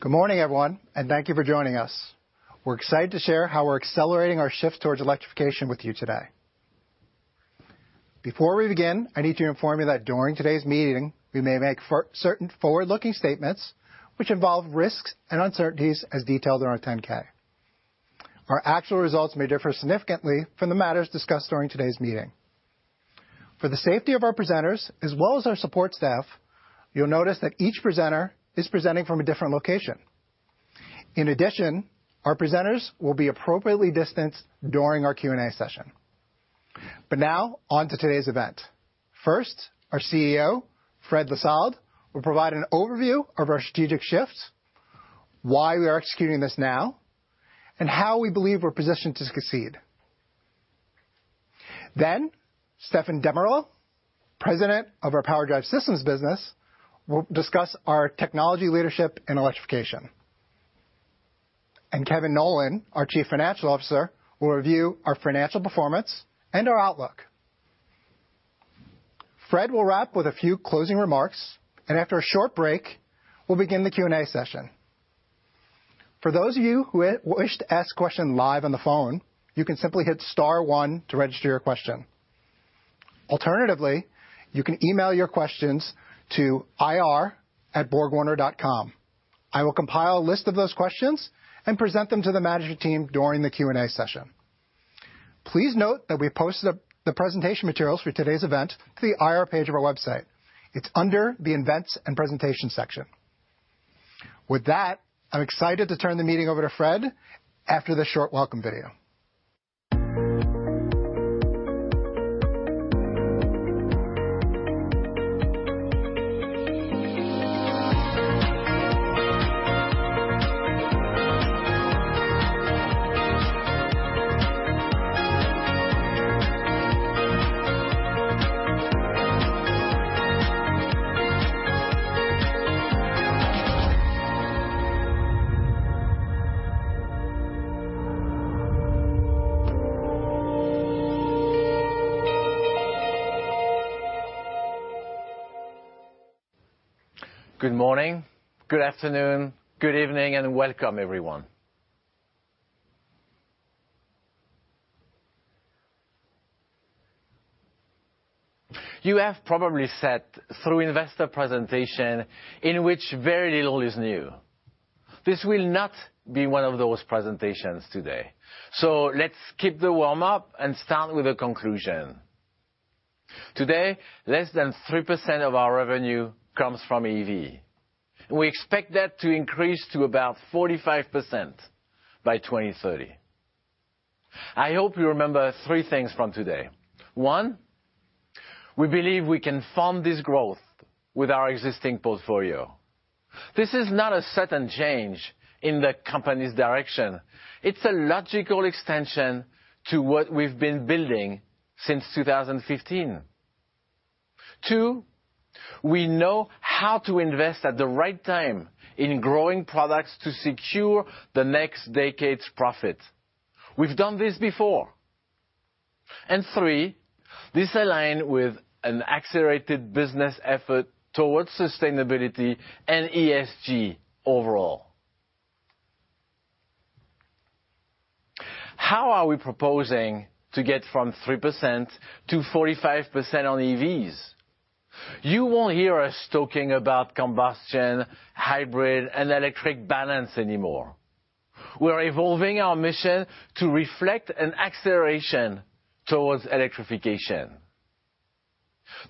Good morning, everyone, and thank you for joining us. We're excited to share how we're accelerating our shift towards electrification with you today. Before we begin, I need to inform you that during today's meeting, we may make certain forward-looking statements, which involve risks and uncertainties, as detailed in our 10-K. Our actual results may differ significantly from the matters discussed during today's meeting. For the safety of our presenters, as well as our support staff, you'll notice that each presenter is presenting from a different location. In addition, our presenters will be appropriately distanced during our Q&A session. But now, on to today's event. First, our CEO, Fréd Lissalde, will provide an overview of our strategic shift, why we are executing this now, and how we believe we're positioned to succeed. Then, Stefan Demmerle, President of our PowerDrive Systems business, will discuss our technology leadership in electrification. Kevin Nowlan, our Chief Financial Officer, will review our financial performance and our outlook. will wrap with a few closing remarks, and after a short break, we'll begin the Q&A session. For those of you who wish to ask a question live on the phone, you can simply hit Star 1 to register your question. Alternatively, you can email your questions to ir@borgwarner.com. I will compile a list of those questions and present them to the management team during the Q&A session. Please note that we've posted the presentation materials for today's event to the IR page of our website. It's under the Events and Presentations section. With that, I'm excited to turn the meeting over to Fréd after this short welcome video. Good morning, good afternoon, good evening, and welcome, everyone. You have probably sat through investor presentations in which very little is new. This will not be one of those presentations today. So let's keep the warm-up and start with a conclusion. Today, less than 3% of our revenue comes from EV. We expect that to increase to about 45% by 2030. I hope you remember three things from today. One, we believe we can fund this growth with our existing portfolio. This is not a sudden change in the company's direction. It's a logical extension to what we've been building since 2015. Two, we know how to invest at the right time in growing products to secure the next decade's profit. We've done this before. And three, this aligns with an accelerated business effort towards sustainability and ESG overall. How are we proposing to get from 3% to 45% on EVs? You won't hear us talking about combustion, hybrid, and electric balance anymore. We're evolving our mission to reflect an acceleration towards electrification.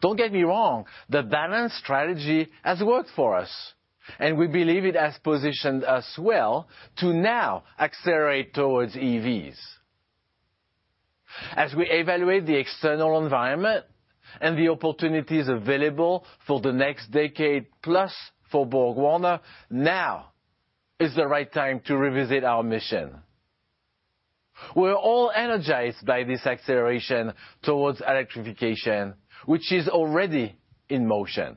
Don't get me wrong, the balance strategy has worked for us, and we believe it has positioned us well to now accelerate towards EVs. As we evaluate the external environment and the opportunities available for the next decade, plus, for BorgWarner, now is the right time to revisit our mission. We're all energized by this acceleration towards electrification, which is already in motion.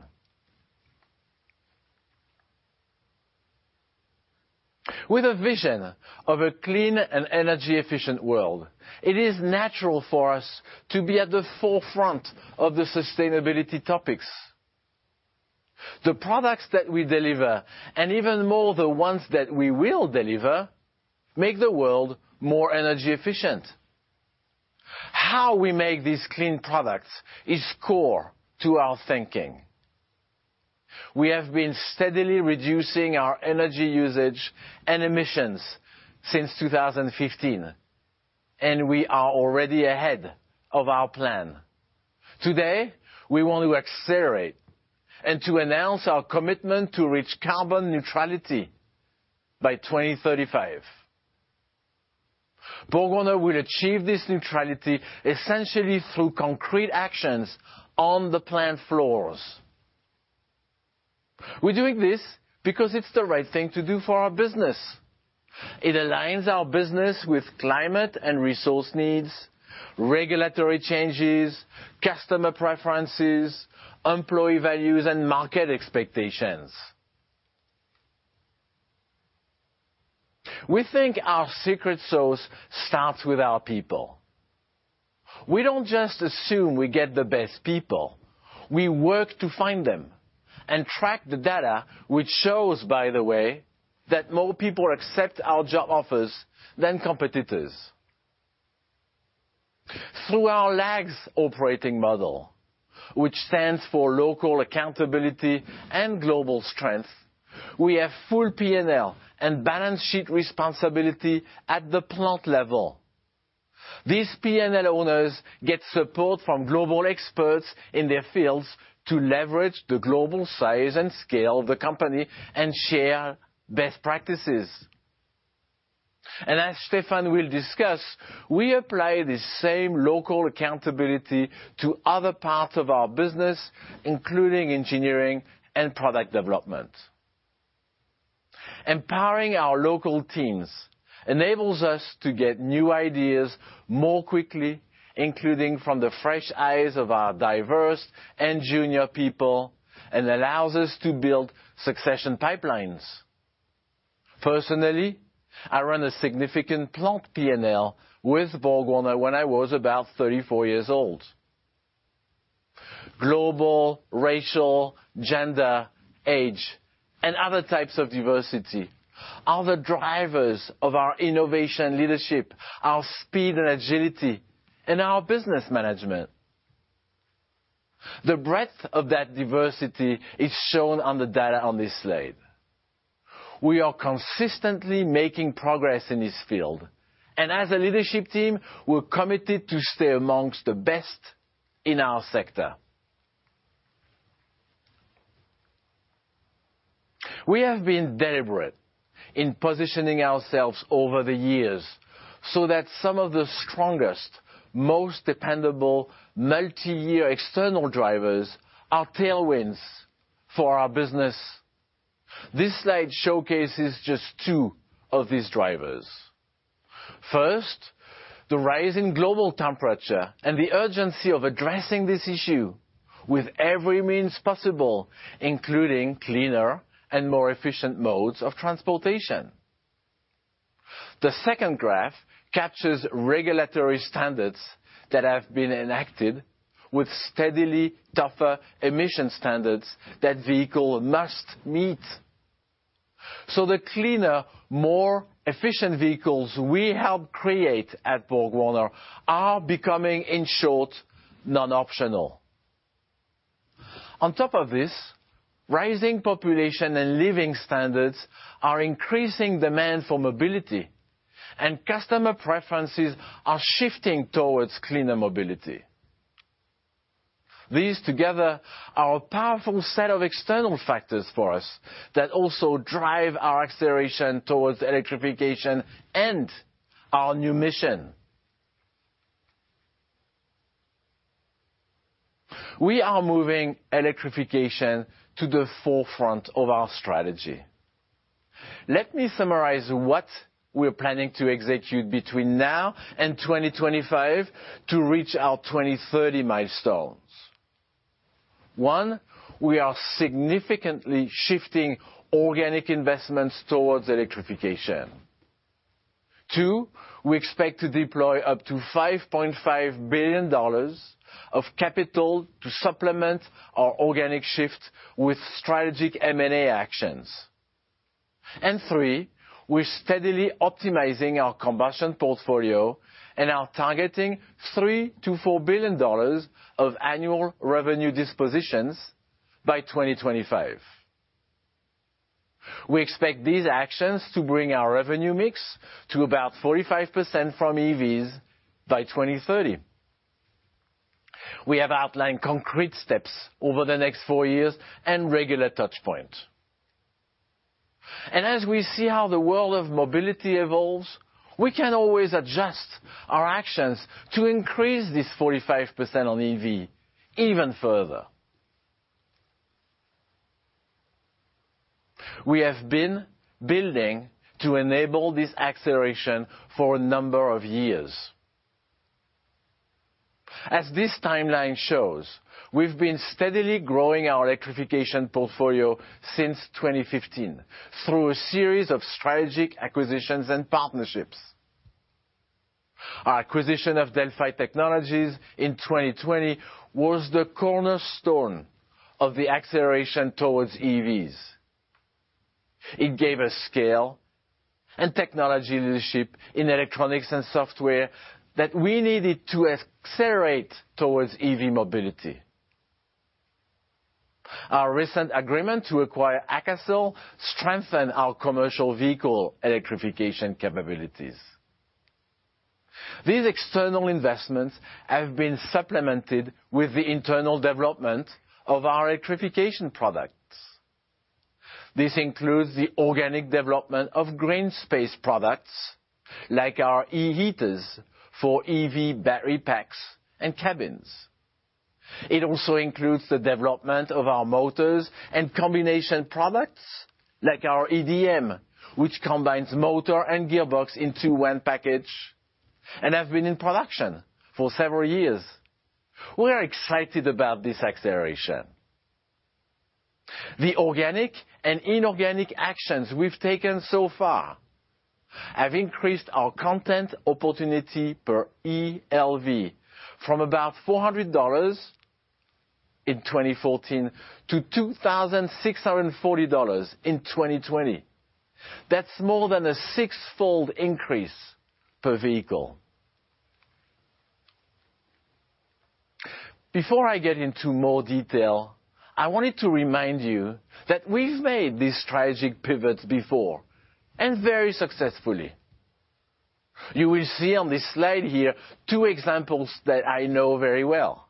With a vision of a clean and energy-efficient world, it is natural for us to be at the forefront of the sustainability topics. The products that we deliver, and even more the ones that we will deliver, make the world more energy efficient. How we make these clean products is core to our thinking. We have been steadily reducing our energy usage and emissions since 2015, and we are already ahead of our plan. Today, we want to accelerate and to announce our commitment to reach carbon neutrality by 2035. BorgWarner will achieve this neutrality essentially through concrete actions on the plant floors. We're doing this because it's the right thing to do for our business. It aligns our business with climate and resource needs, regulatory changes, customer preferences, employee values, and market expectations. We think our secret sauce starts with our people. We don't just assume we get the best people. We work to find them and track the data, which shows, by the way, that more people accept our job offers than competitors. Through our LAGS operating model, which stands for Local Accountability and Global Strength, we have full P&L and balance sheet responsibility at the plant level. These P&L owners get support from global experts in their fields to leverage the global size and scale of the company and share best practices, and as Stefan will discuss, we apply this same local accountability to other parts of our business, including engineering and product development. Empowering our local teams enables us to get new ideas more quickly, including from the fresh eyes of our diverse and junior people, and allows us to build succession pipelines. Personally, I ran a significant plant P&L with BorgWarner when I was about 34 years old. Global, racial, gender, age, and other types of diversity are the drivers of our innovation leadership, our speed and agility, and our business management. The breadth of that diversity is shown on the data on this slide. We are consistently making progress in this field, and as a leadership team, we're committed to stay amongst the best in our sector. We have been deliberate in positioning ourselves over the years so that some of the strongest, most dependable multi-year external drivers are tailwinds for our business. This slide showcases just two of these drivers. First, the rising global temperature and the urgency of addressing this issue with every means possible, including cleaner and more efficient modes of transportation. The second graph captures regulatory standards that have been enacted, with steadily tougher emission standards that vehicles must meet, so the cleaner, more efficient vehicles we help create at BorgWarner are becoming, in short, non-optional. On top of this, rising population and living standards are increasing demand for mobility, and customer preferences are shifting towards cleaner mobility. These together are a powerful set of external factors for us that also drive our acceleration towards electrification and our new mission. We are moving electrification to the forefront of our strategy. Let me summarize what we're planning to execute between now and 2025 to reach our 2030 milestones. One, we are significantly shifting organic investments towards electrification. Two, we expect to deploy up to $5.5 billion of capital to supplement our organic shift with strategic M&A actions. And three, we're steadily optimizing our combustion portfolio and are targeting $3-$4 billion of annual revenue dispositions by 2025. We expect these actions to bring our revenue mix to about 45% from EVs by 2030. We have outlined concrete steps over the next four years and regular touchpoints. And as we see how the world of mobility evolves, we can always adjust our actions to increase this 45% on EV even further. We have been building to enable this acceleration for a number of years. As this timeline shows, we've been steadily growing our electrification portfolio since 2015 through a series of strategic acquisitions and partnerships. Our acquisition of Delphi Technologies in 2020 was the cornerstone of the acceleration towards EVs. It gave us scale and technology leadership in electronics and software that we needed to accelerate towards EV mobility. Our recent agreement to acquire Akasol strengthened our commercial vehicle electrification capabilities. These external investments have been supplemented with the internal development of our electrification products. This includes the organic development of green space products like our e-heaters for EV battery packs and cabins. It also includes the development of our motors and combination products like our IDM, which combines motor and gearbox into one package and has been in production for several years. We are excited about this acceleration. The organic and inorganic actions we've taken so far have increased our content opportunity per eLV from about $400 in 2014 to $2,640 in 2020. That's more than a six-fold increase per vehicle. Before I get into more detail, I wanted to remind you that we've made these strategic pivots before and very successfully. You will see on this slide here two examples that I know very well.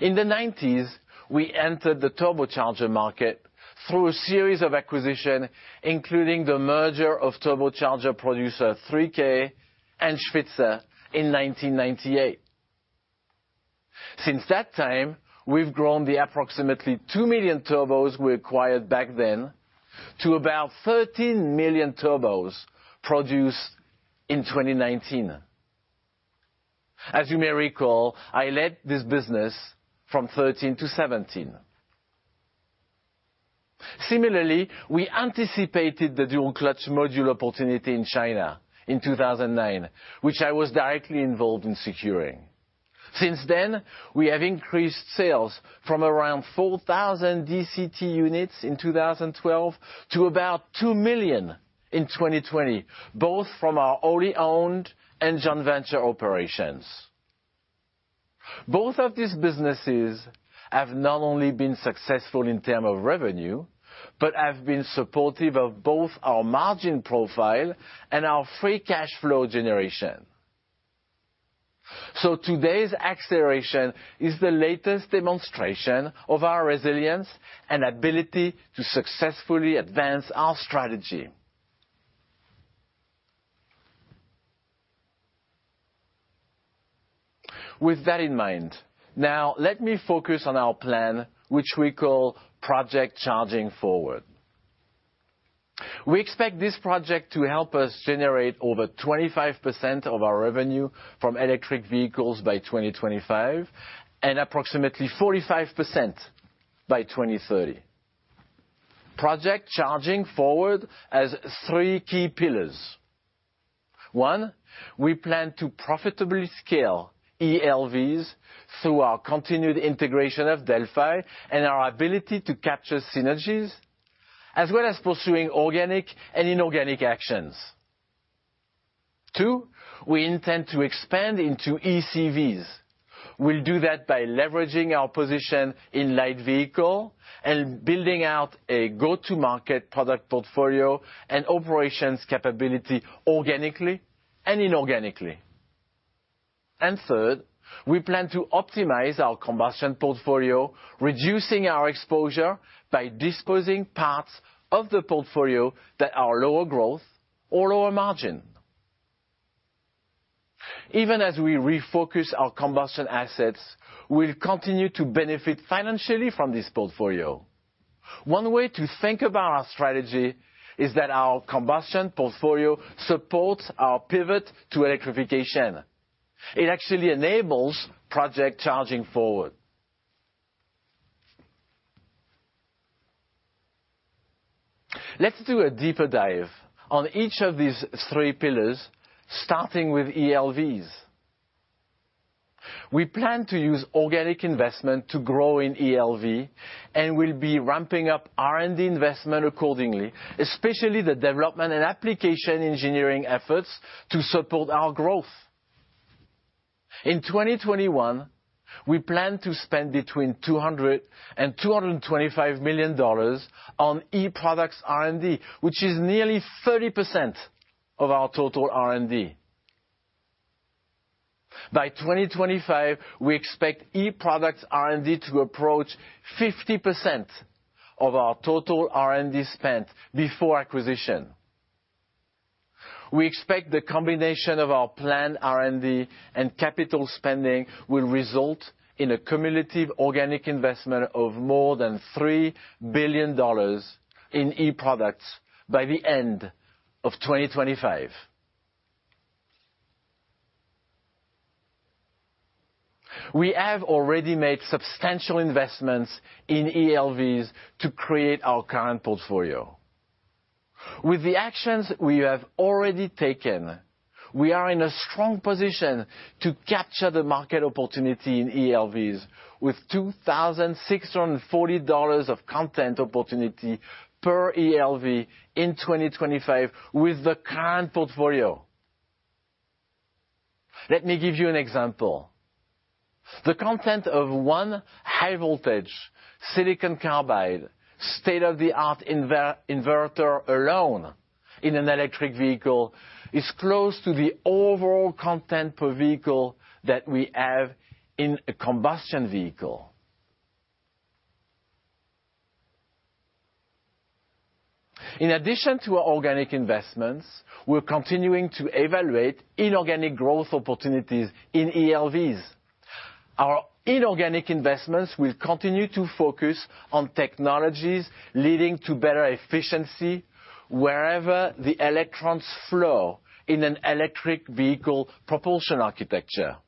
In the '90s, we entered the turbocharger market through a series of acquisitions, including the merger of turbocharger producer 3K and Schwitzer in 1998. Since that time, we've grown the approximately two million turbos we acquired back then to about 13 million turbos produced in 2019. As you may recall, I led this business from 2013 to 2017. Similarly, we anticipated the dual-clutch module opportunity in China in 2009, which I was directly involved in securing. Since then, we have increased sales from around 4,000 DCT units in 2012 to about 2 million in 2020, both from our wholly-owned joint venture operations. Both of these businesses have not only been successful in terms of revenue, but have been supportive of both our margin profile and our free cash flow generation. So today's acceleration is the latest demonstration of our resilience and ability to successfully advance our strategy. With that in mind, now let me focus on our plan, which we call Project Charging Forward. We expect this project to help us generate over 25% of our revenue from electric vehicles by 2025 and approximately 45% by 2030. Project Charging Forward has three key pillars. One, we plan to profitably scale ELVs through our continued integration of Delphi and our ability to capture synergies, as well as pursuing organic and inorganic actions. Two, we intend to expand into eCVs. We'll do that by leveraging our position in light vehicle and building out a go-to-market product portfolio and operations capability organically and inorganically. And third, we plan to optimize our combustion portfolio, reducing our exposure by disposing parts of the portfolio that are lower growth or lower margin. Even as we refocus our combustion assets, we'll continue to benefit financially from this portfolio. One way to think about our strategy is that our combustion portfolio supports our pivot to electrification. It actually enables Project Charging Forward. Let's do a deeper dive on each of these three pillars, starting with eLVs. We plan to use organic investment to grow in eLV and will be ramping up R&D investment accordingly, especially the development and application engineering efforts to support our growth. In 2021, we plan to spend between $200 million and $225 million on e-products R&D, which is nearly 30% of our total R&D. By 2025, we expect e-products R&D to approach 50% of our total R&D spent before acquisition. We expect the combination of our planned R&D and capital spending will result in a cumulative organic investment of more than $3 billion in e-products by the end of 2025. We have already made substantial investments in eLVs to create our current portfolio. With the actions we have already taken, we are in a strong position to capture the market opportunity in eLVs with $2,640 of content opportunity per eLV in 2025 with the current portfolio. Let me give you an example. The content of one high-voltage silicon carbide state-of-the-art inverter alone in an electric vehicle is close to the overall content per vehicle that we have in a combustion vehicle. In addition to our organic investments, we're continuing to evaluate inorganic growth opportunities in eLVs. Our inorganic investments will continue to focus on technologies leading to better efficiency wherever the electrons flow in an electric vehicle propulsion architecture.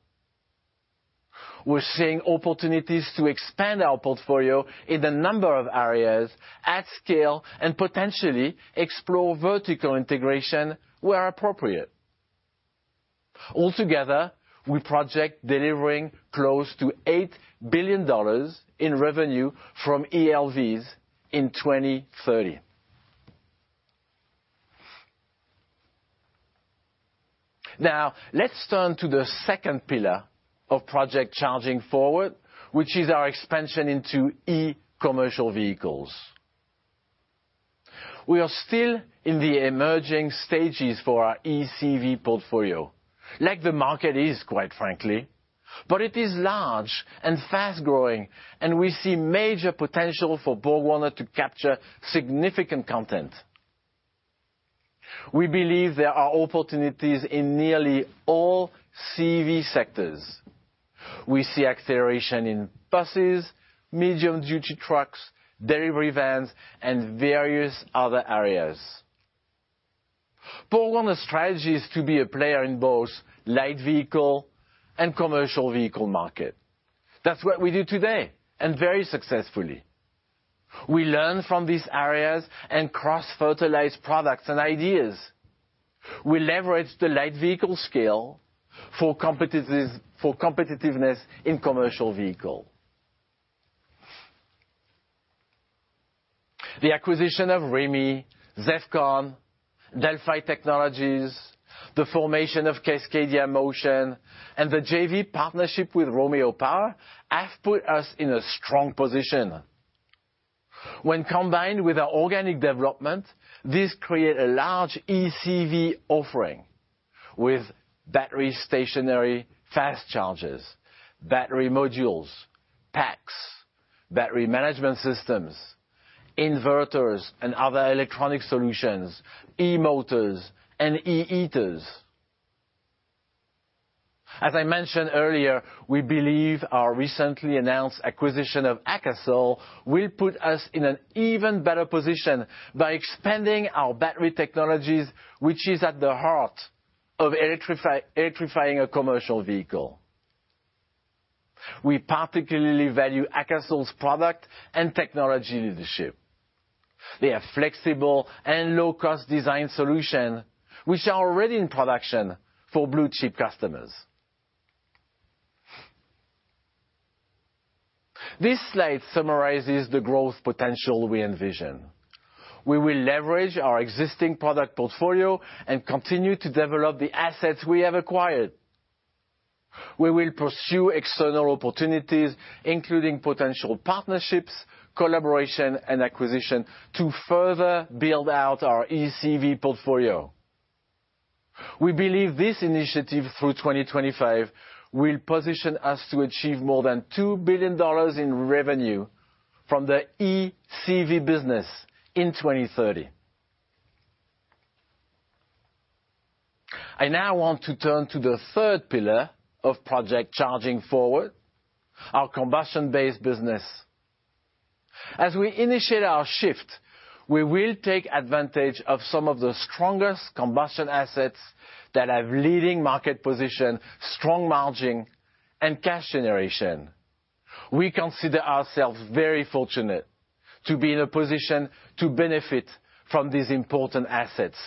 We're seeing opportunities to expand our portfolio in a number of areas at scale and potentially explore vertical integration where appropriate. Altogether, we project delivering close to $8 billion in revenue from ELVs in 2030. Now, let's turn to the second pillar of Project Charging Forward, which is our expansion into eCVs. We are still in the emerging stages for our eCV portfolio, like the market is, quite frankly, but it is large and fast-growing, and we see major potential for BorgWarner to capture significant content. We believe there are opportunities in nearly all CV sectors. We see acceleration in buses, medium-duty trucks, delivery vans, and various other areas. BorgWarner's strategy is to be a player in both light vehicle and commercial vehicle market. That's what we do today and very successfully. We learn from these areas and cross-fertilize products and ideas. We leverage the light vehicle scale for competitiveness in commercial vehicles. The acquisition of Remy, Sevcon, Delphi Technologies, the formation of Cascadia Motion, and the JV partnership with Romeo Power have put us in a strong position. When combined with our organic development, this creates a large eCV offering with battery stationary fast chargers, battery modules, packs, battery management systems, inverters, and other electronic solutions, e-motors, and e-heaters. As I mentioned earlier, we believe our recently announced acquisition of Akasol will put us in an even better position by expanding our battery technologies, which is at the heart of electrifying a commercial vehicle. We particularly value Akasol's product and technology leadership. They have flexible and low-cost design solutions, which are already in production for blue-chip customers. This slide summarizes the growth potential we envision. We will leverage our existing product portfolio and continue to develop the assets we have acquired. We will pursue external opportunities, including potential partnerships, collaboration, and acquisition to further build out our eCV portfolio. We believe this initiative through 2025 will position us to achieve more than $2 billion in revenue from the eCV business in 2030. I now want to turn to the third pillar of Project Charging Forward, our combustion-based business. As we initiate our shift, we will take advantage of some of the strongest combustion assets that have leading market position, strong margin, and cash generation. We consider ourselves very fortunate to be in a position to benefit from these important assets.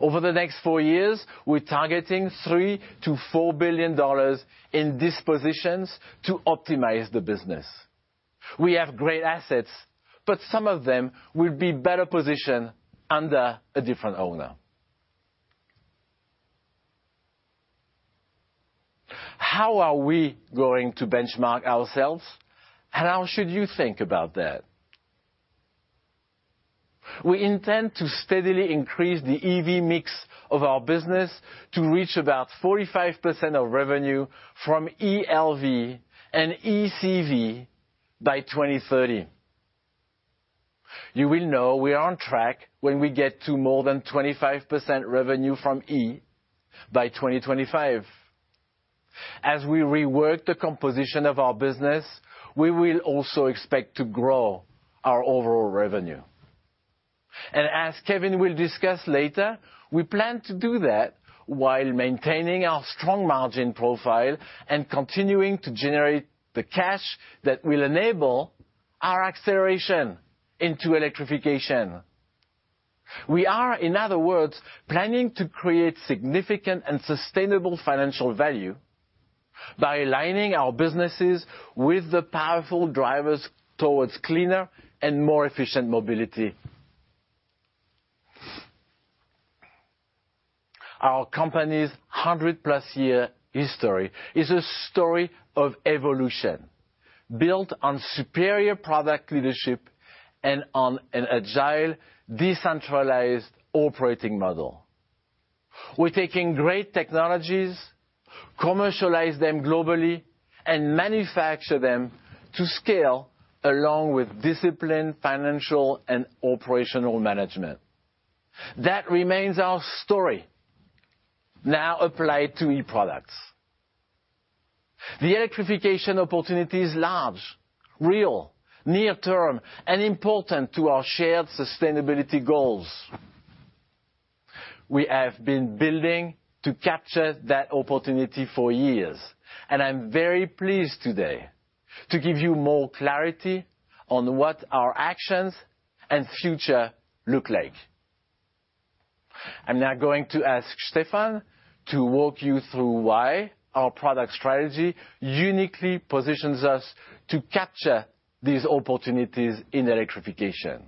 Over the next four years, we're targeting $3-$4 billion in dispositions to optimize the business. We have great assets, but some of them will be better positioned under a different owner. How are we going to benchmark ourselves? And how should you think about that? We intend to steadily increase the EV mix of our business to reach about 45% of revenue from eLV and eCV by 2030. You will know we are on track when we get to more than 25% revenue from E by 2025. As we rework the composition of our business, we will also expect to grow our overall revenue. And as Kevin will discuss later, we plan to do that while maintaining our strong margin profile and continuing to generate the cash that will enable our acceleration into electrification. We are, in other words, planning to create significant and sustainable financial value by aligning our businesses with the powerful drivers towards cleaner and more efficient mobility. Our company's 100-plus-year history is a story of evolution built on superior product leadership and on an agile, decentralized operating model. We're taking great technologies, commercialize them globally, and manufacture them to scale along with disciplined financial and operational management. That remains our story, now applied to e-products. The electrification opportunity is large, real, near-term, and important to our shared sustainability goals. We have been building to capture that opportunity for years, and I'm very pleased today to give you more clarity on what our actions and future look like. I'm now going to ask Stefan to walk you through why our product strategy uniquely positions us to capture these opportunities in electrification.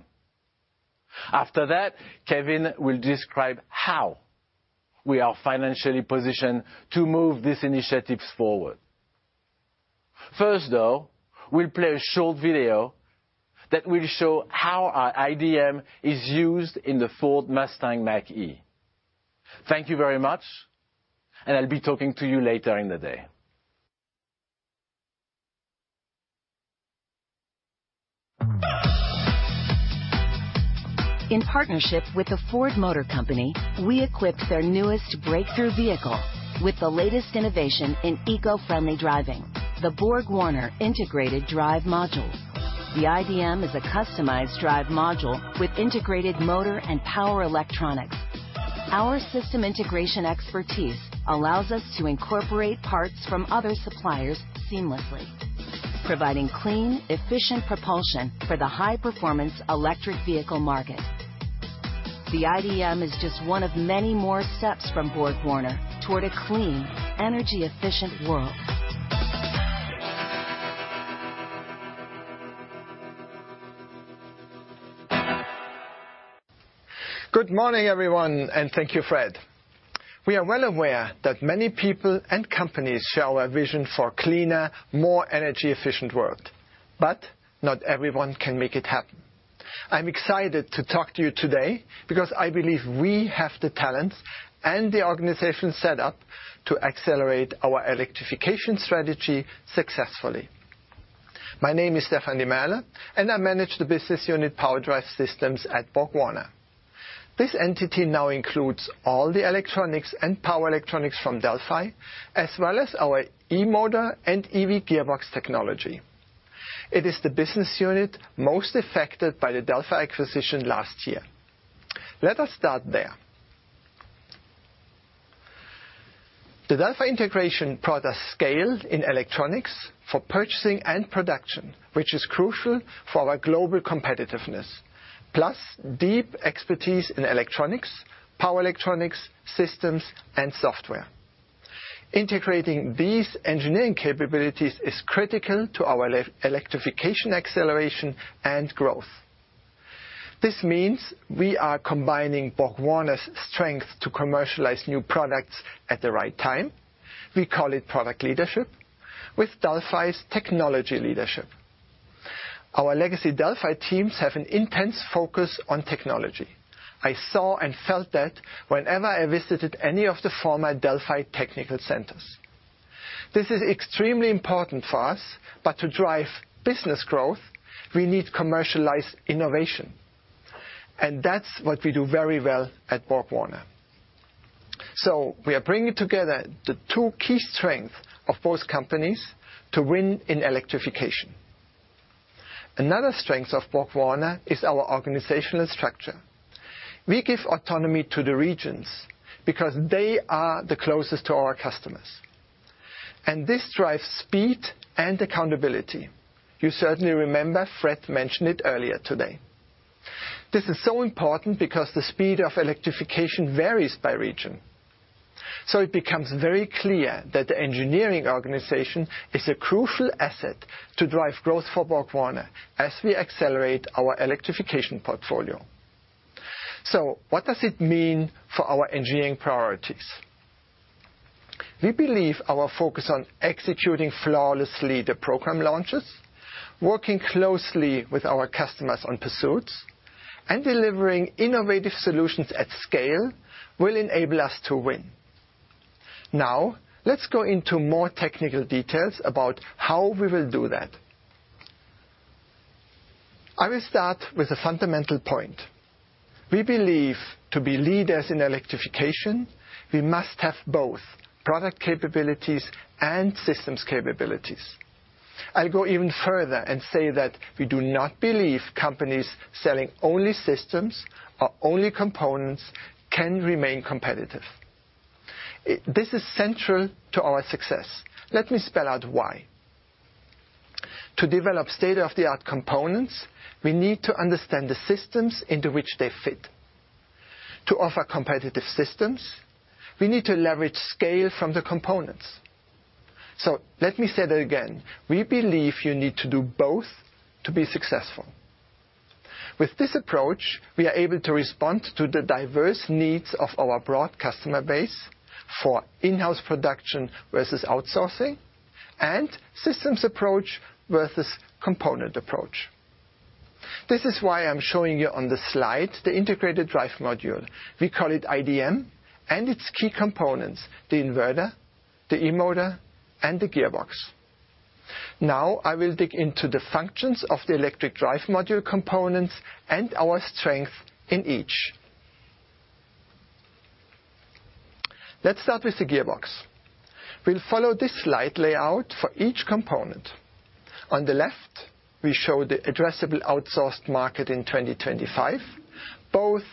After that, Kevin will describe how we are financially positioned to move these initiatives forward. First, though, we'll play a short video that will show how our IDM is used in the Ford Mustang Mach-E. Thank you very much, and I'll be talking to you later in the day. In partnership with the Ford Motor Company, we equipped their newest breakthrough vehicle with the latest innovation in eco-friendly driving, the BorgWarner Integrated Drive Module. The IDM is a customized drive module with integrated motor and power electronics. Our system integration expertise allows us to incorporate parts from other suppliers seamlessly, providing clean, efficient propulsion for the high-performance electric vehicle market. The IDM is just one of many more steps from BorgWarner toward a clean, energy-efficient world. Good morning, everyone, and thank you, Fréd. We are well aware that many people and companies share our vision for a cleaner, more energy-efficient world, but not everyone can make it happen. I'm excited to talk to you today because I believe we have the talents and the organization set up to accelerate our electrification strategy successfully. My name is Stefan Demmerle, and I manage the business unit, PowerDrive Systems, at BorgWarner. This entity now includes all the electronics and power electronics from Delphi, as well as our e-motor and EV gearbox technology. It is the business unit most affected by the Delphi acquisition last year. Let us start there. The Delphi integration brought us scale in electronics for purchasing and production, which is crucial for our global competitiveness, plus deep expertise in electronics, power electronics, systems, and software. Integrating these engineering capabilities is critical to our electrification acceleration and growth. This means we are combining BorgWarner's strength to commercialize new products at the right time. We call it product leadership with Delphi's technology leadership. Our legacy Delphi teams have an intense focus on technology. I saw and felt that whenever I visited any of the former Delphi technical centers. This is extremely important for us, but to drive business growth, we need commercialized innovation, and that's what we do very well at BorgWarner. So we are bringing together the two key strengths of both companies to win in electrification. Another strength of BorgWarner is our organizational structure. We give autonomy to the regions because they are the closest to our customers, and this drives speed and accountability. You certainly remember Fréd mentioned it earlier today. This is so important because the speed of electrification varies by region, so it becomes very clear that the engineering organization is a crucial asset to drive growth for BorgWarner as we accelerate our electrification portfolio. So what does it mean for our engineering priorities? We believe our focus on executing flawlessly the program launches, working closely with our customers on pursuits, and delivering innovative solutions at scale will enable us to win. Now, let's go into more technical details about how we will do that. I will start with a fundamental point. We believe to be leaders in electrification, we must have both product capabilities and systems capabilities. I'll go even further and say that we do not believe companies selling only systems or only components can remain competitive. This is central to our success. Let me spell out why. To develop state-of-the-art components, we need to understand the systems into which they fit. To offer competitive systems, we need to leverage scale from the components. So let me say that again. We believe you need to do both to be successful. With this approach, we are able to respond to the diverse needs of our broad customer base for in-house production versus outsourcing and systems approach versus component approach. This is why I'm showing you on the slide the integrated drive module. We call it IDM, and its key components: the inverter, the e-motor, and the gearbox. Now, I will dig into the functions of the electric drive module components and our strength in each. Let's start with the gearbox. We'll follow this slide layout for each component. On the left, we show the addressable outsourced market in 2025, both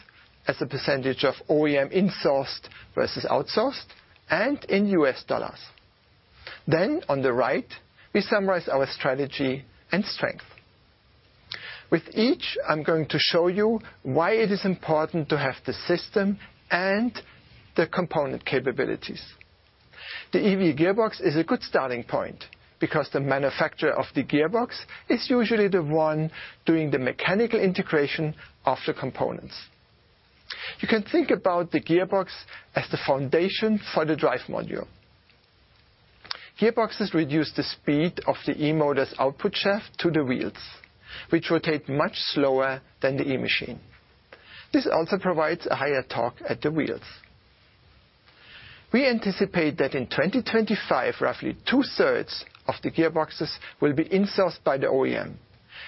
as a percentage of OEM insourced versus outsourced and in U.S. dollars. Then, on the right, we summarize our strategy and strength. With each, I'm going to show you why it is important to have the system and the component capabilities. The EV gearbox is a good starting point because the manufacturer of the gearbox is usually the one doing the mechanical integration of the components. You can think about the gearbox as the foundation for the drive module. Gearboxes reduce the speed of the e-motor's output shaft to the wheels, which rotate much slower than the e-machine. This also provides a higher torque at the wheels. We anticipate that in 2025, roughly two-thirds of the gearboxes will be insourced by the OEM,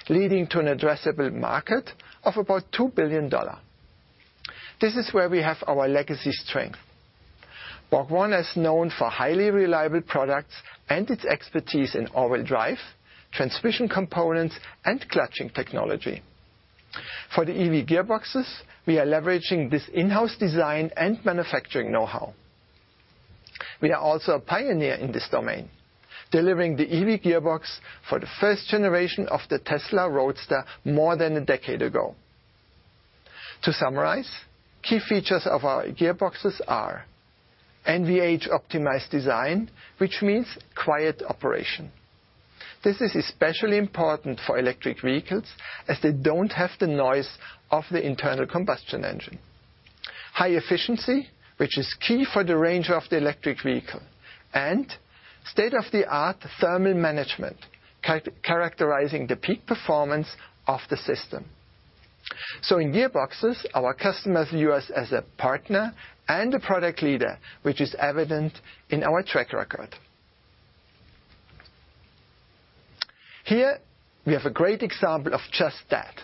leading to an addressable market of about $2 billion. This is where we have our legacy strength. BorgWarner is known for highly reliable products and its expertise in all-wheel drive, transmission components, and clutching technology. For the EV gearboxes, we are leveraging this in-house design and manufacturing know-how. We are also a pioneer in this domain, delivering the EV gearbox for the first generation of the Tesla Roadster more than a decade ago. To summarize, key features of our gearboxes are NVH-optimized design, which means quiet operation. This is especially important for electric vehicles as they don't have the noise of the internal combustion engine. High efficiency, which is key for the range of the electric vehicle, and state-of-the-art thermal management characterizing the peak performance of the system, so in gearboxes, our customers view us as a partner and a product leader, which is evident in our track record. Here, we have a great example of just that.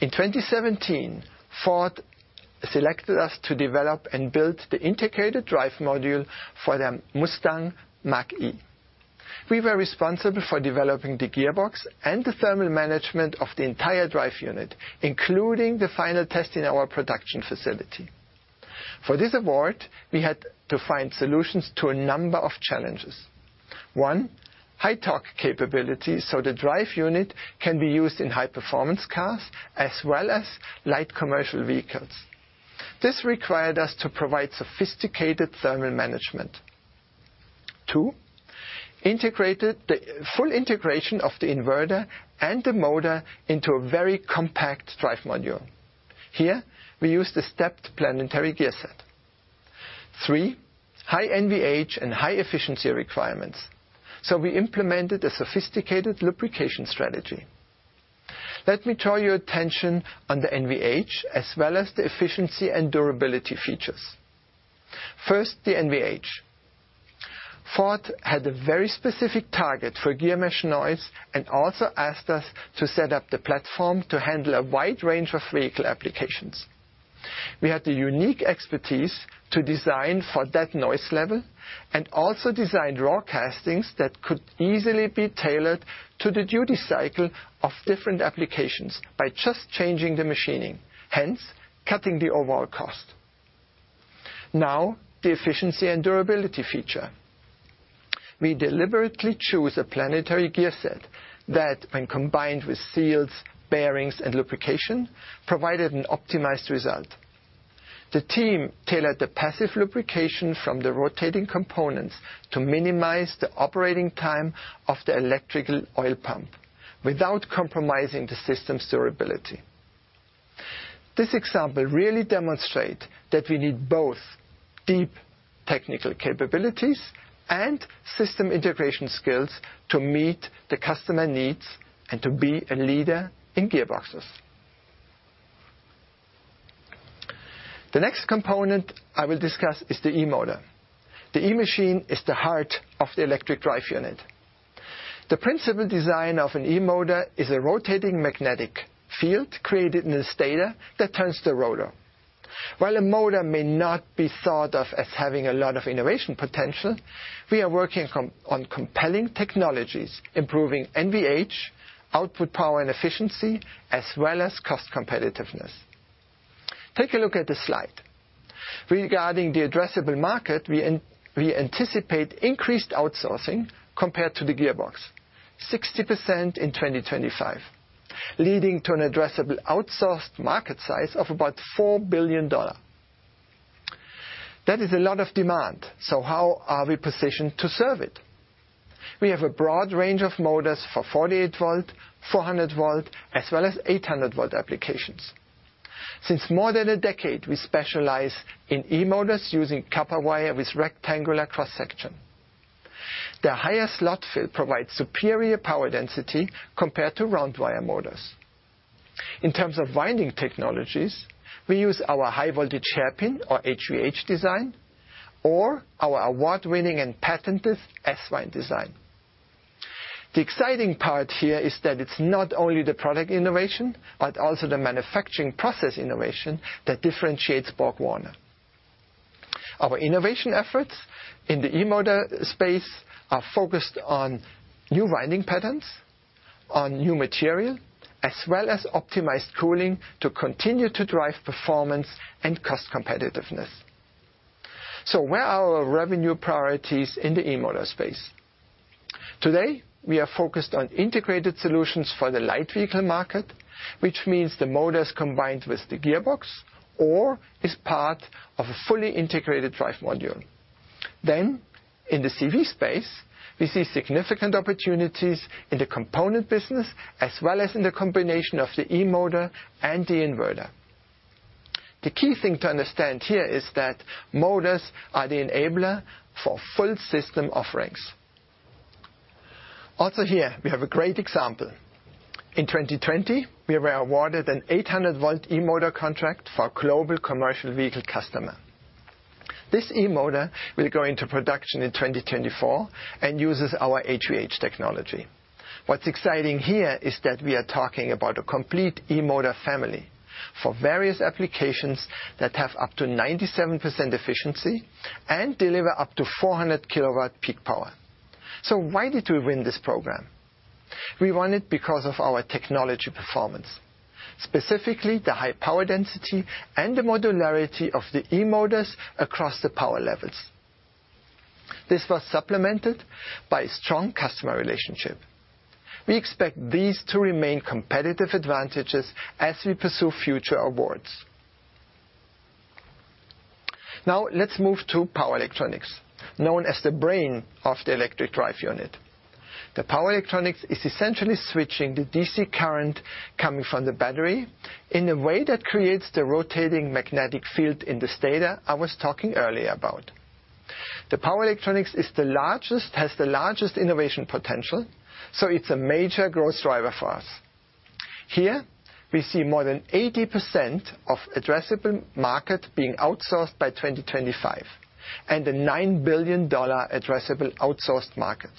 In 2017, Ford selected us to develop and build the Integrated Drive Module for the Mustang Mach-E. We were responsible for developing the gearbox and the thermal management of the entire drive unit, including the final test in our production facility. For this award, we had to find solutions to a number of challenges. One, high torque capability so the drive unit can be used in high-performance cars as well as light commercial vehicles. This required us to provide sophisticated thermal management. Two, integrated the full integration of the inverter and the motor into a very compact drive module. Here, we used a stepped planetary gear set. Three, high NVH and high efficiency requirements. So we implemented a sophisticated lubrication strategy. Let me draw your attention on the NVH as well as the efficiency and durability features. First, the NVH. Ford had a very specific target for gear mesh noise and also asked us to set up the platform to handle a wide range of vehicle applications. We had the unique expertise to design for that noise level and also designed raw castings that could easily be tailored to the duty cycle of different applications by just changing the machining, hence cutting the overall cost. Now, the efficiency and durability feature. We deliberately chose a planetary gear set that, when combined with seals, bearings, and lubrication, provided an optimized result. The team tailored the passive lubrication from the rotating components to minimize the operating time of the electrical oil pump without compromising the system's durability. This example really demonstrates that we need both deep technical capabilities and system integration skills to meet the customer needs and to be a leader in gearboxes. The next component I will discuss is the e-motor. The e-machine is the heart of the electric drive unit. The principal design of an e-motor is a rotating magnetic field created in the stator that turns the rotor. While a motor may not be thought of as having a lot of innovation potential, we are working on compelling technologies, improving NVH, output power, and efficiency, as well as cost competitiveness. Take a look at the slide. Regarding the addressable market, we anticipate increased outsourcing compared to the gearbox, 60% in 2025, leading to an addressable outsourced market size of about $4 billion. That is a lot of demand, so how are we positioned to serve it? We have a broad range of motors for 48-volt, 400-volt, as well as 800-volt applications. Since more than a decade, we specialize in e-motors using copper wire with rectangular cross-section. The higher slot fill provides superior power density compared to round-wire motors. In terms of winding technologies, we use our high-voltage hairpin or HVH design or our award-winning and patented S-wind design. The exciting part here is that it's not only the product innovation, but also the manufacturing process innovation that differentiates BorgWarner. Our innovation efforts in the e-motor space are focused on new winding patterns, on new material, as well as optimized cooling to continue to drive performance and cost competitiveness. So where are our revenue priorities in the e-motor space? Today, we are focused on integrated solutions for the light vehicle market, which means the motors combined with the gearbox or as part of a fully integrated drive module. Then, in the CV space, we see significant opportunities in the component business as well as in the combination of the e-motor and the inverter. The key thing to understand here is that motors are the enabler for full system offerings. Also here, we have a great example. In 2020, we were awarded an 800-volt e-motor contract for a global commercial vehicle customer. This e-motor will go into production in 2024 and uses our HVH technology. What's exciting here is that we are talking about a complete e-motor family for various applications that have up to 97% efficiency and deliver up to 400 kilowatt peak power. So why did we win this program? We won it because of our technology performance, specifically the high power density and the modularity of the e-motors across the power levels. This was supplemented by a strong customer relationship. We expect these to remain competitive advantages as we pursue future awards. Now, let's move to power electronics, known as the brain of the electric drive unit. The power electronics is essentially switching the DC current coming from the battery in a way that creates the rotating magnetic field in the stator, I was talking earlier about. The power electronics has the largest innovation potential, so it's a major growth driver for us. Here, we see more than 80% of addressable market being outsourced by 2025 and a $9 billion addressable outsourced market.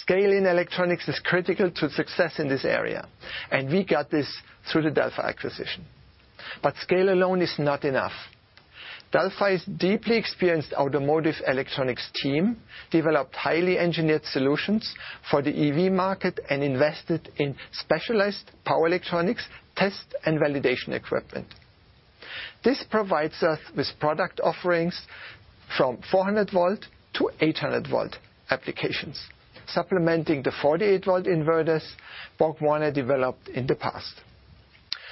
Scale in electronics is critical to success in this area, and we got this through the Delphi acquisition. But scale alone is not enough. Delphi's deeply experienced automotive electronics team developed highly engineered solutions for the EV market and invested in specialized power electronics test and validation equipment. This provides us with product offerings from 400-volt to 800-volt applications, supplementing the 48-volt inverters BorgWarner developed in the past.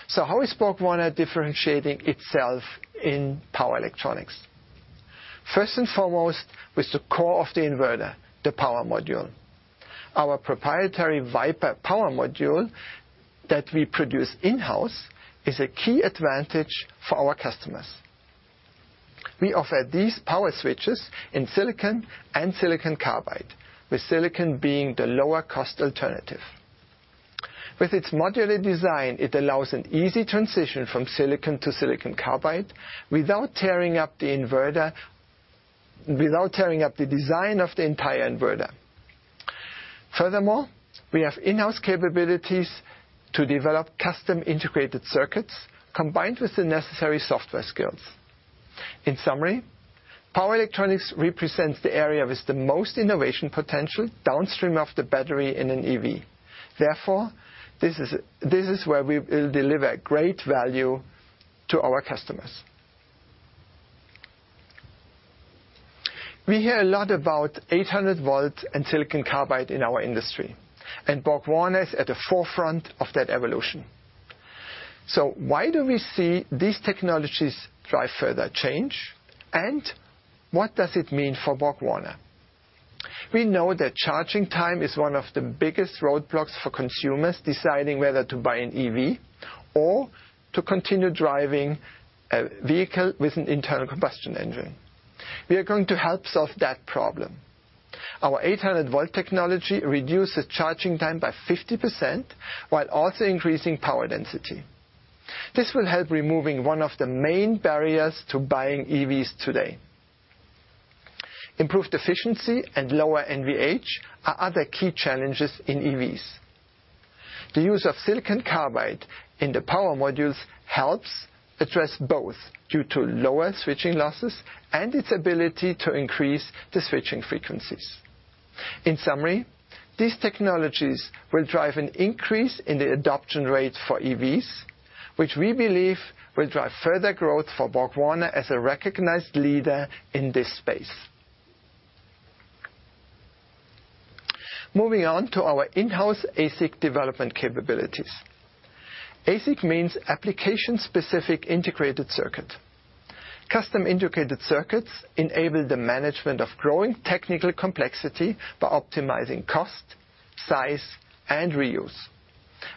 So how is BorgWarner differentiating itself in power electronics? First and foremost, with the core of the inverter, the power module. Our proprietary Viper power module that we produce in-house is a key advantage for our customers. We offer these power switches in silicon and silicon carbide, with silicon being the lower-cost alternative. With its modular design, it allows an easy transition from silicon to silicon carbide without tearing up the inverter, without tearing up the design of the entire inverter. Furthermore, we have in-house capabilities to develop custom integrated circuits combined with the necessary software skills. In summary, power electronics represents the area with the most innovation potential downstream of the battery in an EV. Therefore, this is where we will deliver great value to our customers. We hear a lot about 800-volt and silicon carbide in our industry, and BorgWarner is at the forefront of that evolution. So why do we see these technologies drive further change, and what does it mean for BorgWarner? We know that charging time is one of the biggest roadblocks for consumers deciding whether to buy an EV or to continue driving a vehicle with an internal combustion engine. We are going to help solve that problem. Our 800-volt technology reduces charging time by 50% while also increasing power density. This will help removing one of the main barriers to buying EVs today. Improved efficiency and lower NVH are other key challenges in EVs. The use of silicon carbide in the power modules helps address both due to lower switching losses and its ability to increase the switching frequencies. In summary, these technologies will drive an increase in the adoption rate for EVs, which we believe will drive further growth for BorgWarner as a recognized leader in this space. Moving on to our in-house ASIC development capabilities. ASIC means application-specific integrated circuit. Custom integrated circuits enable the management of growing technical complexity by optimizing cost, size, and reuse.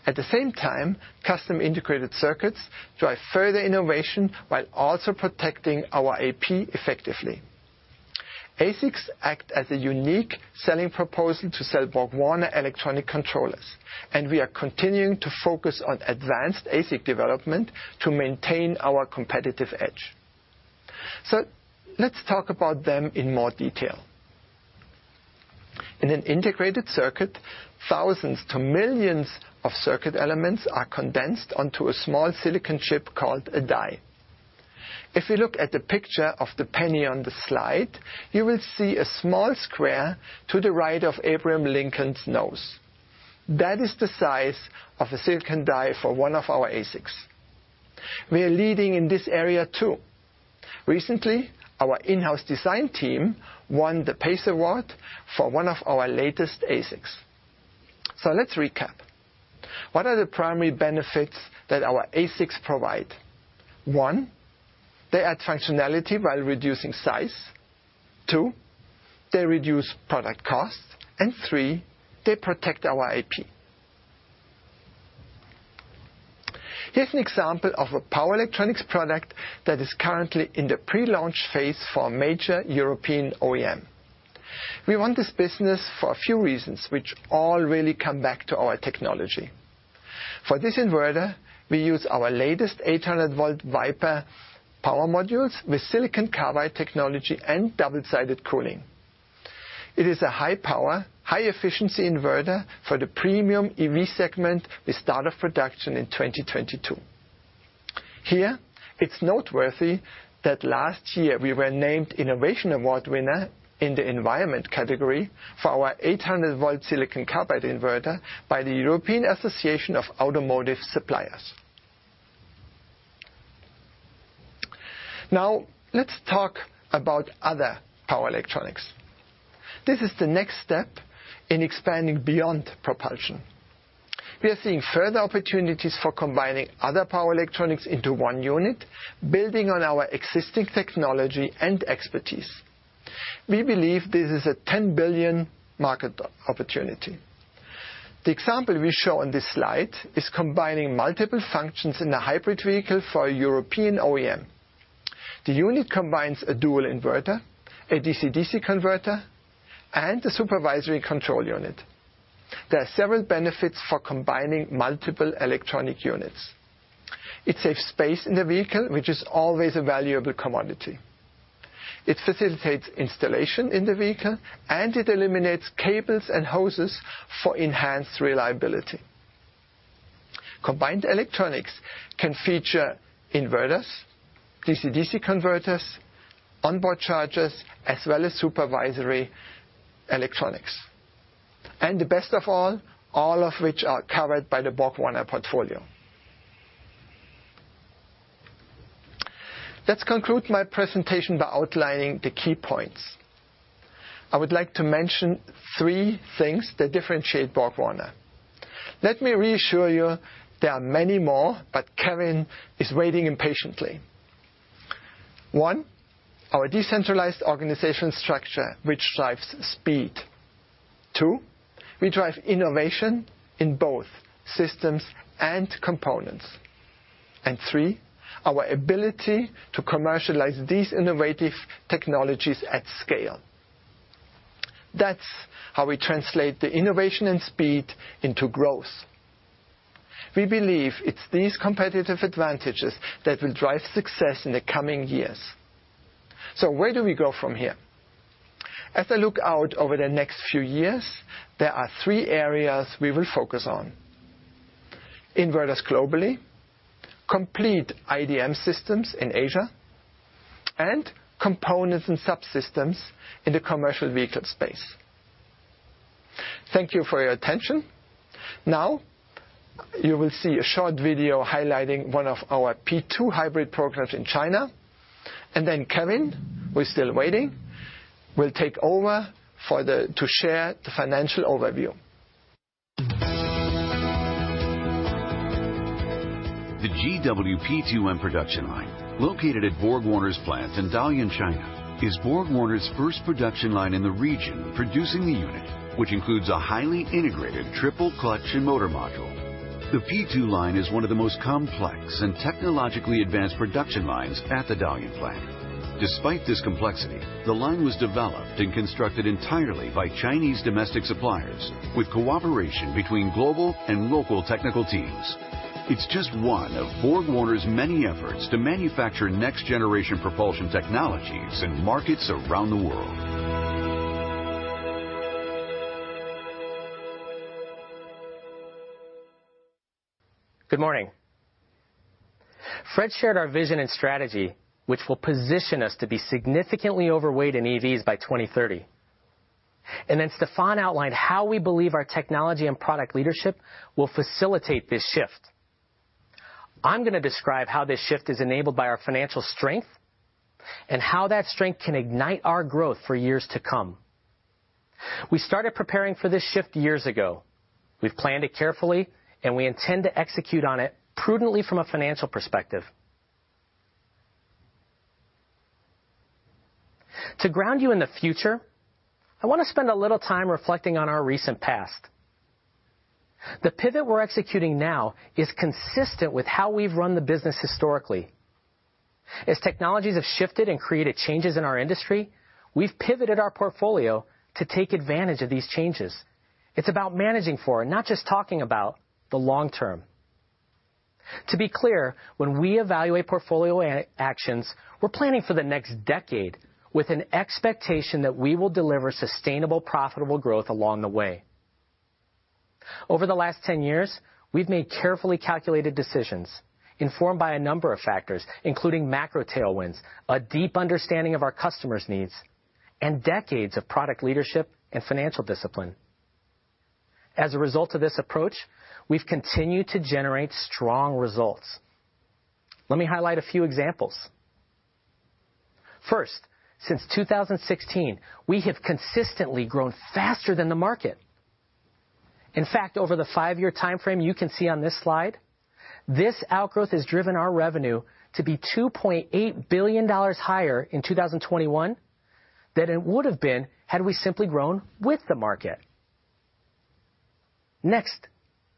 At the same time, custom integrated circuits drive further innovation while also protecting our IP effectively. ASICs act as a unique selling proposal to sell BorgWarner electronic controllers, and we are continuing to focus on advanced ASIC development to maintain our competitive edge. So let's talk about them in more detail. In an integrated circuit, thousands to millions of circuit elements are condensed onto a small silicon chip called a die. If we look at the picture of the penny on the slide, you will see a small square to the right of Abraham Lincoln's nose. That is the size of a silicon die for one of our ASICs. We are leading in this area too. Recently, our in-house design team won the PACE award for one of our latest ASICs. So let's recap. What are the primary benefits that our ASICs provide? One, they add functionality while reducing size. Two, they reduce product costs. And three, they protect our IP. Here's an example of a power electronics product that is currently in the pre-launch phase for a major European OEM. We want this business for a few reasons, which all really come back to our technology. For this inverter, we use our latest 800-volt Viper power modules with silicon carbide technology and double-sided cooling. It is a high-power, high-efficiency inverter for the premium EV segment with start of production in 2022. Here, it's noteworthy that last year we were named Innovation Award winner in the Environment category for our 800-volt silicon carbide inverter by the European Association of Automotive Suppliers. Now, let's talk about other power electronics. This is the next step in expanding beyond propulsion. We are seeing further opportunities for combining other power electronics into one unit, building on our existing technology and expertise. We believe this is a $10 billion market opportunity. The example we show on this slide is combining multiple functions in a hybrid vehicle for a European OEM. The unit combines a dual inverter, a DC-DC converter, and a supervisory control unit. There are several benefits for combining multiple electronic units. It saves space in the vehicle, which is always a valuable commodity. It facilitates installation in the vehicle, and it eliminates cables and hoses for enhanced reliability. Combined electronics can feature inverters, DC-DC converters, onboard chargers, as well as supervisory electronics, and the best of all, all of which are covered by the BorgWarner portfolio. Let's conclude my presentation by outlining the key points. I would like to mention three things that differentiate BorgWarner. Let me reassure you, there are many more, but Kevin is waiting impatiently. One, our decentralized organization structure, which drives speed. Two, we drive innovation in both systems and components. And three, our ability to commercialize these innovative technologies at scale. That's how we translate the innovation and speed into growth. We believe it's these competitive advantages that will drive success in the coming years. So where do we go from here? As I look out over the next few years, there are three areas we will focus on: inverters globally, complete IDM systems in Asia, and components and subsystems in the commercial vehicle space. Thank you for your attention. Now, you will see a short video highlighting one of our P2 hybrid programs in China. And then Kevin, who's still waiting, will take over to share the financial overview. The GWP2M production line, located at BorgWarner's plant in Dalian, China, is BorgWarner's first production line in the region producing the unit, which includes a highly integrated triple-clutch motor module. The P2 line is one of the most complex and technologically advanced production lines at the Dalian plant. Despite this complexity, the line was developed and constructed entirely by Chinese domestic suppliers with cooperation between global and local technical teams. It's just one of BorgWarner's many efforts to manufacture next-generation propulsion technologies in markets around the world. Good morning. Fréd shared our vision and strategy, which will position us to be significantly overweight in EVs by 2030, and then Stefan outlined how we believe our technology and product leadership will facilitate this shift. I'm going to describe how this shift is enabled by our financial strength and how that strength can ignite our growth for years to come. We started preparing for this shift years ago. We've planned it carefully, and we intend to execute on it prudently from a financial perspective. To ground you in the future, I want to spend a little time reflecting on our recent past. The pivot we're executing now is consistent with how we've run the business historically. As technologies have shifted and created changes in our industry, we've pivoted our portfolio to take advantage of these changes. It's about managing for, not just talking about, the long term. To be clear, when we evaluate portfolio actions, we're planning for the next decade with an expectation that we will deliver sustainable, profitable growth along the way. Over the last 10 years, we've made carefully calculated decisions informed by a number of factors, including macro tailwinds, a deep understanding of our customers' needs, and decades of product leadership and financial discipline. As a result of this approach, we've continued to generate strong results. Let me highlight a few examples. First, since 2016, we have consistently grown faster than the market. In fact, over the five-year timeframe you can see on this slide, this outgrowth has driven our revenue to be $2.8 billion higher in 2021 than it would have been had we simply grown with the market. Next,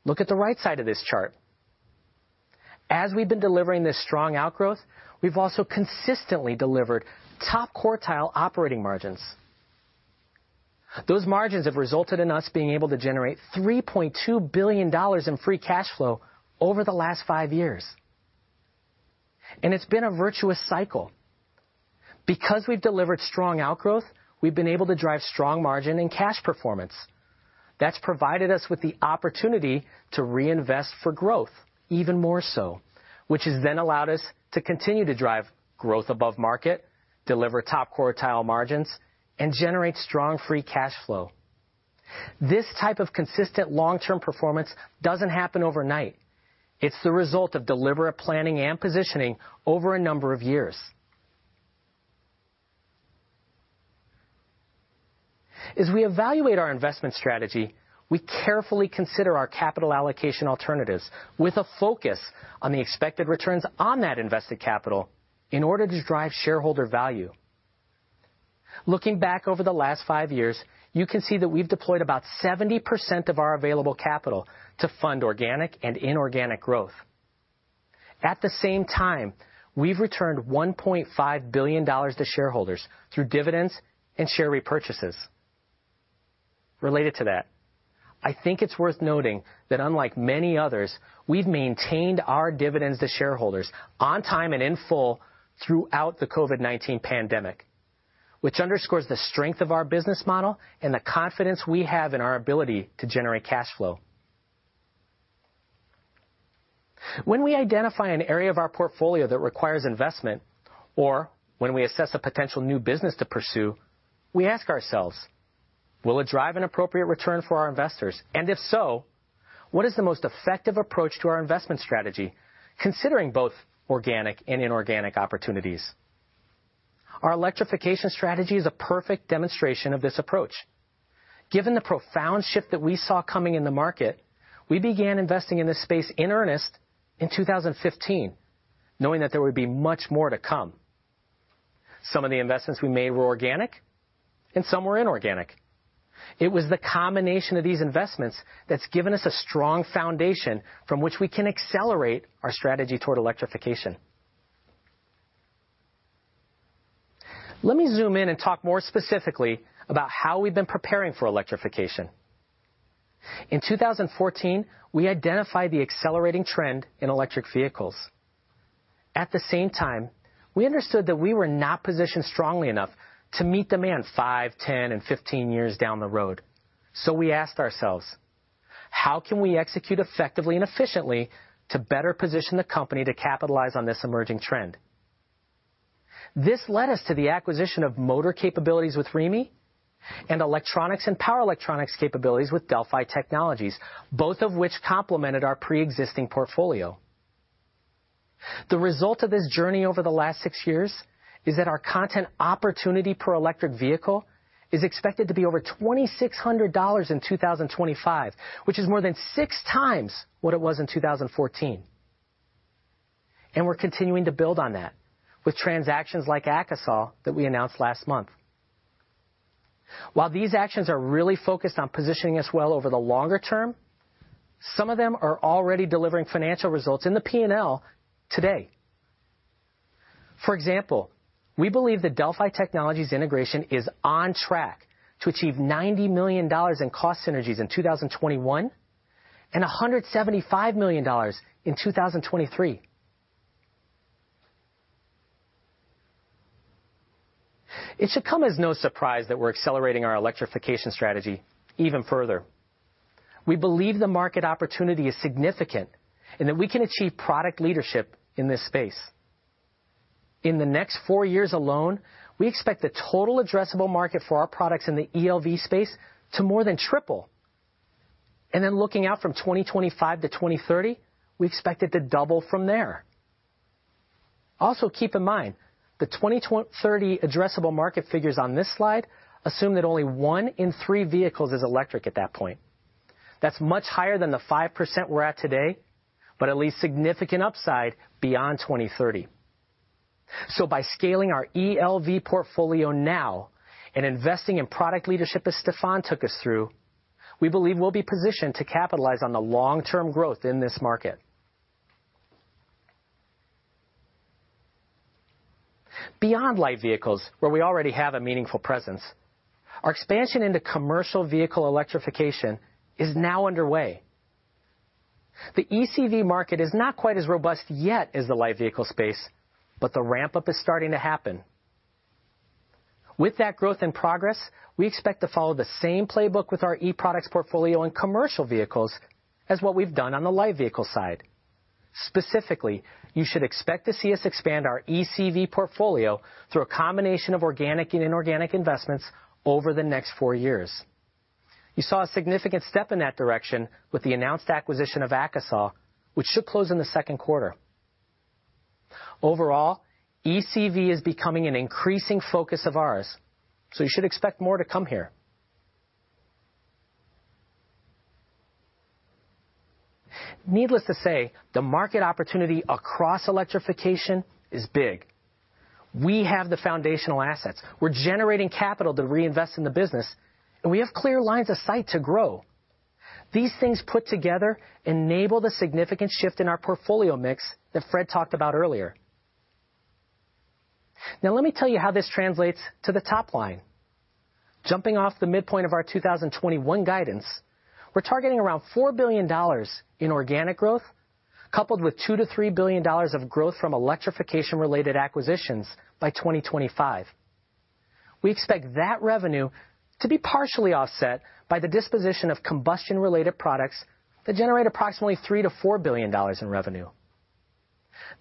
look at the right side of this chart. As we've been delivering this strong outgrowth, we've also consistently delivered top quartile operating margins. Those margins have resulted in us being able to generate $3.2 billion in free cash flow over the last five years, and it's been a virtuous cycle. Because we've delivered strong outgrowth, we've been able to drive strong margin and cash performance. That's provided us with the opportunity to reinvest for growth even more so, which has then allowed us to continue to drive growth above market, deliver top quartile margins, and generate strong free cash flow. This type of consistent long-term performance doesn't happen overnight. It's the result of deliberate planning and positioning over a number of years. As we evaluate our investment strategy, we carefully consider our capital allocation alternatives with a focus on the expected returns on that invested capital in order to drive shareholder value. Looking back over the last five years, you can see that we've deployed about 70% of our available capital to fund organic and inorganic growth. At the same time, we've returned $1.5 billion to shareholders through dividends and share repurchases. Related to that, I think it's worth noting that unlike many others, we've maintained our dividends to shareholders on time and in full throughout the COVID-19 pandemic, which underscores the strength of our business model and the confidence we have in our ability to generate cash flow. When we identify an area of our portfolio that requires investment, or when we assess a potential new business to pursue, we ask ourselves, will it drive an appropriate return for our investors? And if so, what is the most effective approach to our investment strategy, considering both organic and inorganic opportunities? Our electrification strategy is a perfect demonstration of this approach. Given the profound shift that we saw coming in the market, we began investing in this space in earnest in 2015, knowing that there would be much more to come. Some of the investments we made were organic, and some were inorganic. It was the combination of these investments that's given us a strong foundation from which we can accelerate our strategy toward electrification. Let me zoom in and talk more specifically about how we've been preparing for electrification. In 2014, we identified the accelerating trend in electric vehicles. At the same time, we understood that we were not positioned strongly enough to meet demand five, 10, and 15 years down the road. So we asked ourselves, how can we execute effectively and efficiently to better position the company to capitalize on this emerging trend? This led us to the acquisition of motor capabilities with Remy and electronics and power electronics capabilities with Delphi Technologies, both of which complemented our pre-existing portfolio. The result of this journey over the last six years is that our content opportunity per electric vehicle is expected to be over $2,600 in 2025, which is more than six times what it was in 2014. We're continuing to build on that with transactions like Akasol that we announced last month. While these actions are really focused on positioning us well over the longer term, some of them are already delivering financial results in the P&L today. For example, we believe that Delphi Technologies' integration is on track to achieve $90 million in cost synergies in 2021 and $175 million in 2023. It should come as no surprise that we're accelerating our electrification strategy even further. We believe the market opportunity is significant and that we can achieve product leadership in this space. In the next four years alone, we expect the total addressable market for our products in the eLV space to more than triple. And then looking out from 2025-2030, we expect it to double from there. Also, keep in mind, the 2030 addressable market figures on this slide assume that only one in three vehicles is electric at that point. That's much higher than the 5% we're at today, but at least significant upside beyond 2030. So by scaling our eLV portfolio now and investing in product leadership as Stefan took us through, we believe we'll be positioned to capitalize on the long-term growth in this market. Beyond light vehicles, where we already have a meaningful presence, our expansion into commercial vehicle electrification is now underway. The eCV market is not quite as robust yet as the light vehicle space, but the ramp-up is starting to happen. With that growth and progress, we expect to follow the same playbook with our e-products portfolio and commercial vehicles as what we've done on the light vehicle side. Specifically, you should expect to see us expand our eCV portfolio through a combination of organic and inorganic investments over the next four years. You saw a significant step in that direction with the announced acquisition of Akasol, which should close in the Q2. Overall, eCV is becoming an increasing focus of ours, so you should expect more to come here. Needless to say, the market opportunity across electrification is big. We have the foundational assets. We're generating capital to reinvest in the business, and we have clear lines of sight to grow. These things put together enable the significant shift in our portfolio mix that Fréd talked about earlier. Now, let me tell you how this translates to the top line. Jumping off the midpoint of our 2021 guidance, we're targeting around $4 billion in organic growth, coupled with $2-$3 billion of growth from electrification-related acquisitions by 2025. We expect that revenue to be partially offset by the disposition of combustion-related products that generate approximately $3-$4 billion in revenue.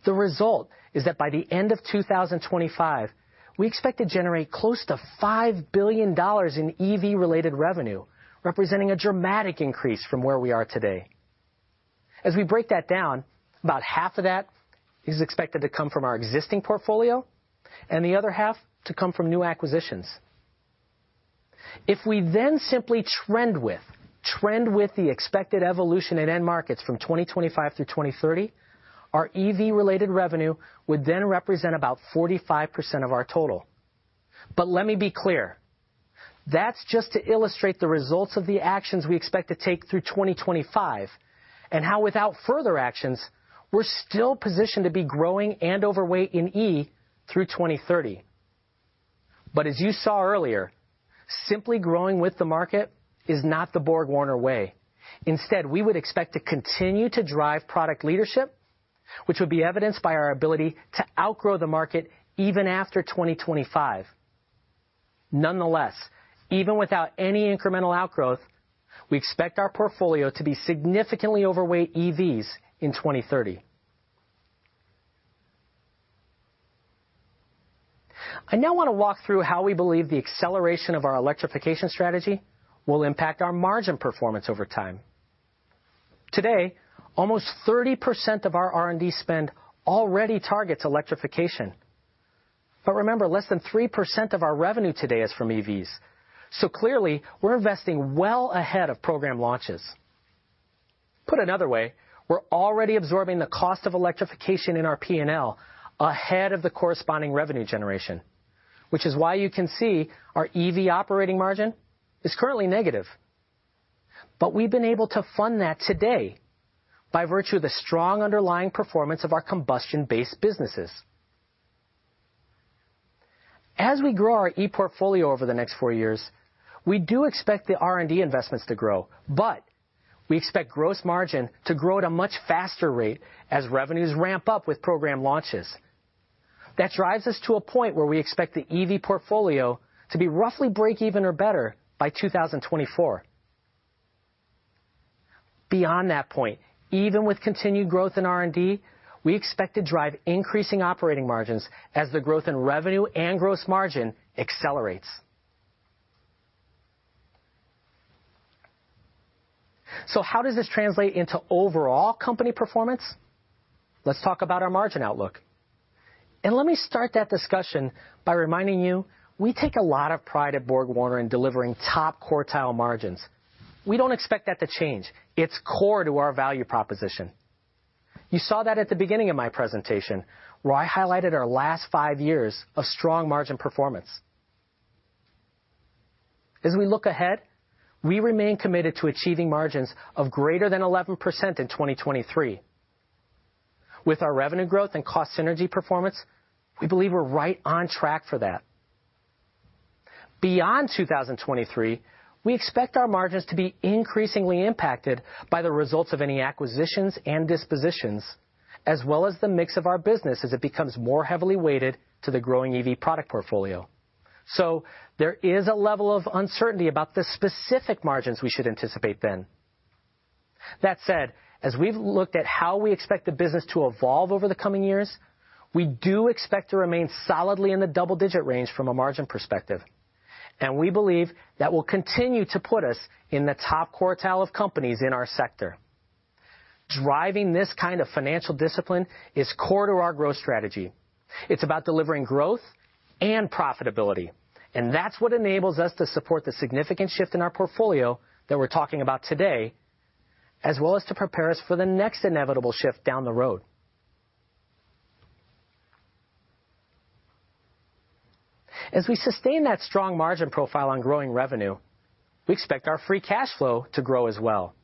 The result is that by the end of 2025, we expect to generate close to $5 billion in EV-related revenue, representing a dramatic increase from where we are today. As we break that down, about half of that is expected to come from our existing portfolio and the other half to come from new acquisitions. If we then simply trend with the expected evolution in end markets from 2025 through 2030, our EV-related revenue would then represent about 45% of our total. But let me be clear. That's just to illustrate the results of the actions we expect to take through 2025 and how, without further actions, we're still positioned to be growing and overweight in E through 2030. But as you saw earlier, simply growing with the market is not the BorgWarner way. Instead, we would expect to continue to drive product leadership, which would be evidenced by our ability to outgrow the market even after 2025. Nonetheless, even without any incremental outgrowth, we expect our portfolio to be significantly overweight EVs in 2030. I now want to walk through how we believe the acceleration of our electrification strategy will impact our margin performance over time. Today, almost 30% of our R&D spend already targets electrification. But remember, less than 3% of our revenue today is from EVs. So clearly, we're investing well ahead of program launches. Put another way, we're already absorbing the cost of electrification in our P&L ahead of the corresponding revenue generation, which is why you can see our EV operating margin is currently negative. But we've been able to fund that today by virtue of the strong underlying performance of our combustion-based businesses. As we grow our e-portfolio over the next four years, we do expect the R&D investments to grow, but we expect gross margin to grow at a much faster rate as revenues ramp up with program launches. That drives us to a point where we expect the EV portfolio to be roughly break-even or better by 2024. Beyond that point, even with continued growth in R&D, we expect to drive increasing operating margins as the growth in revenue and gross margin accelerates. So how does this translate into overall company performance? Let's talk about our margin outlook. And let me start that discussion by reminding you we take a lot of pride at BorgWarner in delivering top quartile margins. We don't expect that to change. It's core to our value proposition. You saw that at the beginning of my presentation, where I highlighted our last five years of strong margin performance. As we look ahead, we remain committed to achieving margins of greater than 11% in 2023. With our revenue growth and cost synergy performance, we believe we're right on track for that. Beyond 2023, we expect our margins to be increasingly impacted by the results of any acquisitions and dispositions, as well as the mix of our business as it becomes more heavily weighted to the growing EV product portfolio. So there is a level of uncertainty about the specific margins we should anticipate then. That said, as we've looked at how we expect the business to evolve over the coming years, we do expect to remain solidly in the double-digit range from a margin perspective. We believe that will continue to put us in the top quartile of companies in our sector. Driving this kind of financial discipline is core to our growth strategy. It's about delivering growth and profitability. And that's what enables us to support the significant shift in our portfolio that we're talking about today, as well as to prepare us for the next inevitable shift down the road. As we sustain that strong margin profile on growing revenue, we expect our free cash flow to grow as well.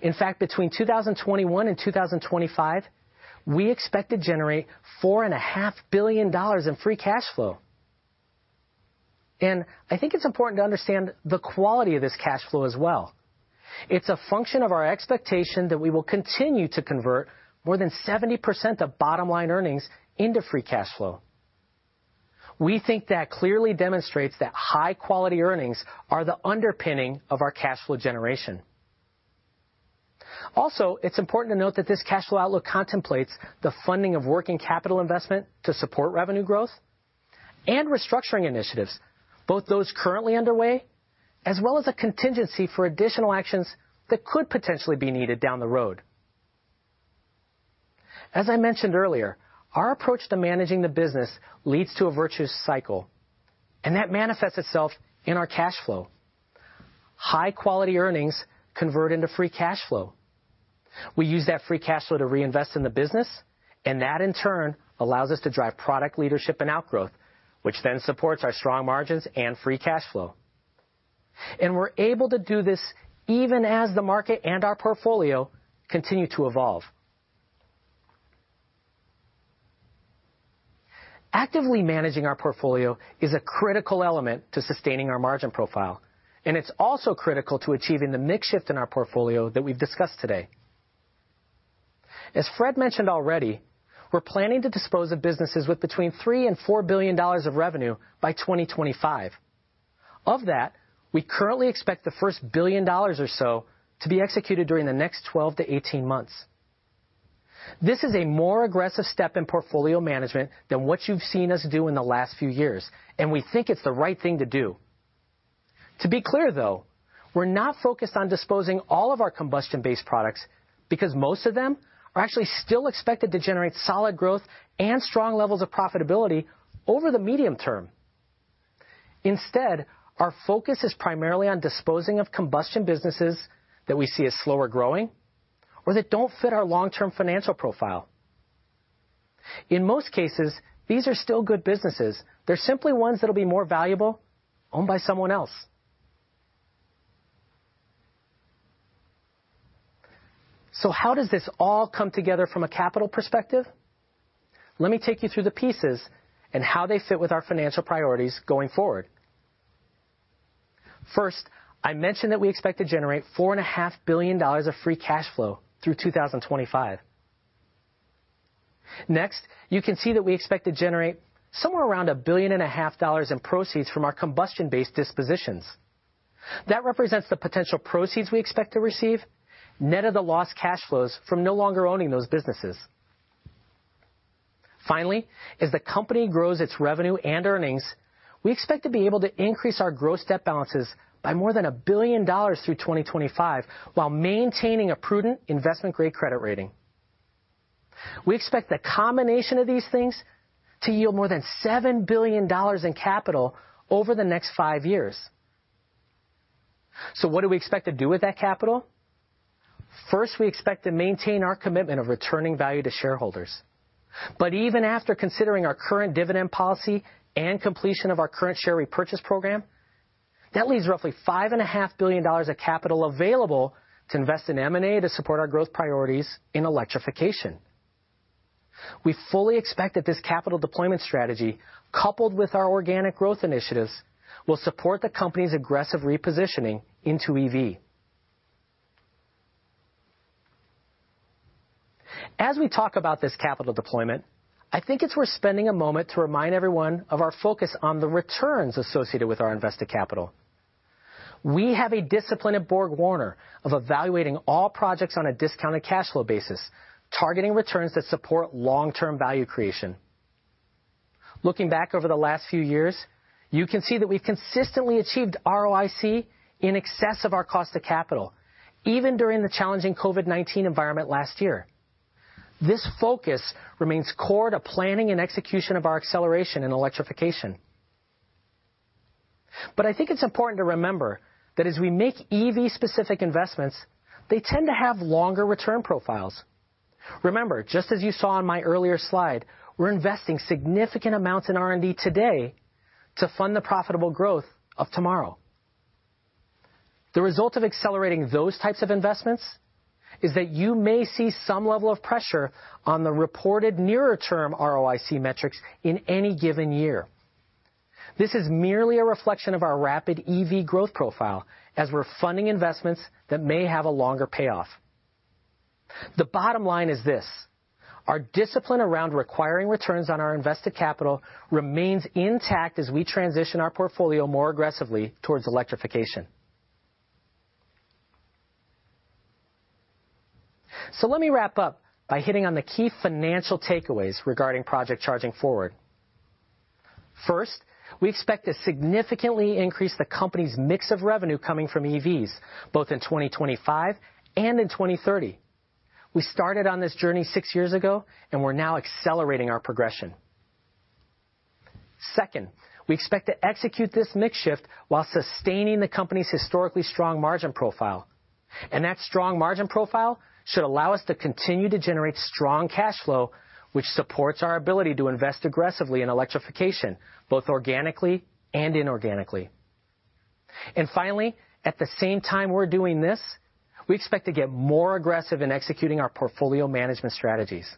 In fact, between 2021 and 2025, we expect to generate $4.5 billion in free cash flow. And I think it's important to understand the quality of this cash flow as well. It's a function of our expectation that we will continue to convert more than 70% of bottom-line earnings into free cash flow. We think that clearly demonstrates that high-quality earnings are the underpinning of our cash flow generation. Also, it's important to note that this cash flow outlook contemplates the funding of working capital investment to support revenue growth and restructuring initiatives, both those currently underway, as well as a contingency for additional actions that could potentially be needed down the road. As I mentioned earlier, our approach to managing the business leads to a virtuous cycle, and that manifests itself in our cash flow. High-quality earnings convert into free cash flow. We use that free cash flow to reinvest in the business, and that, in turn, allows us to drive product leadership and outgrowth, which then supports our strong margins and free cash flow, and we're able to do this even as the market and our portfolio continue to evolve. Actively managing our portfolio is a critical element to sustaining our margin profile, and it's also critical to achieving the mixed shift in our portfolio that we've discussed today. As Fréd mentioned already, we're planning to dispose of businesses with between $3-$4 billion of revenue by 2025. Of that, we currently expect the first $1 billion or so to be executed during the next 12-18 months. This is a more aggressive step in portfolio management than what you've seen us do in the last few years, and we think it's the right thing to do. To be clear, though, we're not focused on disposing all of our combustion-based products because most of them are actually still expected to generate solid growth and strong levels of profitability over the medium term. Instead, our focus is primarily on disposing of combustion businesses that we see as slower growing or that don't fit our long-term financial profile. In most cases, these are still good businesses. They're simply ones that will be more valuable owned by someone else. So how does this all come together from a capital perspective? Let me take you through the pieces and how they fit with our financial priorities going forward. First, I mentioned that we expect to generate $4.5 billion of free cash flow through 2025. Next, you can see that we expect to generate somewhere around $1.5 billion in proceeds from our combustion-based dispositions. That represents the potential proceeds we expect to receive net of the lost cash flows from no longer owning those businesses. Finally, as the company grows its revenue and earnings, we expect to be able to increase our gross debt balances by more than $1 billion through 2025 while maintaining a prudent investment-grade credit rating. We expect the combination of these things to yield more than $7 billion in capital over the next five years. So what do we expect to do with that capital? First, we expect to maintain our commitment of returning value to shareholders. But even after considering our current dividend policy and completion of our current share repurchase program, that leaves roughly $5.5 billion of capital available to invest in M&A to support our growth priorities in electrification. We fully expect that this capital deployment strategy, coupled with our organic growth initiatives, will support the company's aggressive repositioning into EV. As we talk about this capital deployment, I think it's worth spending a moment to remind everyone of our focus on the returns associated with our invested capital. We have a discipline at BorgWarner of evaluating all projects on a discounted cash flow basis, targeting returns that support long-term value creation. Looking back over the last few years, you can see that we've consistently achieved ROIC in excess of our cost of capital, even during the challenging COVID-19 environment last year. This focus remains core to planning and execution of our acceleration in electrification. But I think it's important to remember that as we make EV-specific investments, they tend to have longer return profiles. Remember, just as you saw on my earlier slide, we're investing significant amounts in R&D today to fund the profitable growth of tomorrow. The result of accelerating those types of investments is that you may see some level of pressure on the reported nearer-term ROIC metrics in any given year. This is merely a reflection of our rapid EV growth profile as we're funding investments that may have a longer payoff. The bottom line is this: our discipline around requiring returns on our invested capital remains intact as we transition our portfolio more aggressively towards electrification. So let me wrap up by hitting on the key financial takeaways regarding Project Charging Forward. First, we expect to significantly increase the company's mix of revenue coming from EVs, both in 2025 and in 2030. We started on this journey six years ago, and we're now accelerating our progression. Second, we expect to execute this mixed shift while sustaining the company's historically strong margin profile. And that strong margin profile should allow us to continue to generate strong cash flow, which supports our ability to invest aggressively in electrification, both organically and inorganically. And finally, at the same time we're doing this, we expect to get more aggressive in executing our portfolio management strategies.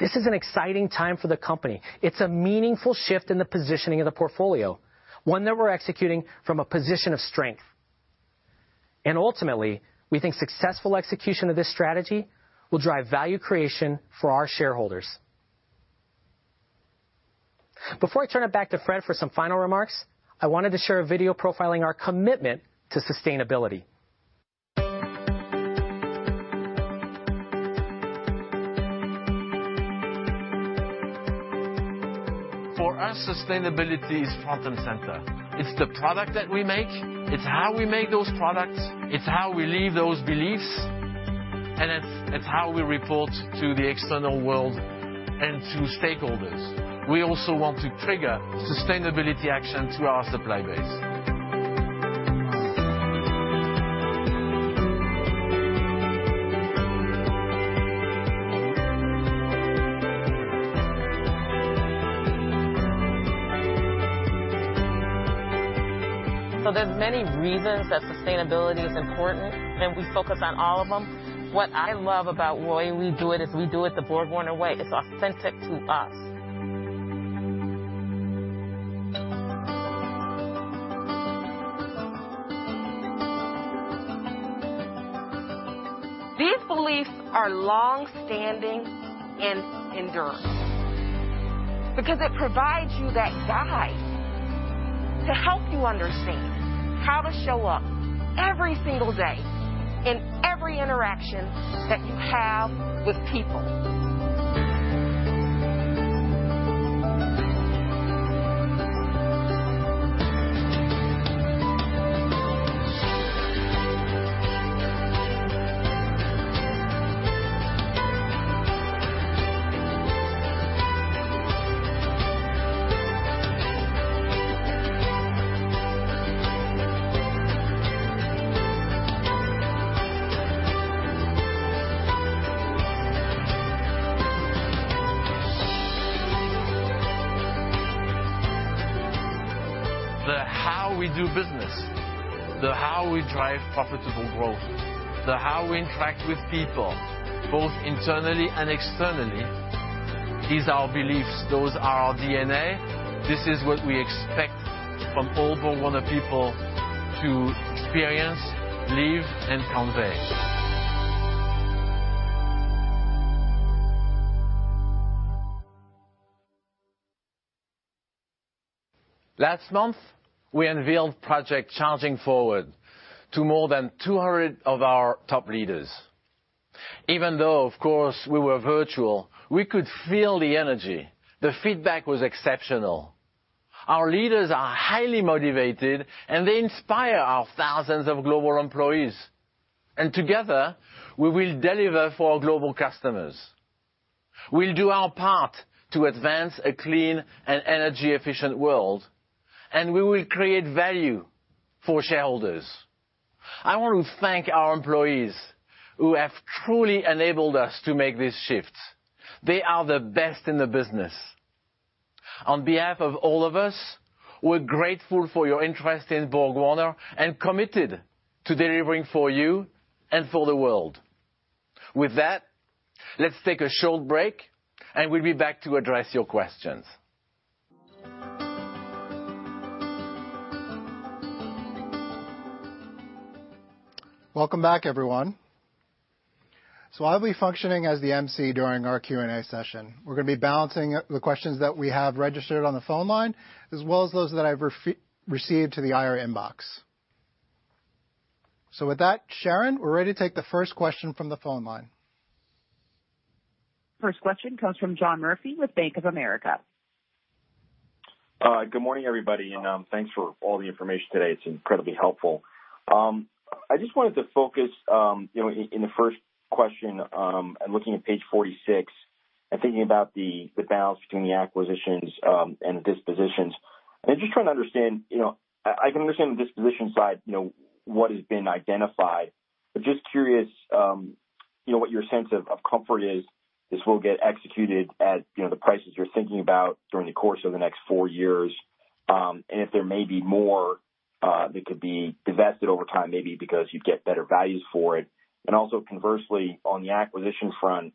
This is an exciting time for the company. It's a meaningful shift in the positioning of the portfolio, one that we're executing from a position of strength. And ultimately, we think successful execution of this strategy will drive value creation for our shareholders. Before I turn it back to Fréd for some final remarks, I wanted to share a video profiling our commitment to sustainability. For us, sustainability is front and center. It's the product that we make. It's how we make those products. It's how we live those beliefs. It's how we report to the external world and to stakeholders. We also want to trigger sustainability action to our supply base. There's many reasons that sustainability is important, and we focus on all of them. What I love about the way we do it is we do it the BorgWarner way. It's authentic to us. These beliefs are long-standing and enduring because it provides you that guide to help you understand how to show up every single day in every interaction that you have with people. The how we do business, the how we drive profitable growth, the how we interact with people, both internally and externally, is our beliefs. Those are our DNA. This is what we expect from all BorgWarner people to experience, live, and convey. Last month, we unveiled Project Charging Forward to more than 200 of our top leaders. Even though, of course, we were virtual, we could feel the energy. The feedback was exceptional. Our leaders are highly motivated, and they inspire our thousands of global employees. And together, we will deliver for our global customers. We'll do our part to advance a clean and energy-efficient world, and we will create value for shareholders. I want to thank our employees who have truly enabled us to make this shift. They are the best in the business. On behalf of all of us, we're grateful for your interest in BorgWarner and committed to delivering for you and for the world. With that, let's take a short break, and we'll be back to address your questions. Welcome back, everyone. So I'll be functioning as the emcee during our Q&A session. We're going to be balancing the questions that we have registered on the phone line, as well as those that I've received to the IR inbox. So with that, Sharon, we're ready to take the first question from the phone line. First question comes from John Murphy with Bank of America. Good morning, everybody, and thanks for all the information today. It's incredibly helpful. I just wanted to focus on the first question and looking at page 46 and thinking about the balance between the acquisitions and the dispositions. And just trying to understand, I can understand the disposition side, what has been identified, but just curious what your sense of comfort is if this will get executed at the prices you're thinking about during the course of the next four years, and if there may be more that could be divested over time, maybe because you get better values for it. And also, conversely, on the acquisition front,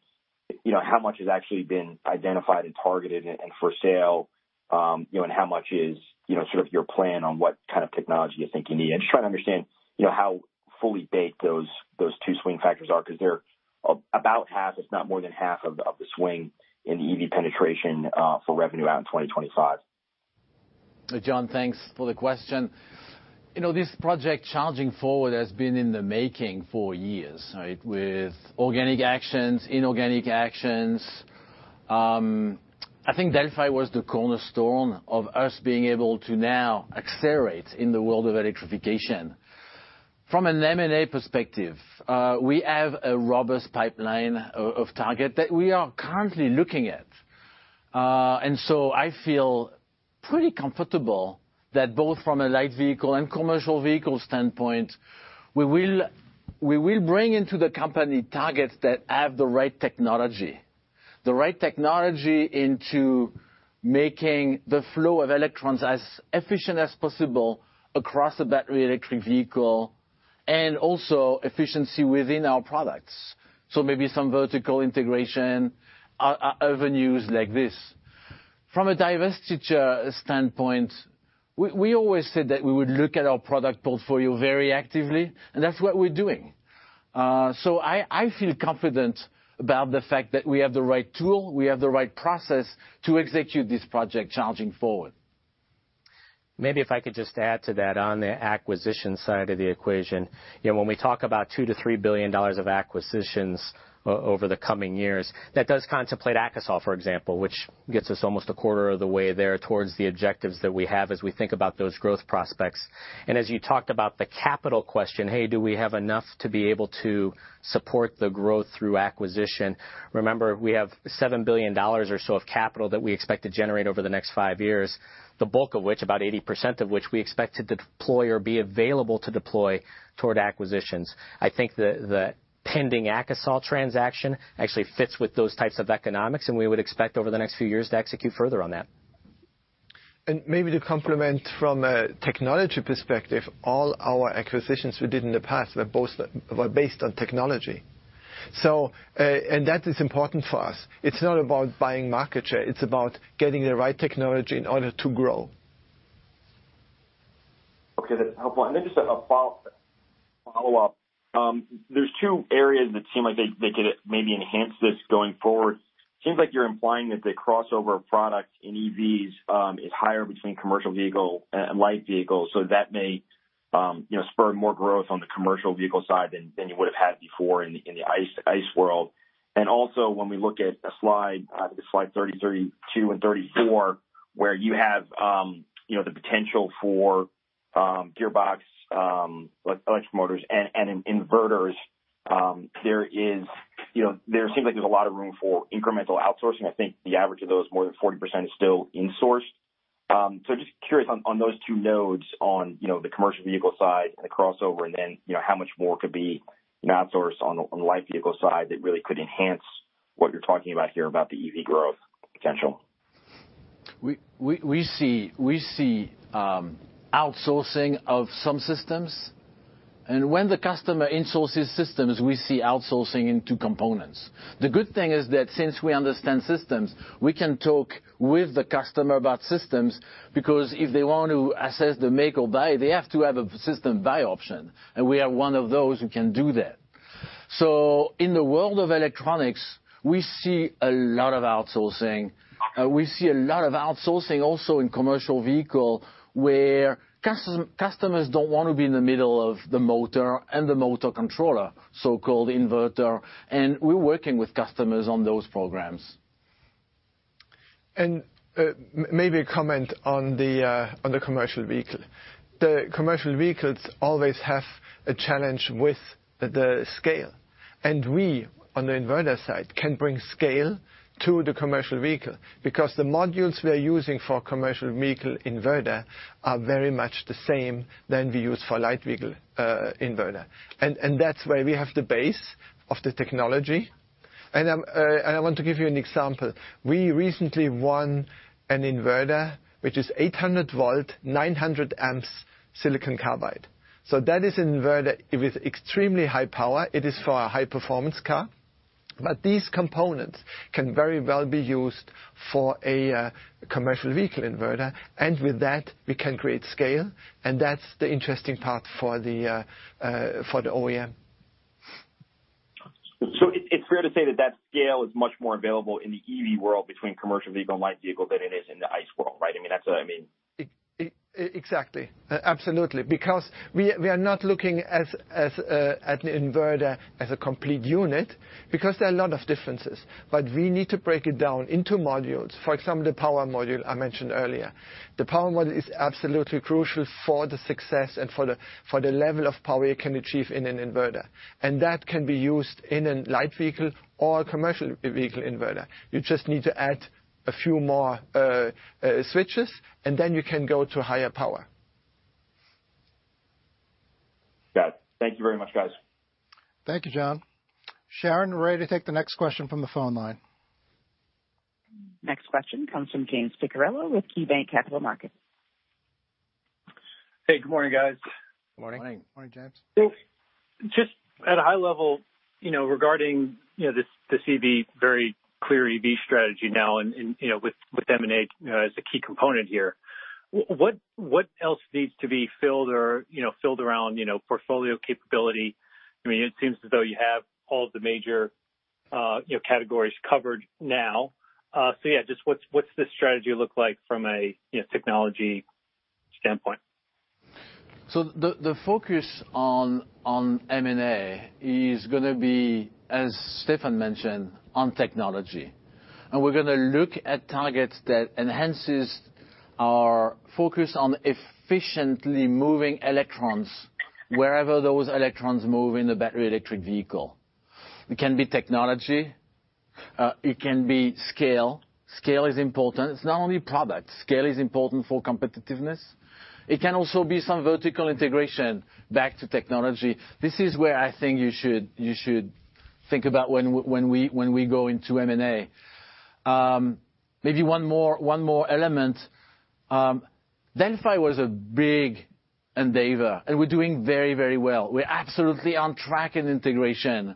how much has actually been identified and targeted and for sale, and how much is sort of your plan on what kind of technology you think you need? I'm just trying to understand how fully baked those two swing factors are because they're about half, if not more than half, of the swing in the EV penetration for revenue out in 2025. John, thanks for the question. This project, Charging Forward, has been in the making for years, right, with organic actions, inorganic actions. I think Delphi was the cornerstone of us being able to now accelerate in the world of electrification. From an M&A perspective, we have a robust pipeline of targets that we are currently looking at, and so I feel pretty comfortable that both from a light vehicle and commercial vehicle standpoint, we will bring into the company targets that have the right technology, the right technology into making the flow of electrons as efficient as possible across the battery electric vehicle and also efficiency within our products, so maybe some vertical integration avenues like this. From a divestiture standpoint, we always said that we would look at our product portfolio very actively, and that's what we're doing. I feel confident about the fact that we have the right tool. We have the right process to execute this Project Charging Forward. Maybe if I could just add to that on the acquisition side of the equation, when we talk about $2-$3 billion of acquisitions over the coming years, that does contemplate Akasol, for example, which gets us almost a quarter of the way there towards the objectives that we have as we think about those growth prospects. And as you talked about the capital question, hey, do we have enough to be able to support the growth through acquisition? Remember, we have $7 billion or so of capital that we expect to generate over the next five years, the bulk of which, about 80% of which we expect to deploy or be available to deploy toward acquisitions. I think the pending Akasol transaction actually fits with those types of economics, and we would expect over the next few years to execute further on that. And maybe to complement from a technology perspective, all our acquisitions we did in the past were based on technology, and that is important for us. It's not about buying market share. It's about getting the right technology in order to grow. Okay, that's helpful. And then just a follow-up. There's two areas that seem like they could maybe enhance this going forward. It seems like you're implying that the crossover product in EVs is higher between commercial vehicle and light vehicles, so that may spur more growth on the commercial vehicle side than you would have had before in the ICE world. Also, when we look at the slide, I think it's slide 32 and 34, where you have the potential for gearbox electric motors and inverters, there seems like there's a lot of room for incremental outsourcing. I think the average of those, more than 40%, is still insourced. So just curious on those two nodes on the commercial vehicle side and the crossover, and then how much more could be outsourced on the light vehicle side that really could enhance what you're talking about here about the EV growth potential. We see outsourcing of some systems. And when the customer insources systems, we see outsourcing into components. The good thing is that since we understand systems, we can talk with the customer about systems because if they want to assess the make or buy, they have to have a system buy option. We are one of those who can do that. So in the world of electronics, we see a lot of outsourcing. We see a lot of outsourcing also in commercial vehicle where customers don't want to be in the middle of the motor and the motor controller, so-called inverter. And we're working with customers on those programs. And maybe a comment on the commercial vehicle. The commercial vehicles always have a challenge with the scale. And we, on the inverter side, can bring scale to the commercial vehicle because the modules we are using for commercial vehicle inverter are very much the same than we use for light vehicle inverter. And that's where we have the base of the technology. And I want to give you an example. We recently won an inverter, which is 800-volt, 900 amps silicon carbide. So that is an inverter with extremely high power. It is for a high-performance car. But these components can very well be used for a commercial vehicle inverter. And with that, we can create scale. And that's the interesting part for the OEM. So it's fair to say that that scale is much more available in the EV world between commercial vehicle and light vehicle than it is in the ICE world, right? I mean, Exactly. Absolutely. Because we are not looking at an inverter as a complete unit because there are a lot of differences. But we need to break it down into modules. For example, the power module I mentioned earlier. The power module is absolutely crucial for the success and for the level of power it can achieve in an inverter. And that can be used in a light vehicle or a commercial vehicle inverter. You just need to add a few more switches, and then you can go to higher power. Got it. Thank you very much, guys. Thank you, John. Sharon, we're ready to take the next question from the phone line. Next question comes from James Picariello with KeyBanc Capital Markets. Hey, good morning, guys. Good morning. Morning, James. Just at a high level, regarding this EV, very clear EV strategy now with M&A as a key component here, what else needs to be filled around portfolio capability? I mean, it seems as though you have all the major categories covered now. So yeah, just what's the strategy look like from a technology standpoint? So the focus on M&A is going to be, as Stefan mentioned, on technology. We're going to look at targets that enhance our focus on efficiently moving electrons wherever those electrons move in the battery electric vehicle. It can be technology. It can be scale. Scale is important. It's not only product. Scale is important for competitiveness. It can also be some vertical integration back to technology. This is where I think you should think about when we go into M&A. Maybe one more element. Delphi was a big endeavor, and we're doing very, very well. We're absolutely on track in integration.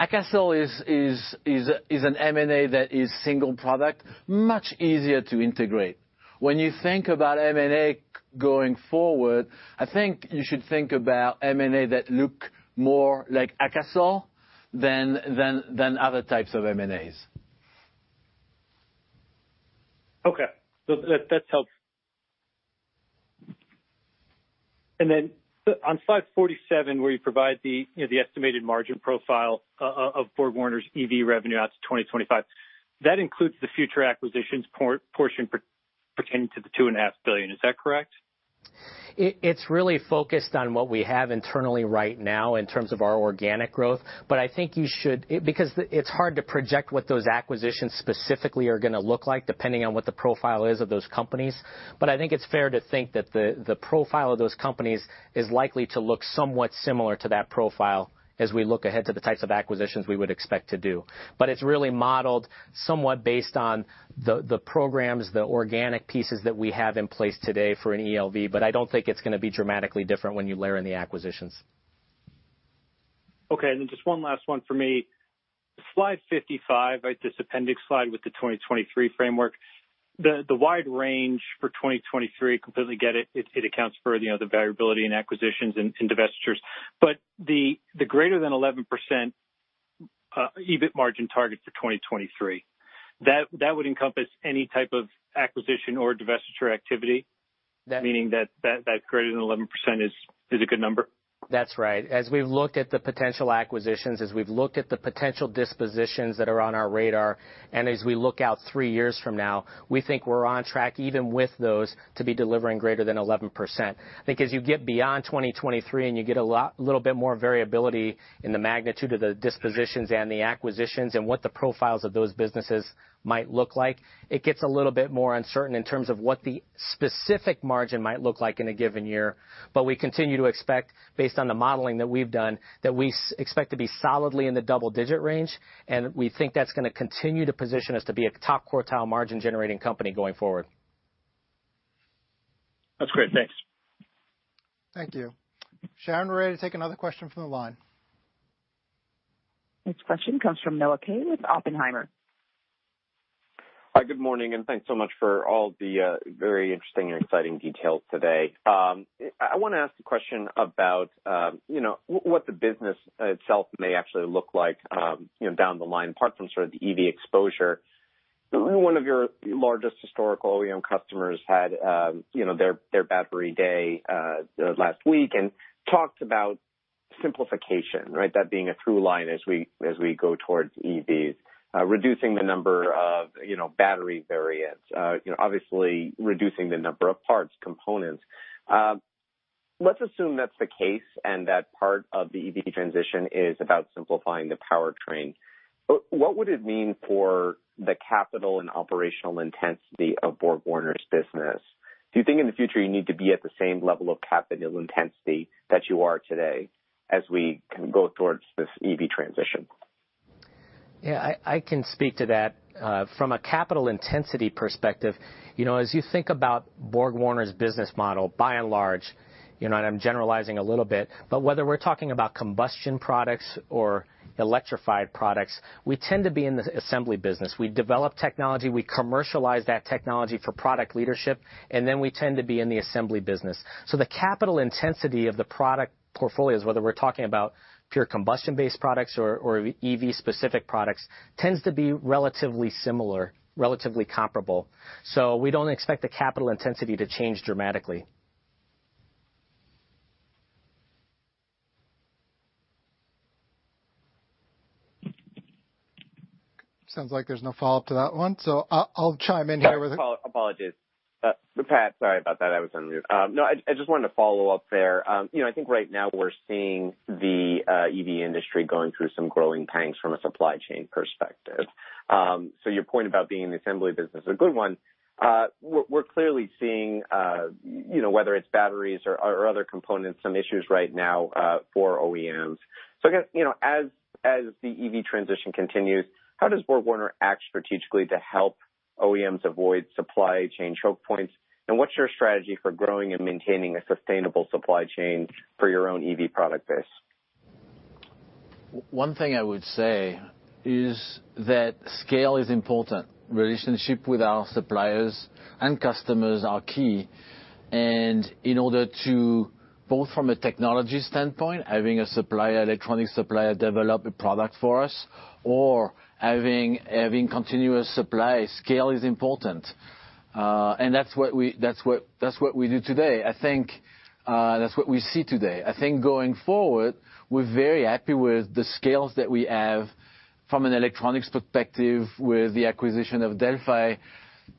Akasol is an M&A that is single product, much easier to integrate. When you think about M&A going forward, I think you should think about M&A that look more like Akasol than other types of M&As. Okay. That's helpful. Then on slide 47, where you provide the estimated margin profile of BorgWarner's EV revenue out to 2025, that includes the future acquisitions portion pertaining to the $2.5 billion. Is that correct? It's really focused on what we have internally right now in terms of our organic growth. But I think you should, because it's hard to project what those acquisitions specifically are going to look like depending on what the profile is of those companies. But I think it's fair to think that the profile of those companies is likely to look somewhat similar to that profile as we look ahead to the types of acquisitions we would expect to do. But it's really modeled somewhat based on the programs, the organic pieces that we have in place today for an ELV. But I don't think it's going to be dramatically different when you layer in the acquisitions. Okay. And then just one last one for me. Slide 55, this appendix slide with the 2023 framework, the wide range for 2023, completely get it. It accounts for the variability in acquisitions and divestitures. But the greater than 11% EBIT margin target for 2023, that would encompass any type of acquisition or divestiture activity, meaning that greater than 11% is a good number? That's right. As we've looked at the potential acquisitions, as we've looked at the potential dispositions that are on our radar, and as we look out three years from now, we think we're on track even with those to be delivering greater than 11%. I think as you get beyond 2023 and you get a little bit more variability in the magnitude of the dispositions and the acquisitions and what the profiles of those businesses might look like, it gets a little bit more uncertain in terms of what the specific margin might look like in a given year. But we continue to expect, based on the modeling that we've done, that we expect to be solidly in the double-digit range. And we think that's going to continue to position us to be a top quartile margin-generating company going forward. That's great. Thanks. Thank you. Sharon, we're ready to take another question from the line. Next question comes from Noah Kaye with Oppenheimer. Hi, good morning, and thanks so much for all the very interesting and exciting details today. I want to ask a question about what the business itself may actually look like down the line, apart from sort of the EV exposure. One of your largest historical OEM customers had their Battery Day last week and talked about simplification, right, that being a through line as we go towards EVs, reducing the number of battery variants, obviously reducing the number of parts, components. Let's assume that's the case and that part of the EV transition is about simplifying the powertrain. What would it mean for the capital and operational intensity of BorgWarner's business? Do you think in the future you need to be at the same level of capital intensity that you are today as we go towards this EV transition? Yeah, I can speak to that. From a capital intensity perspective, as you think about BorgWarner's business model, by and large, and I'm generalizing a little bit, but whether we're talking about combustion products or electrified products, we tend to be in the assembly business. We develop technology, we commercialize that technology for product leadership, and then we tend to be in the assembly business. So the capital intensity of the product portfolios, whether we're talking about pure combustion-based products or EV-specific products, tends to be relatively similar, relatively comparable. So we don't expect the capital intensity to change dramatically. Sounds like there's no follow-up to that one. Apologies. Pat, sorry about that. I was on mute. No, I just wanted to follow up there. I think right now we're seeing the EV industry going through some growing pains from a supply chain perspective. So your point about being in the assembly business is a good one. We're clearly seeing, whether it's batteries or other components, some issues right now for OEMs. So as the EV transition continues, how does BorgWarner act strategically to help OEMs avoid supply chain choke points? And what's your strategy for growing and maintaining a sustainable supply chain for your own EV product base? One thing I would say is that scale is important. Relationship with our suppliers and customers are key. And in order to, both from a technology standpoint, having a supplier, electronic supplier, develop a product for us, or having continuous supply, scale is important. And that's what we do today. I think that's what we see today. I think going forward, we're very happy with the scales that we have from an electronics perspective with the acquisition of Delphi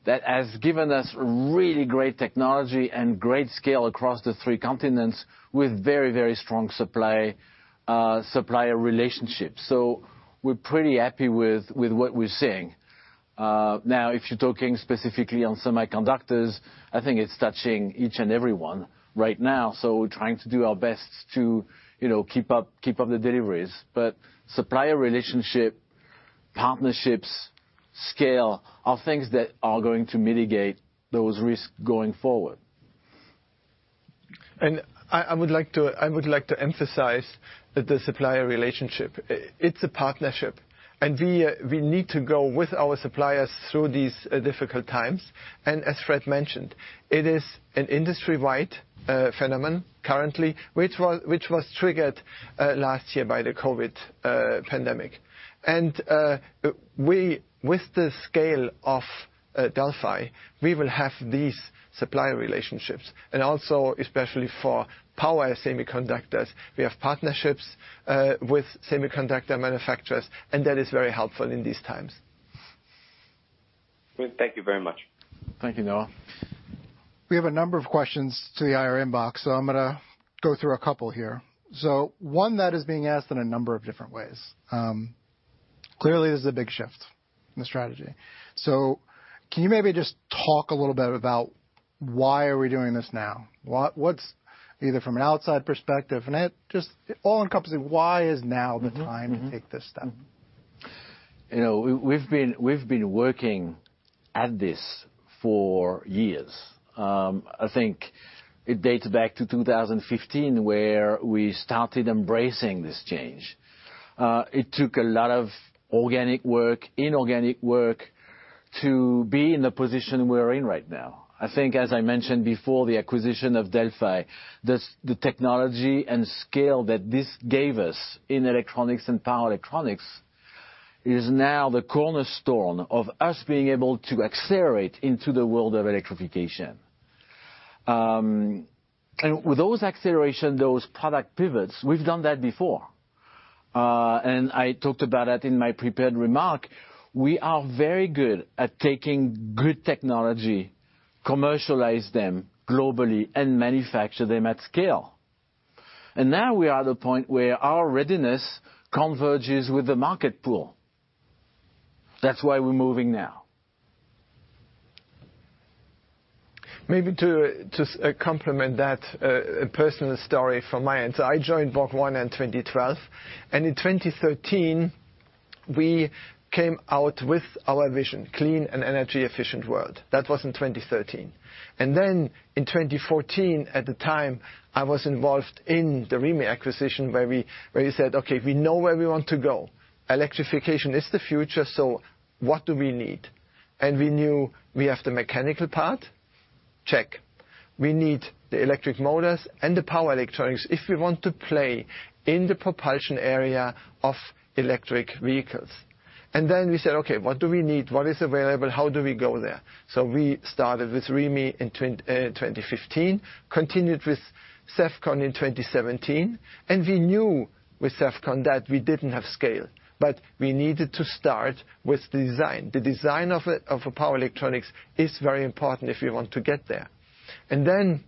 that has given us really great technology and great scale across the three continents with very, very strong supplier relationships, so we're pretty happy with what we're seeing. Now, if you're talking specifically on semiconductors, I think it's touching each and everyone right now. So we're trying to do our best to keep up the deliveries, but supplier relationship, partnerships, scale are things that are going to mitigate those risks going forward, And I would like to emphasize that the supplier relationship, it's a partnership, and we need to go with our suppliers through these difficult times, and as Fréd mentioned, it is an industry-wide phenomenon currently, which was triggered last year by the COVID pandemic, and with the scale of Delphi, we will have these supplier relationships. And also, especially for power semiconductors, we have partnerships with semiconductor manufacturers, and that is very helpful in these times. Thank you very much. Thank you, Noah. We have a number of questions to the IR inbox. So I'm going to go through a couple here. So one that is being asked in a number of different ways. Clearly, this is a big shift in the strategy. So can you maybe just talk a little bit about why are we doing this now? What's either from an outside perspective and just all-encompassing, why is now the time to take this step? We've been working at this for years. I think it dates back to 2015 where we started embracing this change. It took a lot of organic work, inorganic work to be in the position we're in right now. I think, as I mentioned before, the acquisition of Delphi, the technology and scale that this gave us in electronics and power electronics is now the cornerstone of us being able to accelerate into the world of electrification. And with those accelerations, those product pivots, we've done that before. And I talked about that in my prepared remark. We are very good at taking good technology, commercialize them globally, and manufacture them at scale. And now we are at a point where our readiness converges with the market pool. That's why we're moving now. Maybe to complement that, a personal story from my end. So I joined BorgWarner in 2012. And in 2013, we came out with our vision, clean and energy-efficient world. That was in 2013. And then in 2014, at the time, I was involved in the Remy acquisition where we said, "Okay, we know where we want to go. Electrification is the future, so what do we need?" And we knew we have the mechanical part, check. We need the electric motors and the power electronics if we want to play in the propulsion area of electric vehicles. And then we said, "Okay, what do we need? What is available? How do we go there?" So we started with Remy in 2015, continued with Sevcon in 2017. And we knew with Sevcon that we didn't have scale, but we needed to start with the design. The design of a power electronics is very important if we want to get there. And then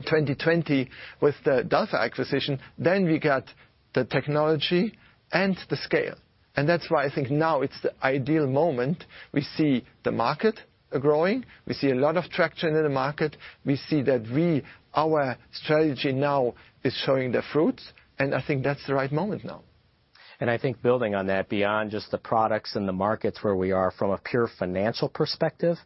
2020 with the Delphi acquisition, then we got the technology and the scale. That's why I think now it's the ideal moment. We see the market growing. We see a lot of traction in the market. We see that our strategy now is showing the fruits. I think that's the right moment now. I think building on that, beyond just the products and the markets where we are from a pure financial perspective,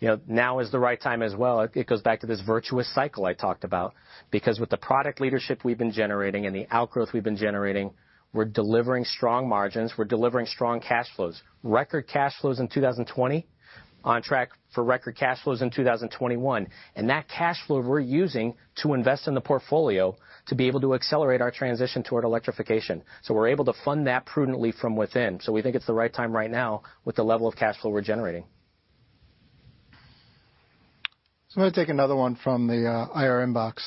now is the right time as well. It goes back to this virtuous cycle I talked about. Because with the product leadership we've been generating and the outgrowth we've been generating, we're delivering strong margins. We're delivering strong cash flows. Record cash flows in 2020, on track for record cash flows in 2021. That cash flow we're using to invest in the portfolio to be able to accelerate our transition toward electrification. We're able to fund that prudently from within. We think it's the right time right now with the level of cash flow we're generating. I'm going to take another one from the IR inbox.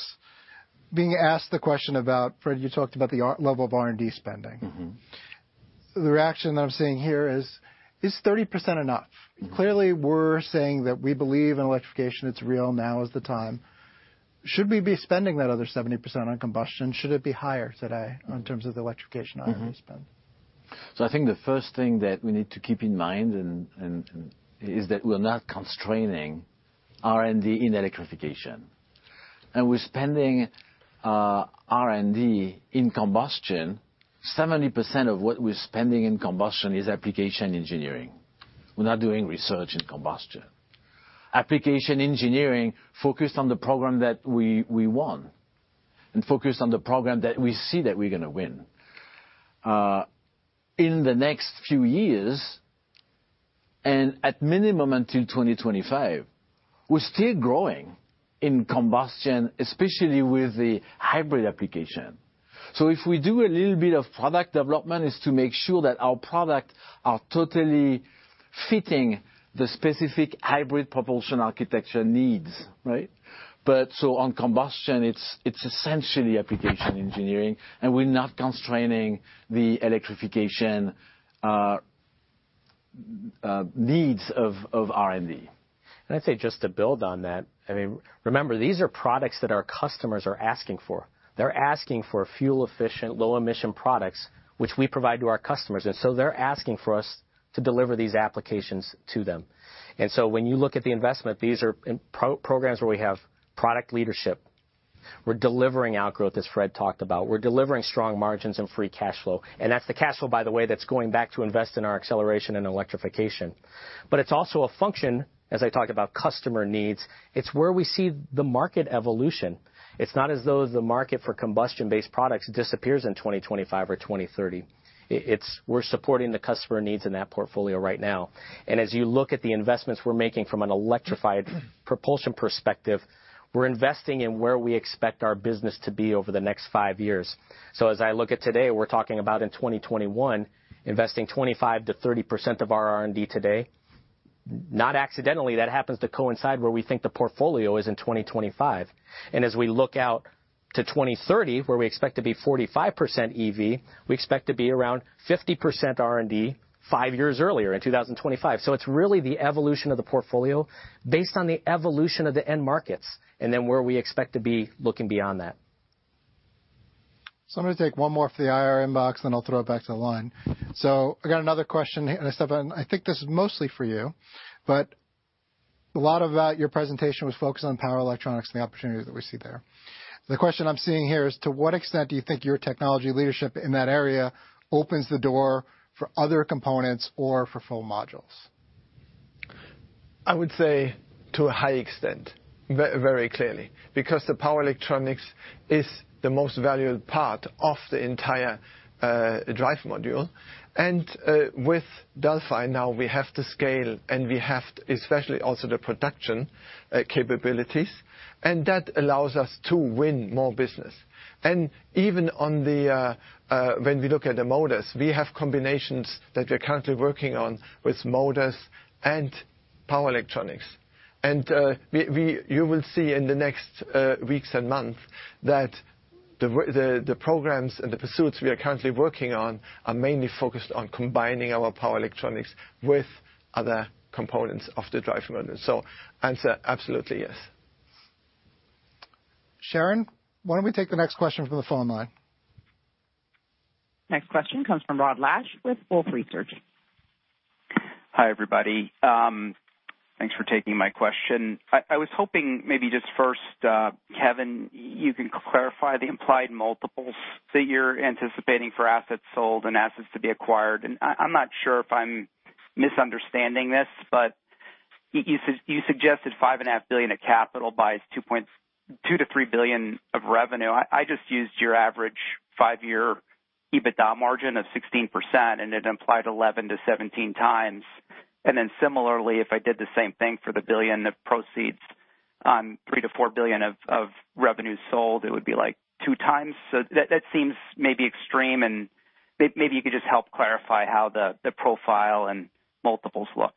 Being asked the question about, Fréd, you talked about the level of R&D spending. The reaction that I'm seeing here is, is 30% enough? Clearly, we're saying that we believe in electrification. It's real now is the time. Should we be spending that other 70% on combustion? Should it be higher today in terms of the electrification IRA spend? I think the first thing that we need to keep in mind is that we're not constraining R&D in electrification. We're spending R&D in combustion. 70% of what we're spending in combustion is application engineering. We're not doing research in combustion. Application engineering focused on the program that we want and focused on the program that we see that we're going to win in the next few years, and at minimum until 2025. We're still growing in combustion, especially with the hybrid application. So if we do a little bit of product development, it's to make sure that our products are totally fitting the specific hybrid propulsion architecture needs, right? But so on combustion, it's essentially application engineering, and we're not constraining the electrification needs of R&D. And I'd say just to build on that, I mean, remember, these are products that our customers are asking for. They're asking for fuel-efficient, low-emission products, which we provide to our customers. And so they're asking for us to deliver these applications to them. And so when you look at the investment, these are programs where we have product leadership. We're delivering outgrowth, as Fréd talked about. We're delivering strong margins and free cash flow, and that's the cash flow, by the way, that's going back to invest in our acceleration and electrification. But it's also a function, as I talked about, customer needs. It's where we see the market evolution. It's not as though the market for combustion-based products disappears in 2025 or 2030. We're supporting the customer needs in that portfolio right now, and as you look at the investments we're making from an electrified propulsion perspective, we're investing in where we expect our business to be over the next five years. So as I look at today, we're talking about in 2021, investing 25%-30% of our R&D today. Not accidentally, that happens to coincide where we think the portfolio is in 2025. As we look out to 2030, where we expect to be 45% EV, we expect to be around 50% R&D five years earlier in 2025. It's really the evolution of the portfolio based on the evolution of the end markets and then where we expect to be looking beyond that. I'm going to take one more for the IR inbox, and then I'll throw it back to the line. I got another question, and Stefan, I think this is mostly for you, but a lot about your presentation was focused on power electronics and the opportunity that we see there. The question I'm seeing here is, to what extent do you think your technology leadership in that area opens the door for other components or for full modules? I would say to a high extent, very clearly, because the power electronics is the most valuable part of the entire drive module. And with Delphi now, we have the scale, and we have especially also the production capabilities, and that allows us to win more business. And even when we look at the motors, we have combinations that we're currently working on with motors and power electronics. And you will see in the next weeks and months that the programs and the pursuits we are currently working on are mainly focused on combining our power electronics with other components of the drive module. So answer, absolutely yes. Sharon, why don't we take the next question from the phone line? Next question comes from Rod Lache with Wolfe Research. Hi, everybody. Thanks for taking my question. I was hoping maybe just first, Kevin, you can clarify the implied multiples that you're anticipating for assets sold and assets to be acquired. And I'm not sure if I'm misunderstanding this, but you suggested $5.5 billion of capital buys $2-$3 billion of revenue. I just used your average five-year EBITDA margin of 16%, and it implied 11-17 times. And then similarly, if I did the same thing for the $1 billion of proceeds on $3-$4 billion of revenues sold, it would be like 2 times. So that seems maybe extreme, and maybe you could just help clarify how the profile and multiples look.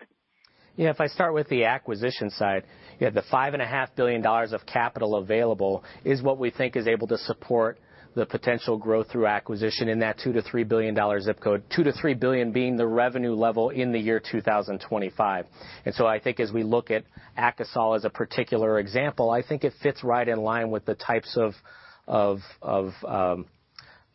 Yeah, if I start with the acquisition side, the $5.5 billion of capital available is what we think is able to support the potential growth through acquisition in that $2-$3 billion zip code, $2-$3 billion being the revenue level in the year 2025. And so I think as we look at Akasol as a particular example, I think it fits right in line with the types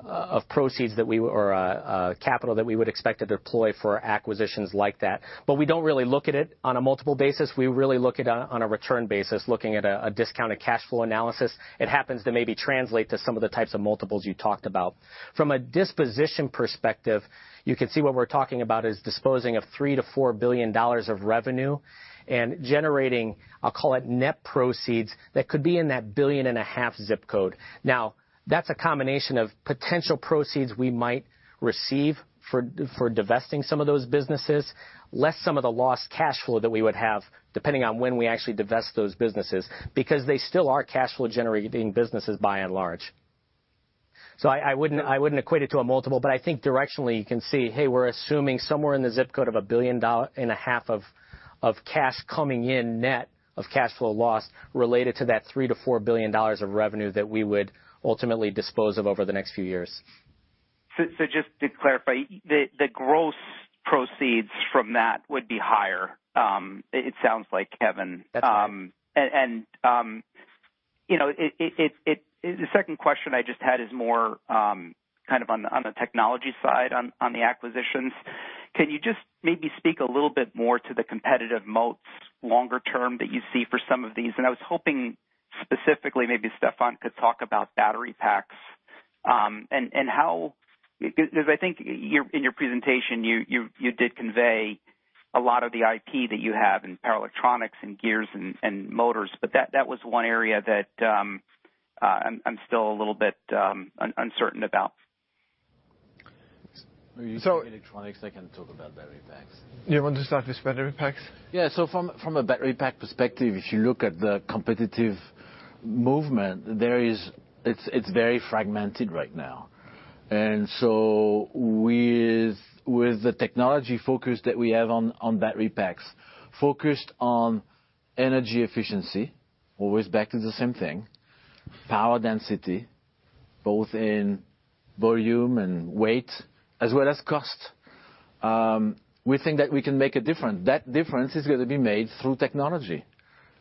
of proceeds or capital that we would expect to deploy for acquisitions like that. But we don't really look at it on a multiple basis. We really look at it on a return basis, looking at a discounted cash flow analysis. It happens to maybe translate to some of the types of multiples you talked about. From a disposition perspective, you can see what we're talking about is disposing of $3-$4 billion of revenue and generating, I'll call it net proceeds that could be in that $1.5 billion zip code. Now, that's a combination of potential proceeds we might receive for divesting some of those businesses, less some of the lost cash flow that we would have depending on when we actually divest those businesses, because they still are cash flow generating businesses by and large. So I wouldn't equate it to a multiple, but I think directionally you can see, hey, we're assuming somewhere in the zip code of $1.5 billion of cash coming in net of cash flow lost related to that $3-$4 billion of revenue that we would ultimately dispose of over the next few years. So just to clarify, the gross proceeds from that would be higher, it sounds like, Kevin. That's right. And the second question I just had is more kind of on the technology side on the acquisitions. Can you just maybe speak a little bit more to the competitive moats longer term that you see for some of these? And I was hoping specifically maybe Stefan could talk about battery packs and how, because I think in your presentation, you did convey a lot of the IP that you have in power electronics and gears and motors, but that was one area that I'm still a little bit uncertain about. So electronics, I can talk about battery packs. You want to start with battery packs? Yeah, so from a battery pack perspective, if you look at the competitive movement, it's very fragmented right now. And so with the technology focus that we have on battery packs, focused on energy efficiency, always back to the same thing, power density, both in volume and weight, as well as cost, we think that we can make a difference. That difference is going to be made through technology.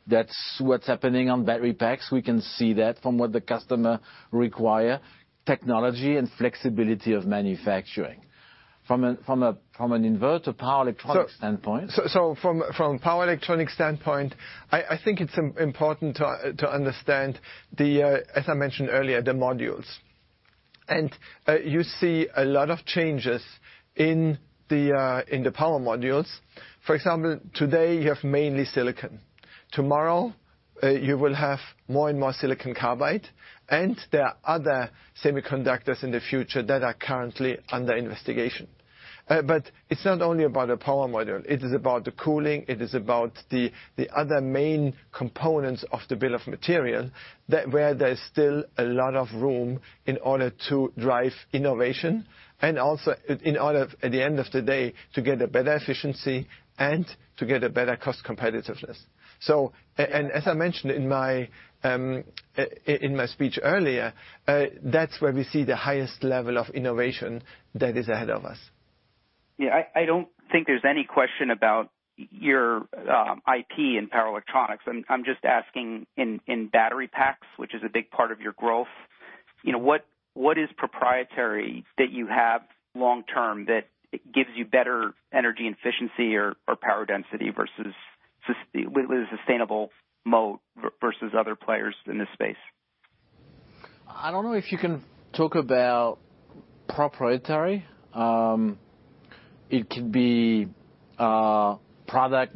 That's what's happening on battery packs. We can see that from what the customer requires, technology and flexibility of manufacturing. From an inverter power electronics standpoint. So from a power electronics standpoint, I think it's important to understand, as I mentioned earlier, the modules. And you see a lot of changes in the power modules. For example, today you have mainly silicon. Tomorrow, you will have more and more silicon carbide, and there are other semiconductors in the future that are currently under investigation. But it's not only about the power module. It is about the cooling. It is about the other main components of the bill of material where there's still a lot of room in order to drive innovation and also in order, at the end of the day, to get a better efficiency and to get a better cost competitiveness. So, and as I mentioned in my speech earlier, that's where we see the highest level of innovation that is ahead of us. Yeah, I don't think there's any question about your IP in power electronics. I'm just asking in battery packs, which is a big part of your growth, what is proprietary that you have long term that gives you better energy efficiency or power density versus sustainable moat versus other players in this space? I don't know if you can talk about proprietary. It could be product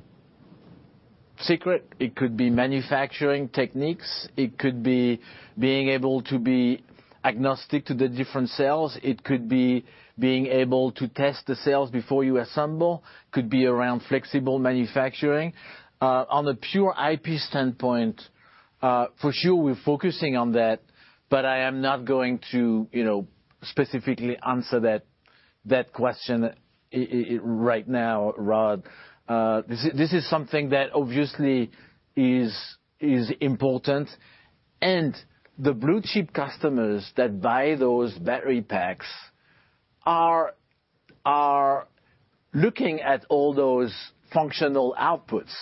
secret. It could be manufacturing techniques. It could be being able to be agnostic to the different cells. It could be being able to test the cells before you assemble. It could be around flexible manufacturing. On a pure IP standpoint, for sure, we're focusing on that, but I am not going to specifically answer that question right now, Rod. This is something that obviously is important. And the blue chip customers that buy those battery packs are looking at all those functional outputs.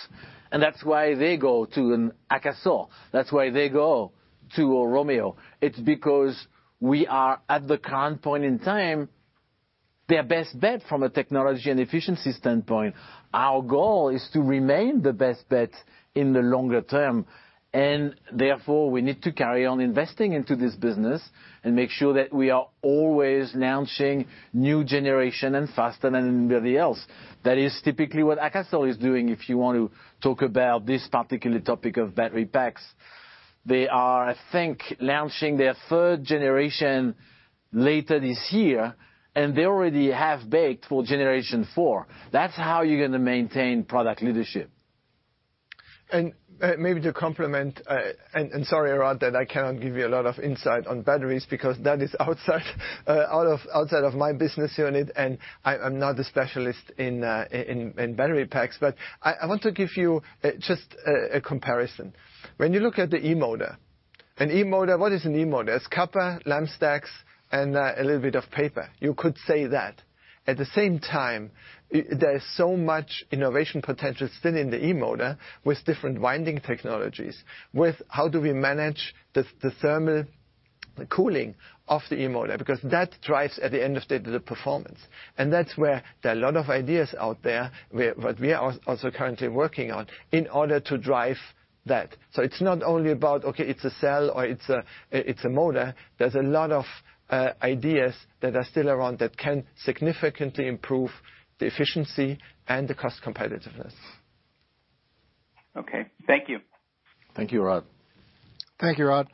And that's why they go to Akasol. That's why they go to Romeo. It's because we are at the current point in time, their best bet from a technology and efficiency standpoint. Our goal is to remain the best bet in the longer term. And therefore, we need to carry on investing into this business and make sure that we are always launching new generation and faster than anybody else. That is typically what Akasol is doing, if you want to talk about this particular topic of battery packs. They are, I think, launching their third generation later this year, and they already have baked for generation four. That's how you're going to maintain product leadership. And maybe to complement, and sorry, Rod, that I cannot give you a lot of insight on batteries because that is outside of my business unit, and I'm not a specialist in battery packs, but I want to give you just a comparison. When you look at the e-motor, an e-motor, what is an e-motor? It's copper, lam stacks, and a little bit of paper. You could say that. At the same time, there's so much innovation potential still in the e-motor with different winding technologies, with how do we manage the thermal cooling of the e-motor because that drives, at the end of the day, the performance. And that's where there are a lot of ideas out there that we are also currently working on in order to drive that. So it's not only about, okay, it's a cell or it's a motor. There's a lot of ideas that are still around that can significantly improve the efficiency and the cost competitiveness. Okay, thank you. Thank you, Rod. Thank you, Rod.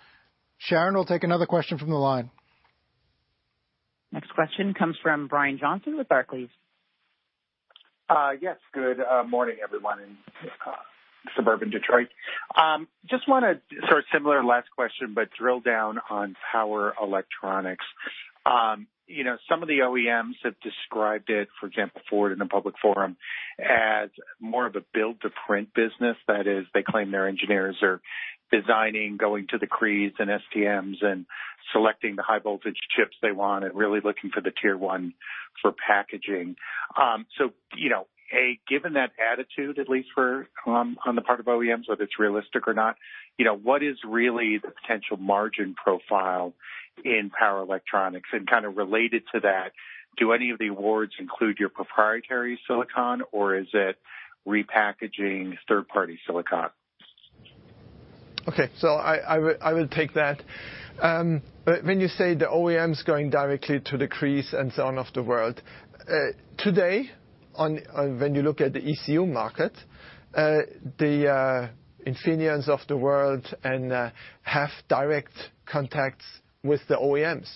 Sharon will take another question from the line. Next question comes from Brian Johnson with Barclays. Yes, good morning, everyone in suburban Detroit. Just want to sort of similar last question, but drill down on power electronics. Some of the OEMs have described it, for example, Ford in a public forum, as more of a build-to-print business. That is, they claim their engineers are designing, going to the Crees and STMs and selecting the high voltage chips they want and really looking for the tier one for packaging. So, given that attitude, at least on the part of OEMs, whether it's realistic or not, what is really the potential margin profile in power electronics? And kind of related to that, do any of the awards include your proprietary silicon, or is it repackaging third-party silicon? Okay, so I will take that. When you say the OEMs going directly to the Crees and so on of the world, today, when you look at the ECU market, the Infineons of the world have direct contacts with the OEMs.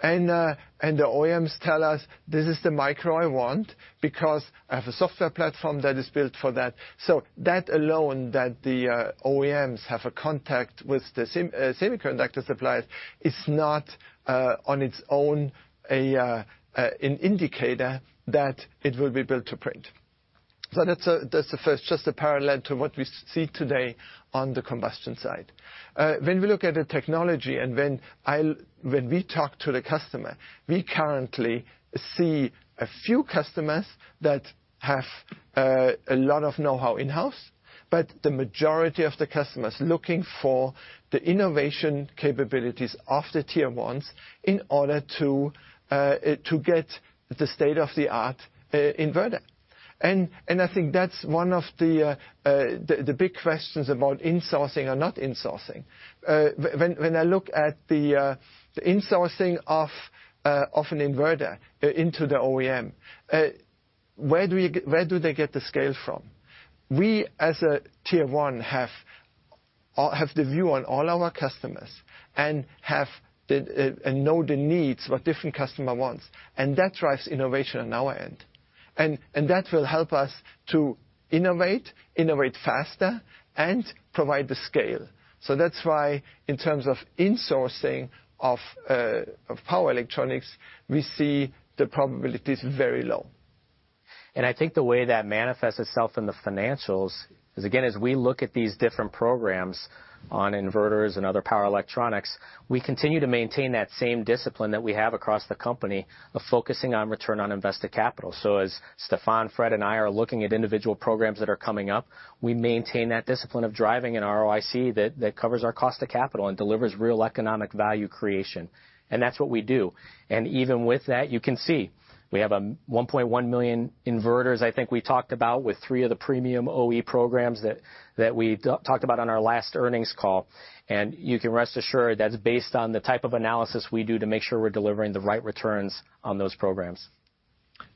The OEMs tell us, "This is the micro I want because I have a software platform that is built for that." So that alone, that the OEMs have a contact with the semiconductor suppliers, is not on its own an indicator that it will be built to print. So that's just a parallel to what we see today on the combustion side. When we look at the technology and when we talk to the customer, we currently see a few customers that have a lot of know-how in-house, but the majority of the customers are looking for the innovation capabilities of the tier ones in order to get the state-of-the-art inverter. And I think that's one of the big questions about insourcing or not insourcing. When I look at the insourcing of an inverter into the OEM, where do they get the scale from? We, as a tier one, have the view on all our customers and know the needs, what different customers want. And that drives innovation on our end. And that will help us to innovate, innovate faster, and provide the scale. So that's why, in terms of insourcing of power electronics, we see the probability is very low. And I think the way that manifests itself in the financials is, again, as we look at these different programs on inverters and other power electronics, we continue to maintain that same discipline that we have across the company of focusing on return on invested capital. So, as Stefan, Fréd, and I are looking at individual programs that are coming up, we maintain that discipline of driving an ROIC that covers our cost of capital and delivers real economic value creation. And that's what we do. And even with that, you can see we have 1.1 million inverters, I think we talked about, with three of the premium OE programs that we talked about on our last earnings call. And you can rest assured that's based on the type of analysis we do to make sure we're delivering the right returns on those programs.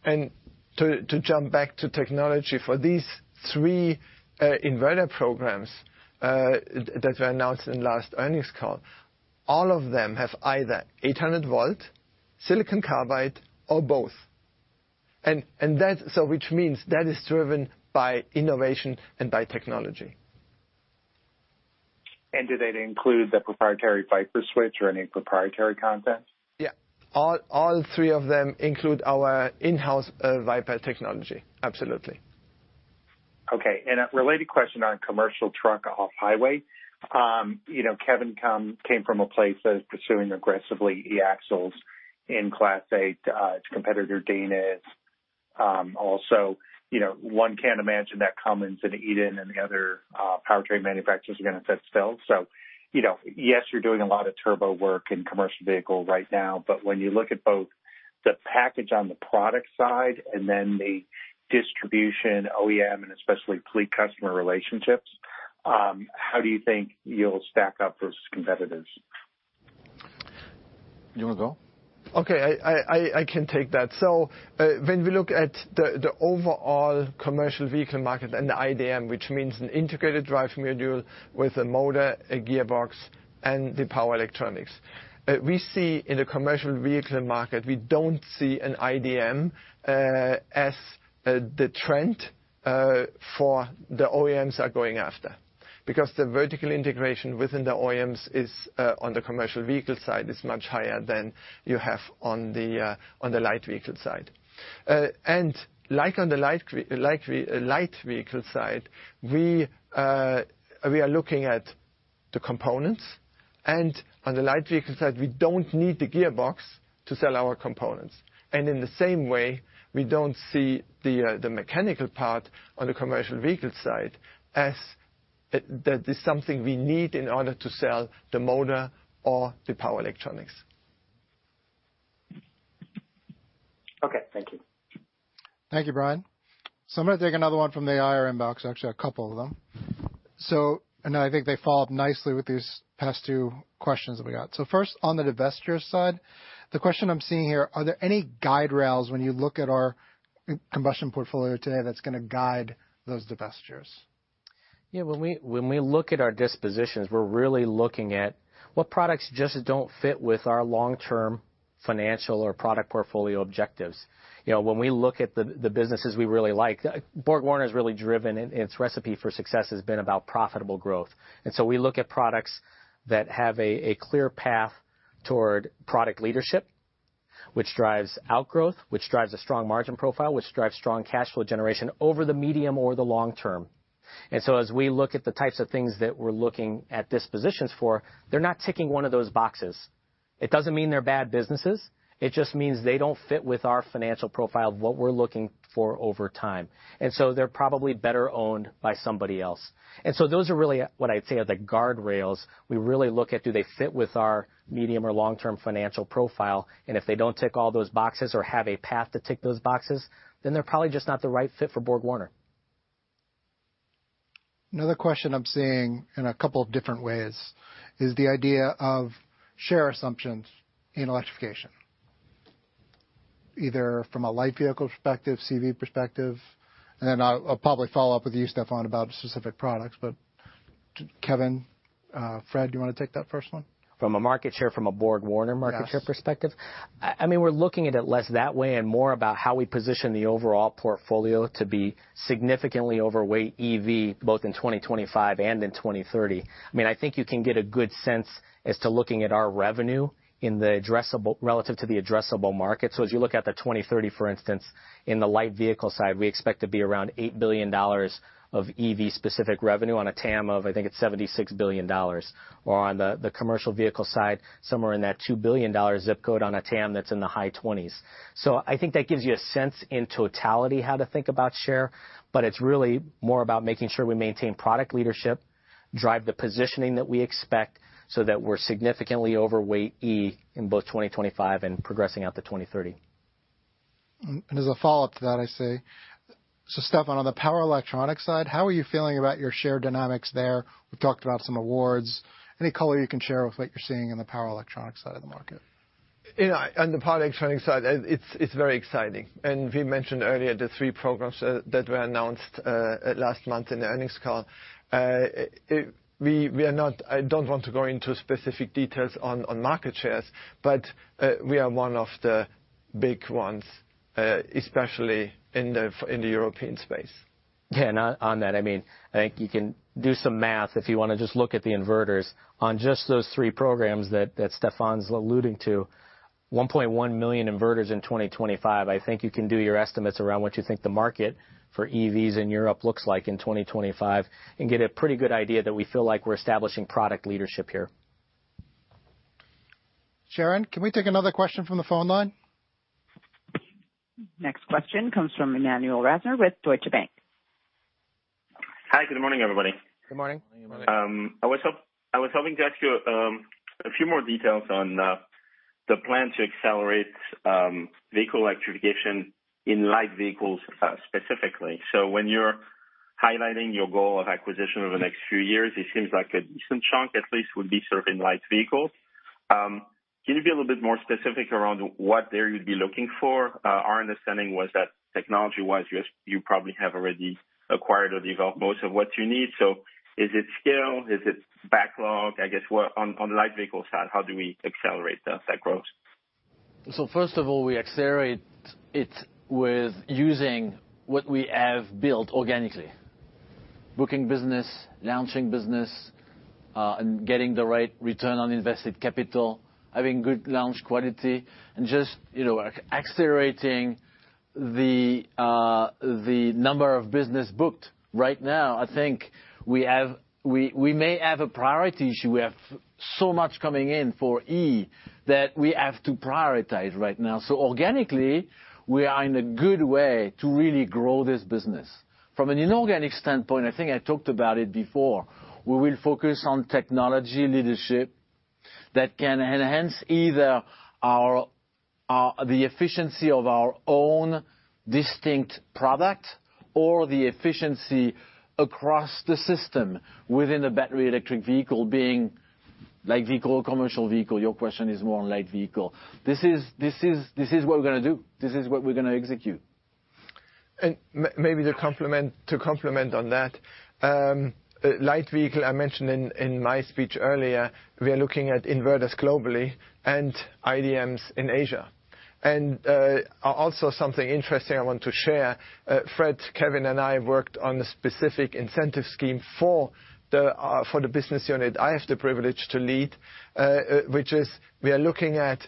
And to jump back to technology, for these three inverter programs that were announced in last earnings call, all of them have either 800-volt, silicon carbide, or both. And that, so which means that is driven by innovation and by technology. And do they include the proprietary Viper switch or any proprietary content? Yeah, all three of them include our in-house Viper technology. Absolutely. Okay, and a related question on commercial truck off-highway. Kevin came from a place that is pursuing aggressively e-axles in Class 8. It's competitor Dana. Also, one can't imagine that Cummins and Eaton and the other powertrain manufacturers are going to sit still. So, yes, you're doing a lot of turbo work in commercial vehicle right now, but when you look at both the package on the product side and then the distribution OEM and especially fleet customer relationships, how do you think you'll stack up versus competitors? You want to go? Okay, I can take that. So, when we look at the overall commercial vehicle market and the IDM, which means an integrated drive module with a motor, a gearbox, and the power electronics, we see in the commercial vehicle market, we don't see an IDM as the trend for the OEMs are going after because the vertical integration within the OEMs is on the commercial vehicle side is much higher than you have on the light vehicle side. Like on the light vehicle side, we are looking at the components. On the light vehicle side, we don't need the gearbox to sell our components. In the same way, we don't see the mechanical part on the commercial vehicle side as that is something we need in order to sell the motor or the power electronics. Okay, thank you. Thank you, Brian. I'm going to take another one from the IR box, actually a couple of them. I think they follow up nicely with these past two questions that we got. First, on the divestiture side, the question I'm seeing here: Are there any guardrails when you look at our combustion portfolio today that's going to guide those divestitures? Yeah, when we look at our dispositions, we're really looking at what products just don't fit with our long-term financial or product portfolio objectives. When we look at the businesses we really like, BorgWarner is really driven, and its recipe for success has been about profitable growth. And so we look at products that have a clear path toward product leadership, which drives outgrowth, which drives a strong margin profile, which drives strong cash flow generation over the medium or the long term. And so as we look at the types of things that we're looking at dispositions for, they're not ticking one of those boxes. It doesn't mean they're bad businesses. It just means they don't fit with our financial profile of what we're looking for over time. And so they're probably better owned by somebody else. And so those are really what I'd say are the guardrails. We really look at, do they fit with our medium or long-term financial profile? And if they don't tick all those boxes or have a path to tick those boxes, then they're probably just not the right fit for BorgWarner. Another question I'm seeing in a couple of different ways is the idea of share assumptions in electrification, either from a light vehicle perspective, CV perspective. And then I'll probably follow up with you, Stefan, about specific products. But Kevin, Fréd, do you want to take that first one? From a market share, from a BorgWarner market share perspective? I mean, we're looking at it less that way and more about how we position the overall portfolio to be significantly overweight EV, both in 2025 and in 2030. I mean, I think you can get a good sense as to looking at our revenue relative to the addressable market. So as you look at the 2030, for instance, in the light vehicle side, we expect to be around $8 billion of EV-specific revenue on a TAM of, I think it's $76 billion. Or on the commercial vehicle side, somewhere in that $2 billion zip code on a TAM that's in the high 20s. So I think that gives you a sense in totality how to think about share, but it's really more about making sure we maintain product leadership, drive the positioning that we expect so that we're significantly overweight E in both 2025 and progressing out to 2030. As a follow-up to that, I say, so Stefan, on the power electronics side, how are you feeling about your share dynamics there? We've talked about some awards. Any color you can share with what you're seeing on the power electronic side of the market? On the power electronic side, it's very exciting. And we mentioned earlier the three programs that were announced last month in the earnings call. I don't want to go into specific details on market shares, but we are one of the big ones, especially in the European space. Yeah, and on that, I mean, I think you can do some math if you want to just look at the inverters. On just those three programs that Stefan's alluding to, 1.1 million inverters in 2025, I think you can do your estimates around what you think the market for EVs in Europe looks like in 2025 and get a pretty good idea that we feel like we're establishing product leadership here. Sharon, can we take another question from the phone line? Next question comes from Emmanuel Rosner with Deutsche Bank. Hi, good morning, everybody. Good morning. I was hoping to ask you a few more details on the plan to accelerate vehicle electrification in light vehicles specifically. So when you're highlighting your goal of acquisition over the next few years, it seems like a decent chunk at least would be served in light vehicles. Can you be a little bit more specific around what there you'd be looking for? Our understanding was that technology-wise, you probably have already acquired or developed most of what you need. So is it scale? Is it backlog? I guess on the light vehicle side, how do we accelerate that growth? So first of all, we accelerate it with using what we have built organically, booking business, launching business, and getting the right return on invested capital, having good launch quality, and just accelerating the number of business booked. Right now, I think we may have a priority issue. We have so much coming in for E that we have to prioritize right now. So organically, we are in a good way to really grow this business. From an inorganic standpoint, I think I talked about it before. We will focus on technology leadership that can enhance either the efficiency of our own distinct product or the efficiency across the system within a battery electric vehicle, being light vehicle, commercial vehicle. Your question is more on light vehicle. This is what we're going to do. This is what we're going to execute. And maybe to complement on that, light vehicle, I mentioned in my speech earlier, we are looking at inverters globally and IDMs in Asia. And also something interesting I want to share, Fréd, Kevin, and I worked on a specific incentive scheme for the business unit I have the privilege to lead, which is we are looking at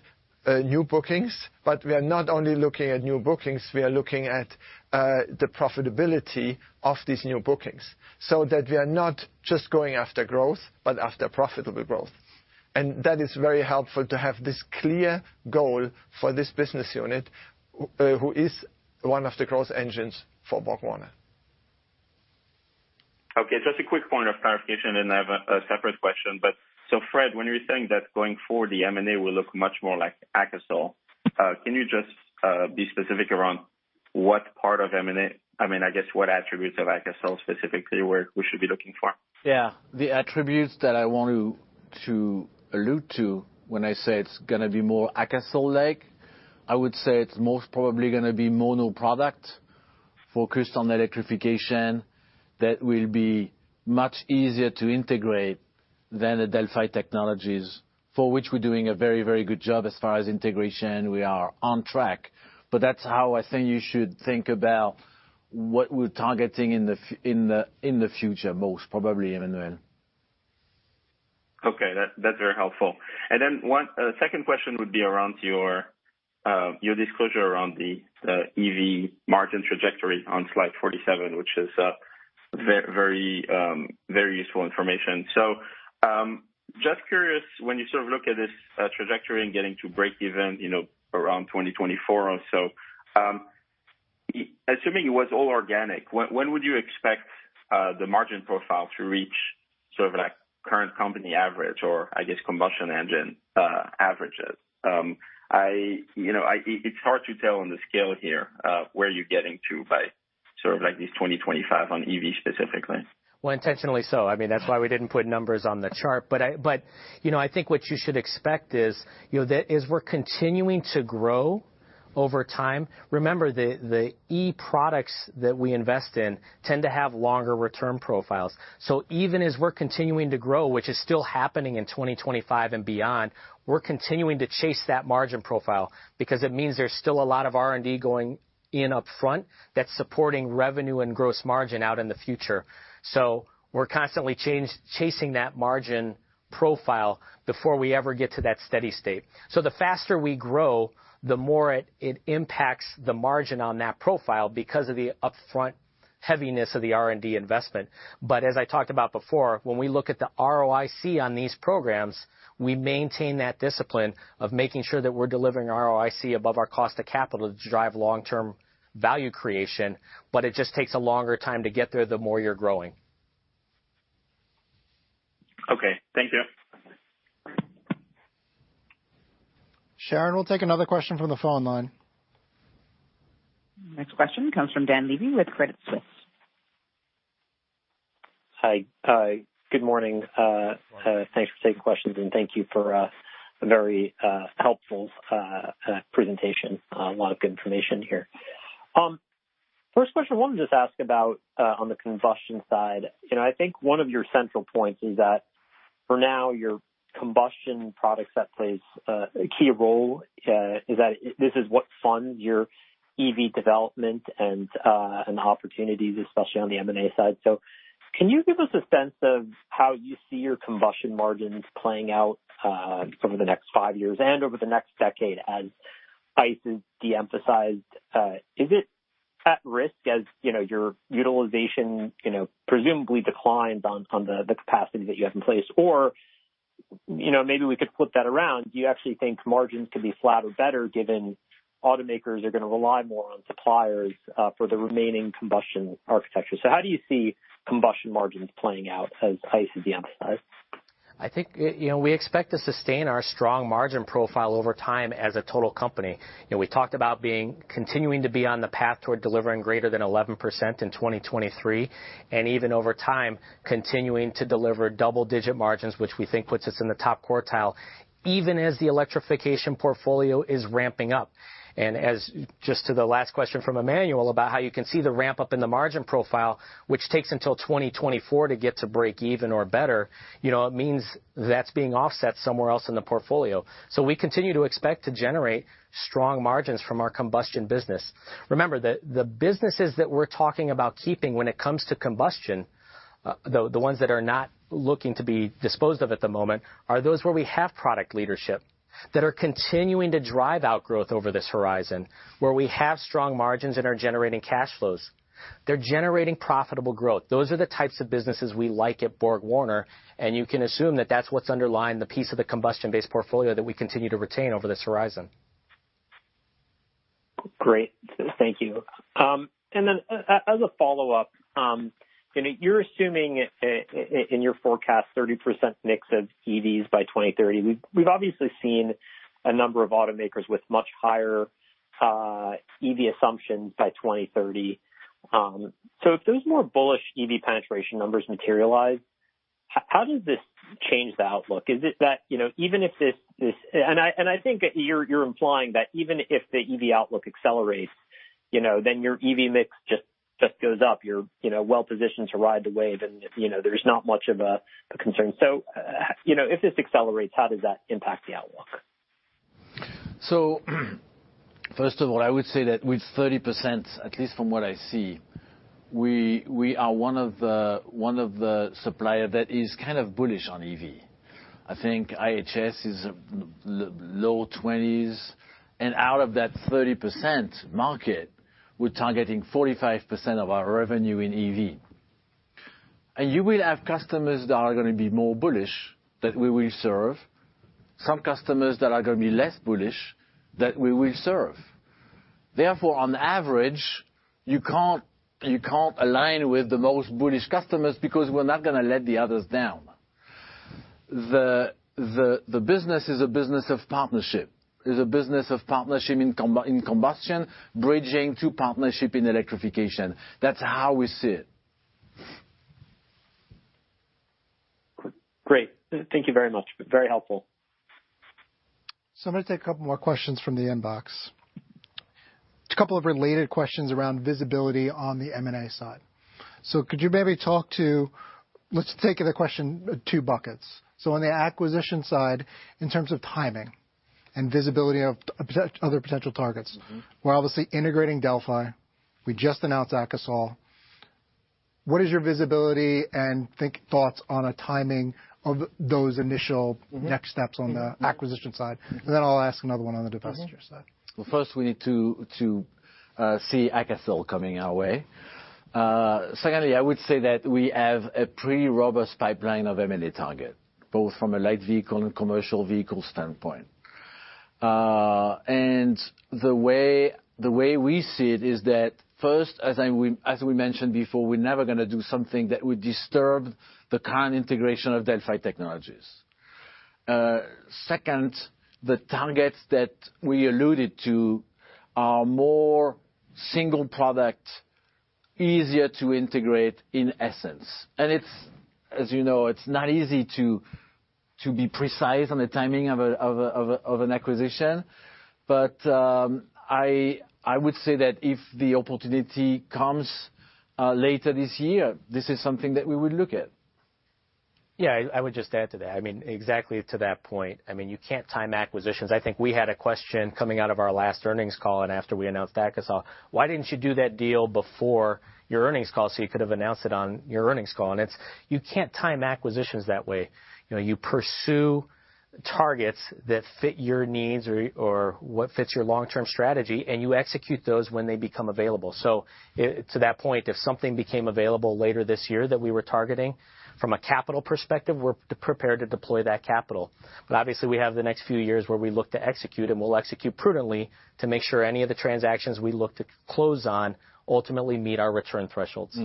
new bookings, but we are not only looking at new bookings, we are looking at the profitability of these new bookings so that we are not just going after growth, but after profitable growth. And that is very helpful to have this clear goal for this business unit who is one of the growth engines for BorgWarner. Okay, just a quick point of clarification, and then I have a separate question. But so Fréd, when you're saying that going forward, the M&A will look much more like Akasol, can you just be specific around what part of M&A, I mean, I guess what attributes of Akasol specifically we should be looking for? Yeah, the attributes that I want to allude to when I say it's going to be more Akasol-like, I would say it's most probably going to be mono product focused on electrification that will be much easier to integrate than the Delphi Technologies for which we're doing a very, very good job as far as integration. We are on track. But that's how I think you should think about what we're targeting in the future, most probably, Emmanuel. Okay, that's very helpful. And then one second question would be around your disclosure around the EV margin trajectory on slide 47, which is very useful information. So just curious, when you sort of look at this trajectory and getting to break even around 2024 or so, assuming it was all organic, when would you expect the margin profile to reach sort of current company average or, I guess, combustion engine averages? It's hard to tell on the scale here where you're getting to by sort of like these 2025 on EV specifically. Well, intentionally so. I mean, that's why we didn't put numbers on the chart. But I think what you should expect is that as we're continuing to grow over time, remember the E products that we invest in tend to have longer return profiles. So even as we're continuing to grow, which is still happening in 2025 and beyond, we're continuing to chase that margin profile because it means there's still a lot of R&D going in upfront that's supporting revenue and gross margin out in the future. So we're constantly chasing that margin profile before we ever get to that steady state. So the faster we grow, the more it impacts the margin on that profile because of the upfront heaviness of the R&D investment. But as I talked about before, when we look at the ROIC on these programs, we maintain that discipline of making sure that we're delivering ROIC above our cost of capital to drive long-term value creation, but it just takes a longer time to get there the more you're growing. Okay, thank you. Sharon, we'll take another question from the phone line. Next question comes from Dan Levy with Credit Suisse. Hi, good morning. Thanks for taking questions, and thank you for a very helpful presentation. A lot of good information here. First question, I wanted to just ask about on the combustion side. I think one of your central points is that for now, your combustion products that play a key role is that this is what funds your EV development and opportunities, especially on the M&A side. So can you give us a sense of how you see your combustion margins playing out over the next five years and over the next decade as ICE is de-emphasized? Is it at risk as your utilization presumably declines on the capacity that you have in place? Or maybe we could flip that around. Do you actually think margins could be flatter better given automakers are going to rely more on suppliers for the remaining combustion architecture? So how do you see combustion margins playing out as ICE is de-emphasized? I think we expect to sustain our strong margin profile over time as a total company. We talked about continuing to be on the path toward delivering greater than 11% in 2023, and even over time, continuing to deliver double-digit margins, which we think puts us in the top quartile, even as the electrification portfolio is ramping up, and just to the last question from Emmanuel about how you can see the ramp up in the margin profile, which takes until 2024 to get to break even or better, it means that's being offset somewhere else in the portfolio, so we continue to expect to generate strong margins from our combustion business. Remember, the businesses that we're talking about keeping when it comes to combustion, the ones that are not looking to be disposed of at the moment, are those where we have product leadership that are continuing to drive out growth over this horizon, where we have strong margins and are generating cash flows. They're generating profitable growth. Those are the types of businesses we like at BorgWarner, and you can assume that that's what's underlying the piece of the combustion-based portfolio that we continue to retain over this horizon. Great, thank you. And then as a follow-up, you're assuming in your forecast 30% mix of EVs by 2030. We've obviously seen a number of automakers with much higher EV assumptions by 2030. So if those more bullish EV penetration numbers materialize, how does this change the outlook? Is it that even if this, and I think you're implying that even if the EV outlook accelerates, then your EV mix just goes up. You're well-positioned to ride the wave, and there's not much of a concern. So if this accelerates, how does that impact the outlook? So first of all, I would say that with 30%, at least from what I see, we are one of the suppliers that is kind of bullish on EV. I think IHS is low 20s. And out of that 30% market, we're targeting 45% of our revenue in EV. And you will have customers that are going to be more bullish that we will serve, some customers that are going to be less bullish that we will serve. Therefore, on average, you can't align with the most bullish customers because we're not going to let the others down. The business is a business of partnership. It's a business of partnership in combustion, bridging to partnership in electrification. That's how we see it. Great. Thank you very much. Very helpful. So I'm going to take a couple more questions from the inbox. A couple of related questions around visibility on the M&A side. So could you maybe talk to—let's take the question in two buckets. So on the acquisition side, in terms of timing and visibility of other potential targets, we're obviously integrating Delphi. We just announced Akasol. What is your visibility and thoughts on timing of those initial next steps on the acquisition side? And then I'll ask another one on the defense. Well, first, we need to see Akasol coming our way. Secondly, I would say that we have a pretty robust pipeline of M&A targets, both from a light vehicle and commercial vehicle standpoint. And the way we see it is that, first, as we mentioned before, we're never going to do something that would disturb the current integration of Delphi Technologies. Second, the targets that we alluded to are more single product, easier to integrate in essence. And as you know, it's not easy to be precise on the timing of an acquisition. But I would say that if the opportunity comes later this year, this is something that we would look at. Yeah, I would just add to that. I mean, exactly to that point. I mean, you can't time acquisitions. I think we had a question coming out of our last earnings call and after we announced Akasol. Why didn't you do that deal before your earnings call so you could have announced it on your earnings call? And it's, you can't time acquisitions that way. You pursue targets that fit your needs or what fits your long-term strategy, and you execute those when they become available. So to that point, if something became available later this year that we were targeting from a capital perspective, we're prepared to deploy that capital. But obviously, we have the next few years where we look to execute, and we'll execute prudently to make sure any of the transactions we look to close on ultimately meet our return thresholds.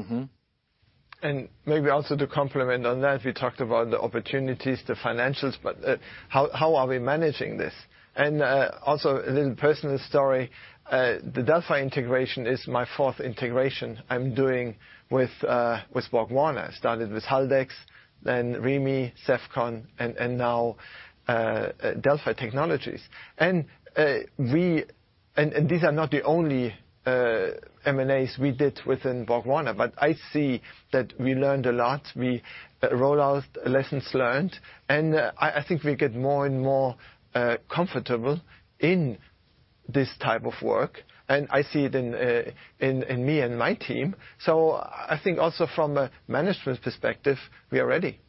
And maybe also to complement on that, we talked about the opportunities, the financials, but how are we managing this? And also a little personal story. The Delphi integration is my fourth integration I'm doing with BorgWarner. I started with Haldex, then Remy, Sevcon, and now Delphi Technologies. And these are not the only M&As we did within BorgWarner, but I see that we learned a lot. We rolled out lessons learned, and I think we get more and more comfortable in this type of work. And I see it in me and my team. So I think also from a management perspective, we are ready.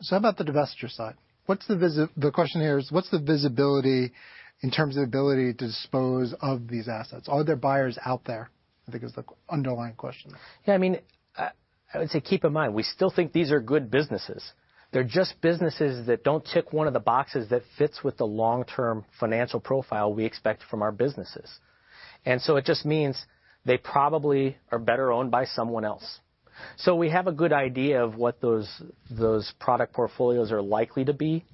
So how about the divestiture side? The question here is, what's the visibility in terms of ability to dispose of these assets? Are there buyers out there? I think it was the underlying question. Yeah, I mean, I would say keep in mind, we still think these are good businesses. They're just businesses that don't tick one of the boxes that fits with the long-term financial profile we expect from our businesses. And so it just means they probably are better owned by someone else. So we have a good idea of what those product portfolios are likely to be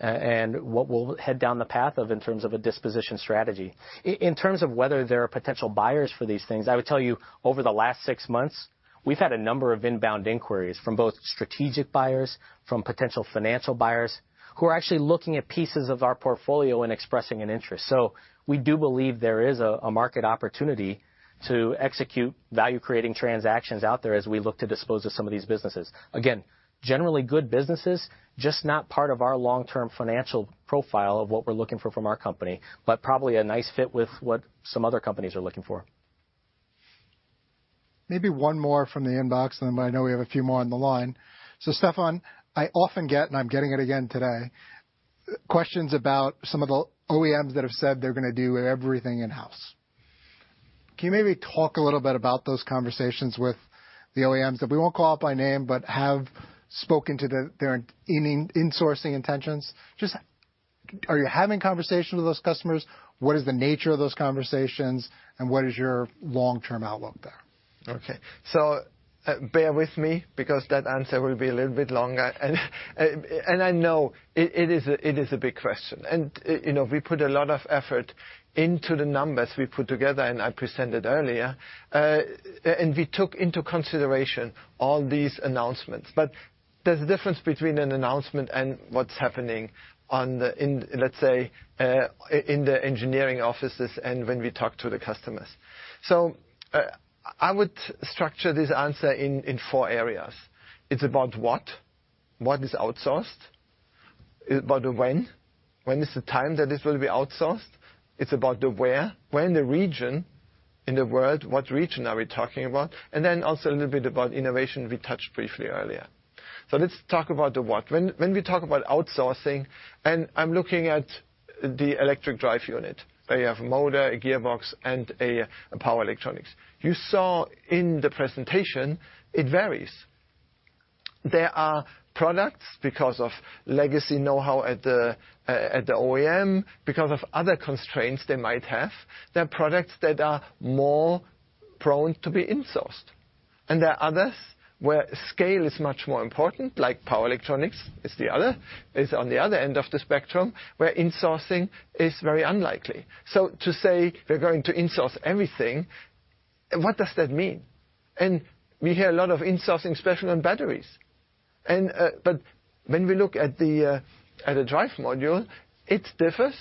and what we'll head down the path of in terms of a disposition strategy. In terms of whether there are potential buyers for these things, I would tell you over the last six months, we've had a number of inbound inquiries from both strategic buyers, from potential financial buyers who are actually looking at pieces of our portfolio and expressing an interest. So we do believe there is a market opportunity to execute value-creating transactions out there as we look to dispose of some of these businesses. Again, generally good businesses, just not part of our long-term financial profile of what we're looking for from our company, but probably a nice fit with what some other companies are looking for. Maybe one more from the inbox, and then I know we have a few more on the line. So Stefan, I often get, and I'm getting it again today, questions about some of the OEMs that have said they're going to do everything in-house. Can you maybe talk a little bit about those conversations with the OEMs that we won't call out by name, but have spoken to their insourcing intentions? Just are you having conversations with those customers? What is the nature of those conversations, and what is your long-term outlook there? Okay, so bear with me because that answer will be a little bit longer. And I know it is a big question. And we put a lot of effort into the numbers we put together, and I presented earlier, and we took into consideration all these announcements. But there's a difference between an announcement and what's happening, let's say, in the engineering offices and when we talk to the customers. So I would structure this answer in four areas. It's about what, what is outsourced, about when, when is the time that it will be outsourced. It's about the where, where in the region, in the world, what region are we talking about? And then also a little bit about innovation we touched briefly earlier. So let's talk about the what. When we talk about outsourcing, and I'm looking at the electric drive unit, where you have a motor, a gearbox, and power electronics. You saw in the presentation, it varies. There are products because of legacy know-how at the OEM, because of other constraints they might have. There are products that are more prone to be insourced. And there are others where scale is much more important, like power electronics is on the other end of the spectrum, where insourcing is very unlikely. So to say we're going to insource everything, what does that mean? And we hear a lot of insourcing, especially on batteries. But when we look at the drive module, it differs,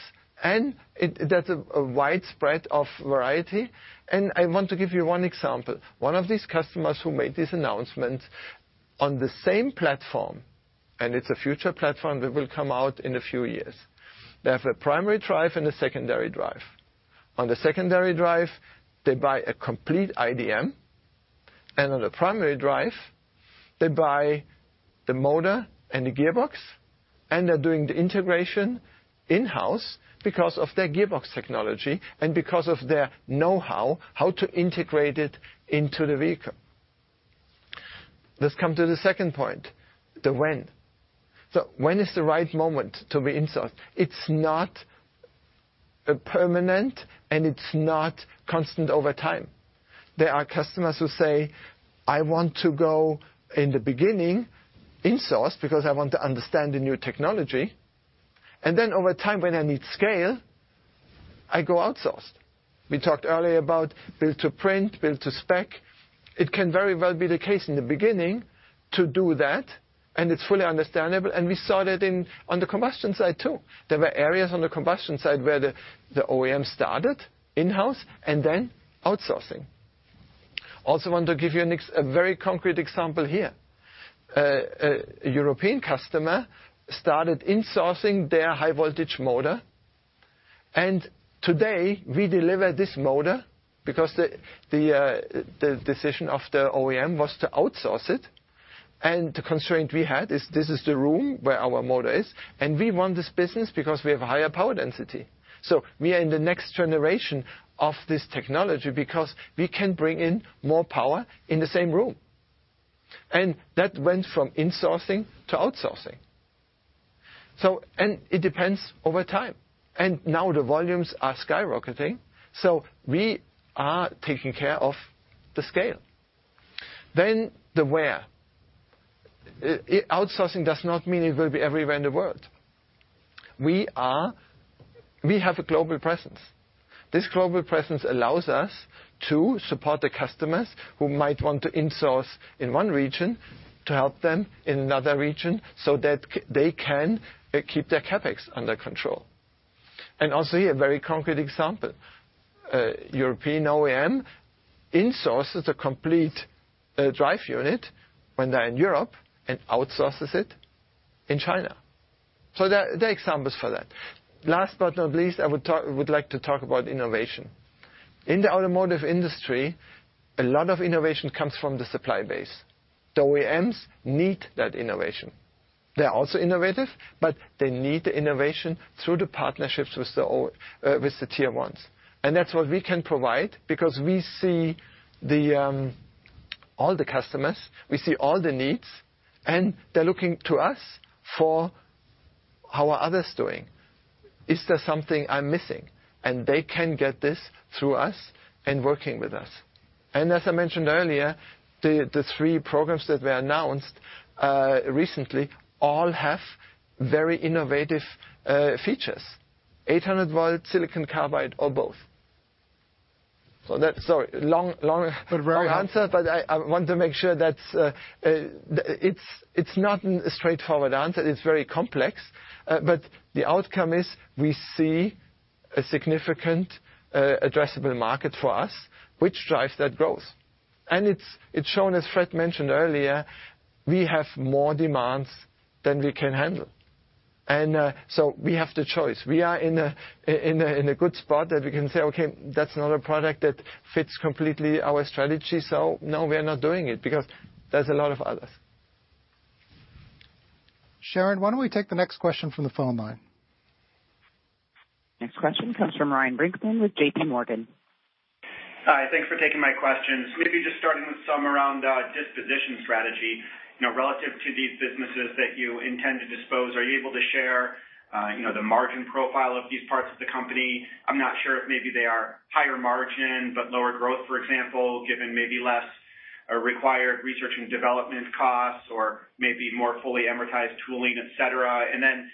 and there's a widespread variety. And I want to give you one example. One of these customers who made this announcement on the same platform, and it's a future platform that will come out in a few years. They have a primary drive and a secondary drive. On the secondary drive, they buy a complete IDM, and on the primary drive, they buy the motor and the gearbox, and they're doing the integration in-house because of their gearbox technology and because of their know-how, how to integrate it into the vehicle. Let's come to the second point, the when. So when is the right moment to be insourced? It's not permanent, and it's not constant over time. There are customers who say, "I want to go in the beginning insourced because I want to understand the new technology." And then over time, when I need scale, I go outsourced. We talked earlier about build-to-print, build-to-spec. It can very well be the case in the beginning to do that, and it's fully understandable. And we saw that on the combustion side too. There were areas on the combustion side where the OEM started in-house and then outsourcing. Also want to give you a very concrete example here. A European customer started insourcing their high-voltage motor. And today, we deliver this motor because the decision of the OEM was to outsource it. And the constraint we had is this is the room where our motor is, and we want this business because we have a higher power density. So we are in the next generation of this technology because we can bring in more power in the same room. And that went from insourcing to outsourcing. And it depends over time. And now the volumes are skyrocketing. So we are taking care of the scale. Then the where. Outsourcing does not mean it will be everywhere in the world. We have a global presence. This global presence allows us to support the customers who might want to insource in one region to help them in another region so that they can keep their CapEx under control. And also here, a very concrete example. European OEM insources a complete drive unit when they're in Europe and outsources it in China. So there are examples for that. Last but not least, I would like to talk about innovation. In the automotive industry, a lot of innovation comes from the supply base. The OEMs need that innovation. They're also innovative, but they need the innovation through the partnerships with the tier ones. And that's what we can provide because we see all the customers, we see all the needs, and they're looking to us for how are others doing. Is there something I'm missing? And they can get this through us and working with us. And as I mentioned earlier, the three programs that were announced recently all have very innovative features: 800-volt silicon carbide or both. So that's a long answer, but I want to make sure that it's not a straightforward answer. It's very complex. But the outcome is we see a significant addressable market for us, which drives that growth. And it's shown, as Fréd mentioned earlier, we have more demands than we can handle. And so we have the choice. We are in a good spot that we can say, "Okay, that's not a product that fits completely our strategy. So no, we're not doing it because there's a lot of others." Sharon, why don't we take the next question from the phone line? Next question comes from Ryan Brinkman with JPMorgan. Hi, thanks for taking my questions. Maybe just starting with some around disposition strategy relative to these businesses that you intend to dispose. Are you able to share the margin profile of these parts of the company? I'm not sure if maybe they are higher margin, but lower growth, for example, given maybe less required research and development costs or maybe more fully amortized tooling, etc. And then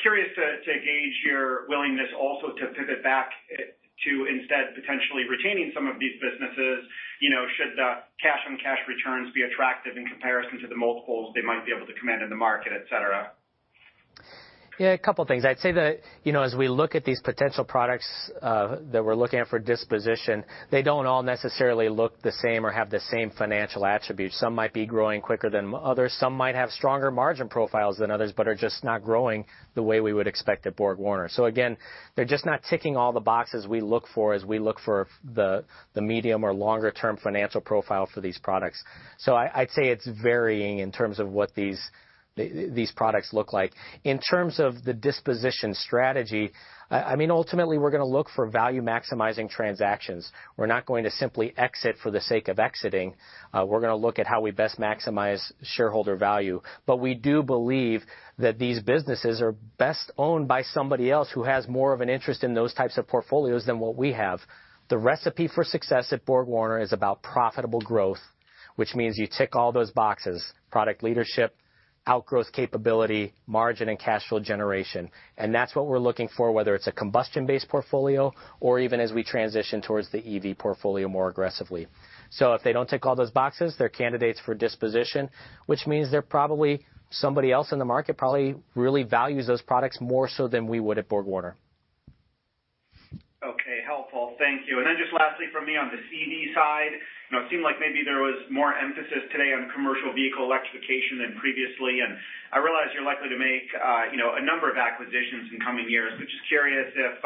curious to gauge your willingness also to pivot back to instead potentially retaining some of these businesses. Should the cash-on-cash returns be attractive in comparison to the multiples they might be able to command in the market, etc.? Yeah, a couple of things. I'd say that as we look at these potential products that we're looking at for disposition, they don't all necessarily look the same or have the same financial attributes. Some might be growing quicker than others. Some might have stronger margin profiles than others, but are just not growing the way we would expect at BorgWarner. So again, they're just not ticking all the boxes we look for as we look for the medium or longer-term financial profile for these products. So I'd say it's varying in terms of what these products look like. In terms of the disposition strategy, I mean, ultimately, we're going to look for value-maximizing transactions. We're not going to simply exit for the sake of exiting. We're going to look at how we best maximize shareholder value. But we do believe that these businesses are best owned by somebody else who has more of an interest in those types of portfolios than what we have. The recipe for success at BorgWarner is about profitable growth, which means you tick all those boxes: product leadership, outgrowth capability, margin, and cash flow generation. And that's what we're looking for, whether it's a combustion-based portfolio or even as we transition towards the EV portfolio more aggressively. So if they don't tick all those boxes, they're candidates for disposition, which means they're probably somebody else in the market really values those products more so than we would at BorgWarner. Okay, helpful. Thank you. And then just lastly from me on the EV side, it seemed like maybe there was more emphasis today on commercial vehicle electrification than previously. And I realize you're likely to make a number of acquisitions in coming years, but just curious if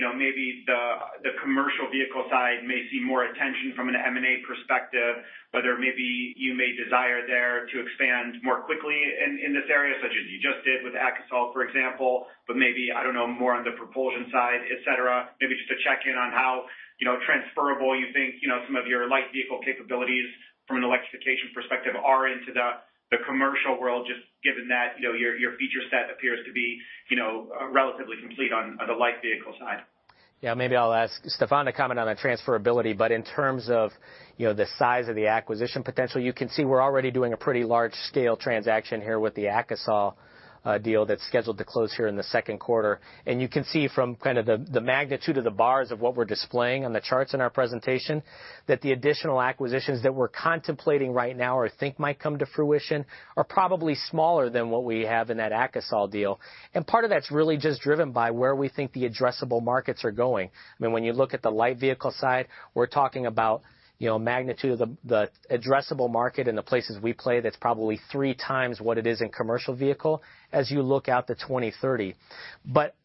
maybe the commercial vehicle side may see more attention from an M&A perspective, whether maybe you may desire there to expand more quickly in this area, such as you just did with Akasol, for example, but maybe, I don't know, more on the propulsion side, etc., maybe just to check in on how transferable you think some of your light vehicle capabilities from an electrification perspective are into the commercial world, just given that your feature set appears to be relatively complete on the light vehicle side. Yeah, maybe I'll ask Stefan to comment on the transferability, but in terms of the size of the acquisition potential, you can see we're already doing a pretty large-scale transaction here with the Akasol deal that's scheduled to close here in the Q2. You can see from kind of the magnitude of the bars of what we're displaying on the charts in our presentation that the additional acquisitions that we're contemplating right now or think might come to fruition are probably smaller than what we have in that Akasol deal. Part of that's really just driven by where we think the addressable markets are going. I mean, when you look at the light vehicle side, we're talking about magnitude of the addressable market in the places we play that's probably three times what it is in commercial vehicle as you look out to 2030.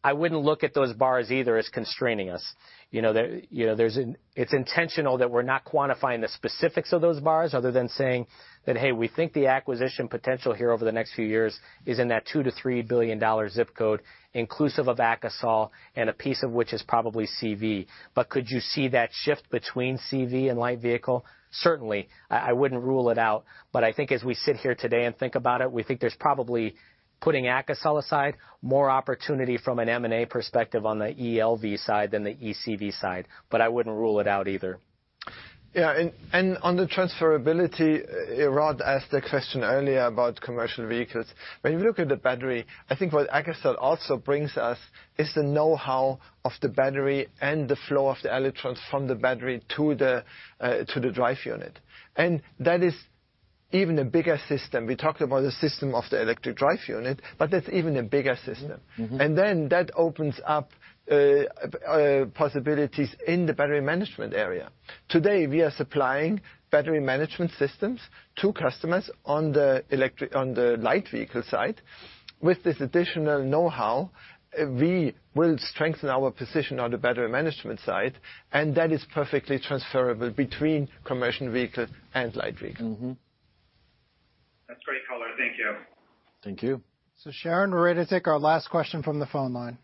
I wouldn't look at those bars either as constraining us. It's intentional that we're not quantifying the specifics of those bars other than saying that, "Hey, we think the acquisition potential here over the next few years is in that $2-3 billion zip code inclusive of Akasol, and a piece of which is probably CV." But could you see that shift between CV and light vehicle? Certainly. I wouldn't rule it out. But I think as we sit here today and think about it, we think there's probably, putting Akasol aside, more opportunity from an M&A perspective on the eLV side than the eCV side. But I wouldn't rule it out either. Yeah. And on the transferability, Rod asked a question earlier about commercial vehicles. When we look at the battery, I think what Akasol also brings us is the know-how of the battery and the flow of the electrons from the battery to the drive unit. That is even a bigger system. We talked about the system of the electric drive unit, but that's even a bigger system. Then that opens up possibilities in the battery management area. Today, we are supplying battery management systems to customers on the light vehicle side. With this additional know-how, we will strengthen our position on the battery management side, and that is perfectly transferable between commercial vehicle and light vehicle. That's great, color. Thank you. Thank you. So Sharon, we're ready to take our last question from the phone line.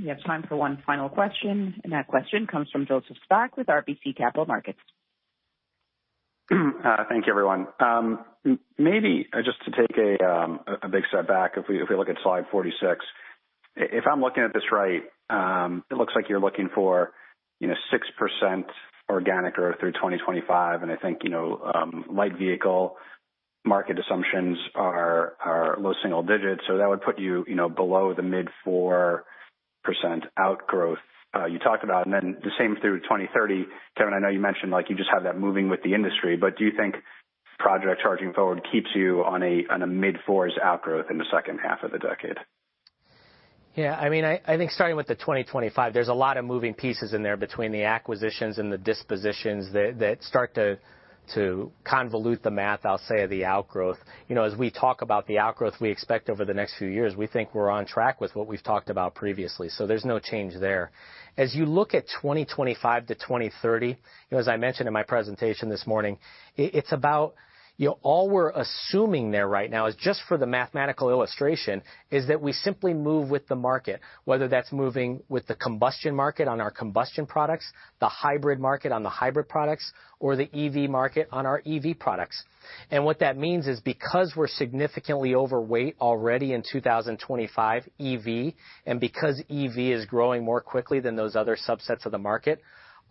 We have time for one final question. That question comes Joseph Spak with RBC Capital Markets. Thank you, everyone. Maybe just to take a big step back, if we look at slide 46, if I'm looking at this right, it looks like you're looking for 6% organic growth through 2025. And I think light vehicle market assumptions are low single digits. So that would put you below the mid-4% outgrowth you talked about. And then the same through 2030. Kevin, I know you mentioned you just have that moving with the industry, but do you think Project Charging Forward keeps you on a mid-4s outgrowth in the second half of the decade? Yeah. I mean, I think starting with the 2025, there's a lot of moving pieces in there between the acquisitions and the dispositions that start to convolute the math, I'll say, of the outgrowth. As we talk about the outgrowth we expect over the next few years, we think we're on track with what we've talked about previously. So there's no change there. As you look at 2025 to 2030, as I mentioned in my presentation this morning, it's about all we're assuming there right now is just for the mathematical illustration is that we simply move with the market, whether that's moving with the combustion market on our combustion products, the hybrid market on the hybrid products, or the EV market on our EV products. And what that means is because we're significantly overweight already in 2025 EV, and because EV is growing more quickly than those other subsets of the market,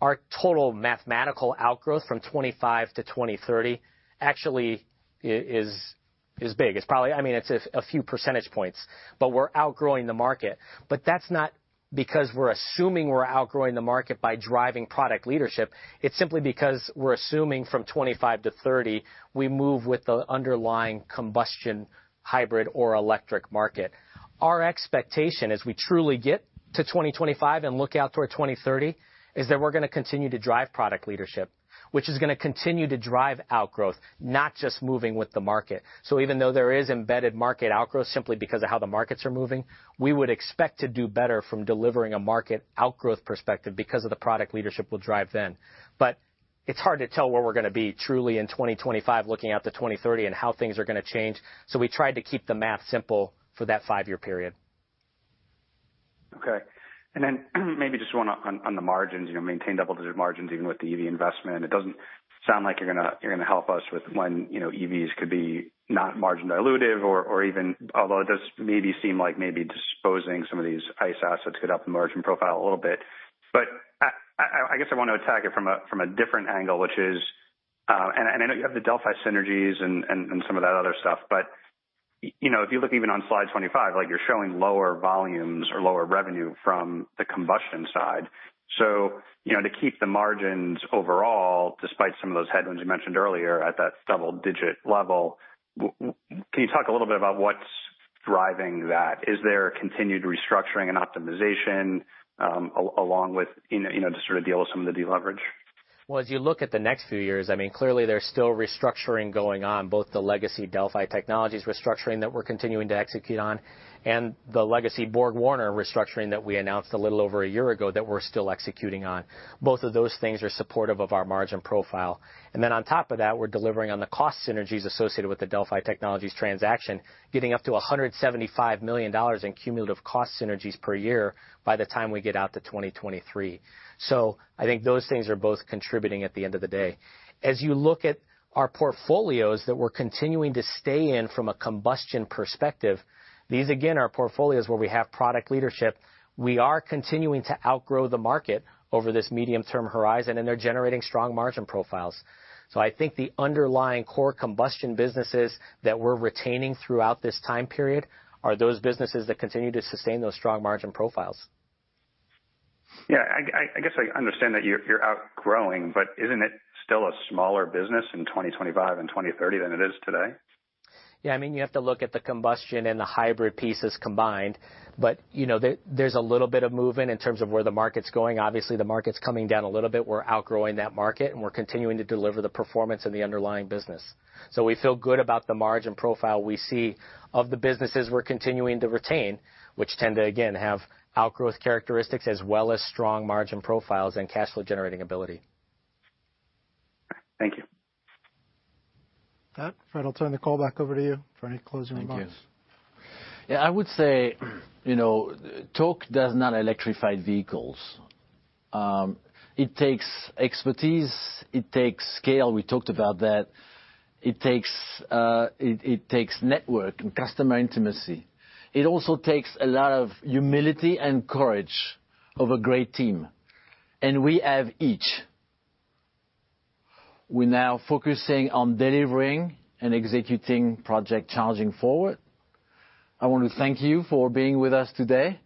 our total mathematical outgrowth from 25 to 2030 actually is big. I mean, it's a few percentage points, but we're outgrowing the market. But that's not because we're assuming we're outgrowing the market by driving product leadership. It's simply because we're assuming from 25 to 30, we move with the underlying combustion hybrid or electric market. Our expectation as we truly get to 2025 and look out toward 2030 is that we're going to continue to drive product leadership, which is going to continue to drive outgrowth, not just moving with the market, so even though there is embedded market outgrowth simply because of how the markets are moving, we would expect to do better from delivering a market outgrowth perspective because of the product leadership we'll drive then, but it's hard to tell where we're going to be truly in 2025 looking out to 2030 and how things are going to change, so we tried to keep the math simple for that five-year period. Okay, and then maybe just one on the margins, maintain double-digit margins even with the EV investment. It doesn't sound like you're going to help us with when EVs could be not margin dilutive or even, although it does maybe seem like maybe disposing some of these ICE assets could help the margin profile a little bit. But I guess I want to attack it from a different angle, which is, and I know you have the Delphi synergies and some of that other stuff, but if you look even on slide 25, you're showing lower volumes or lower revenue from the combustion side. So to keep the margins overall, despite some of those headwinds you mentioned earlier at that double-digit level, can you talk a little bit about what's driving that? Is there continued restructuring and optimization along with to sort of deal with some of the deleverage? As you look at the next few years, I mean, clearly there's still restructuring going on, both the legacy Delphi Technologies restructuring that we're continuing to execute on and the legacy BorgWarner restructuring that we announced a little over a year ago that we're still executing on. Both of those things are supportive of our margin profile. Then on top of that, we're delivering on the cost synergies associated with the Delphi Technologies transaction, getting up to $175 million in cumulative cost synergies per year by the time we get out to 2023. I think those things are both contributing at the end of the day. As you look at our portfolios that we're continuing to stay in from a combustion perspective, these again are portfolios where we have product leadership. We are continuing to outgrow the market over this medium-term horizon, and they're generating strong margin profiles. So I think the underlying core combustion businesses that we're retaining throughout this time period are those businesses that continue to sustain those strong margin profiles. Yeah. I guess I understand that you're outgrowing, but isn't it still a smaller business in 2025 and 2030 than it is today? Yeah. I mean, you have to look at the combustion and the hybrid pieces combined, but there's a little bit of movement in terms of where the market's going. Obviously, the market's coming down a little bit. We're outgrowing that market, and we're continuing to deliver the performance in the underlying business. So we feel good about the margin profile we see of the businesses we're continuing to retain, which tend to, again, have outgrowth characteristics as well as strong margin profiles and cash flow generating ability. Thank you. That, Fréd, I'll turn the call back over to you for any closing remarks. Thank you. Yeah. I would say TOC does not electrify vehicles. It takes expertise. It takes scale. We talked about that. It takes network and customer intimacy. It also takes a lot of humility and courage of a great team. And we have each. We're now focusing on delivering and executing Project Charging Forward. I want to thank you for being with us today,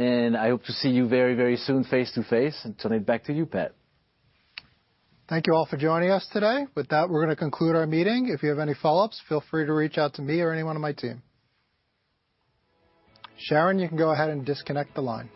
and I hope to see you very, very soon face to face. I'll turn it back to you, Pat. Thank you all for joining us today. With that, we're going to conclude our meeting. If you have any follow-ups, feel free to reach out to me or anyone on my team. Sharon, you can go ahead and disconnect the line.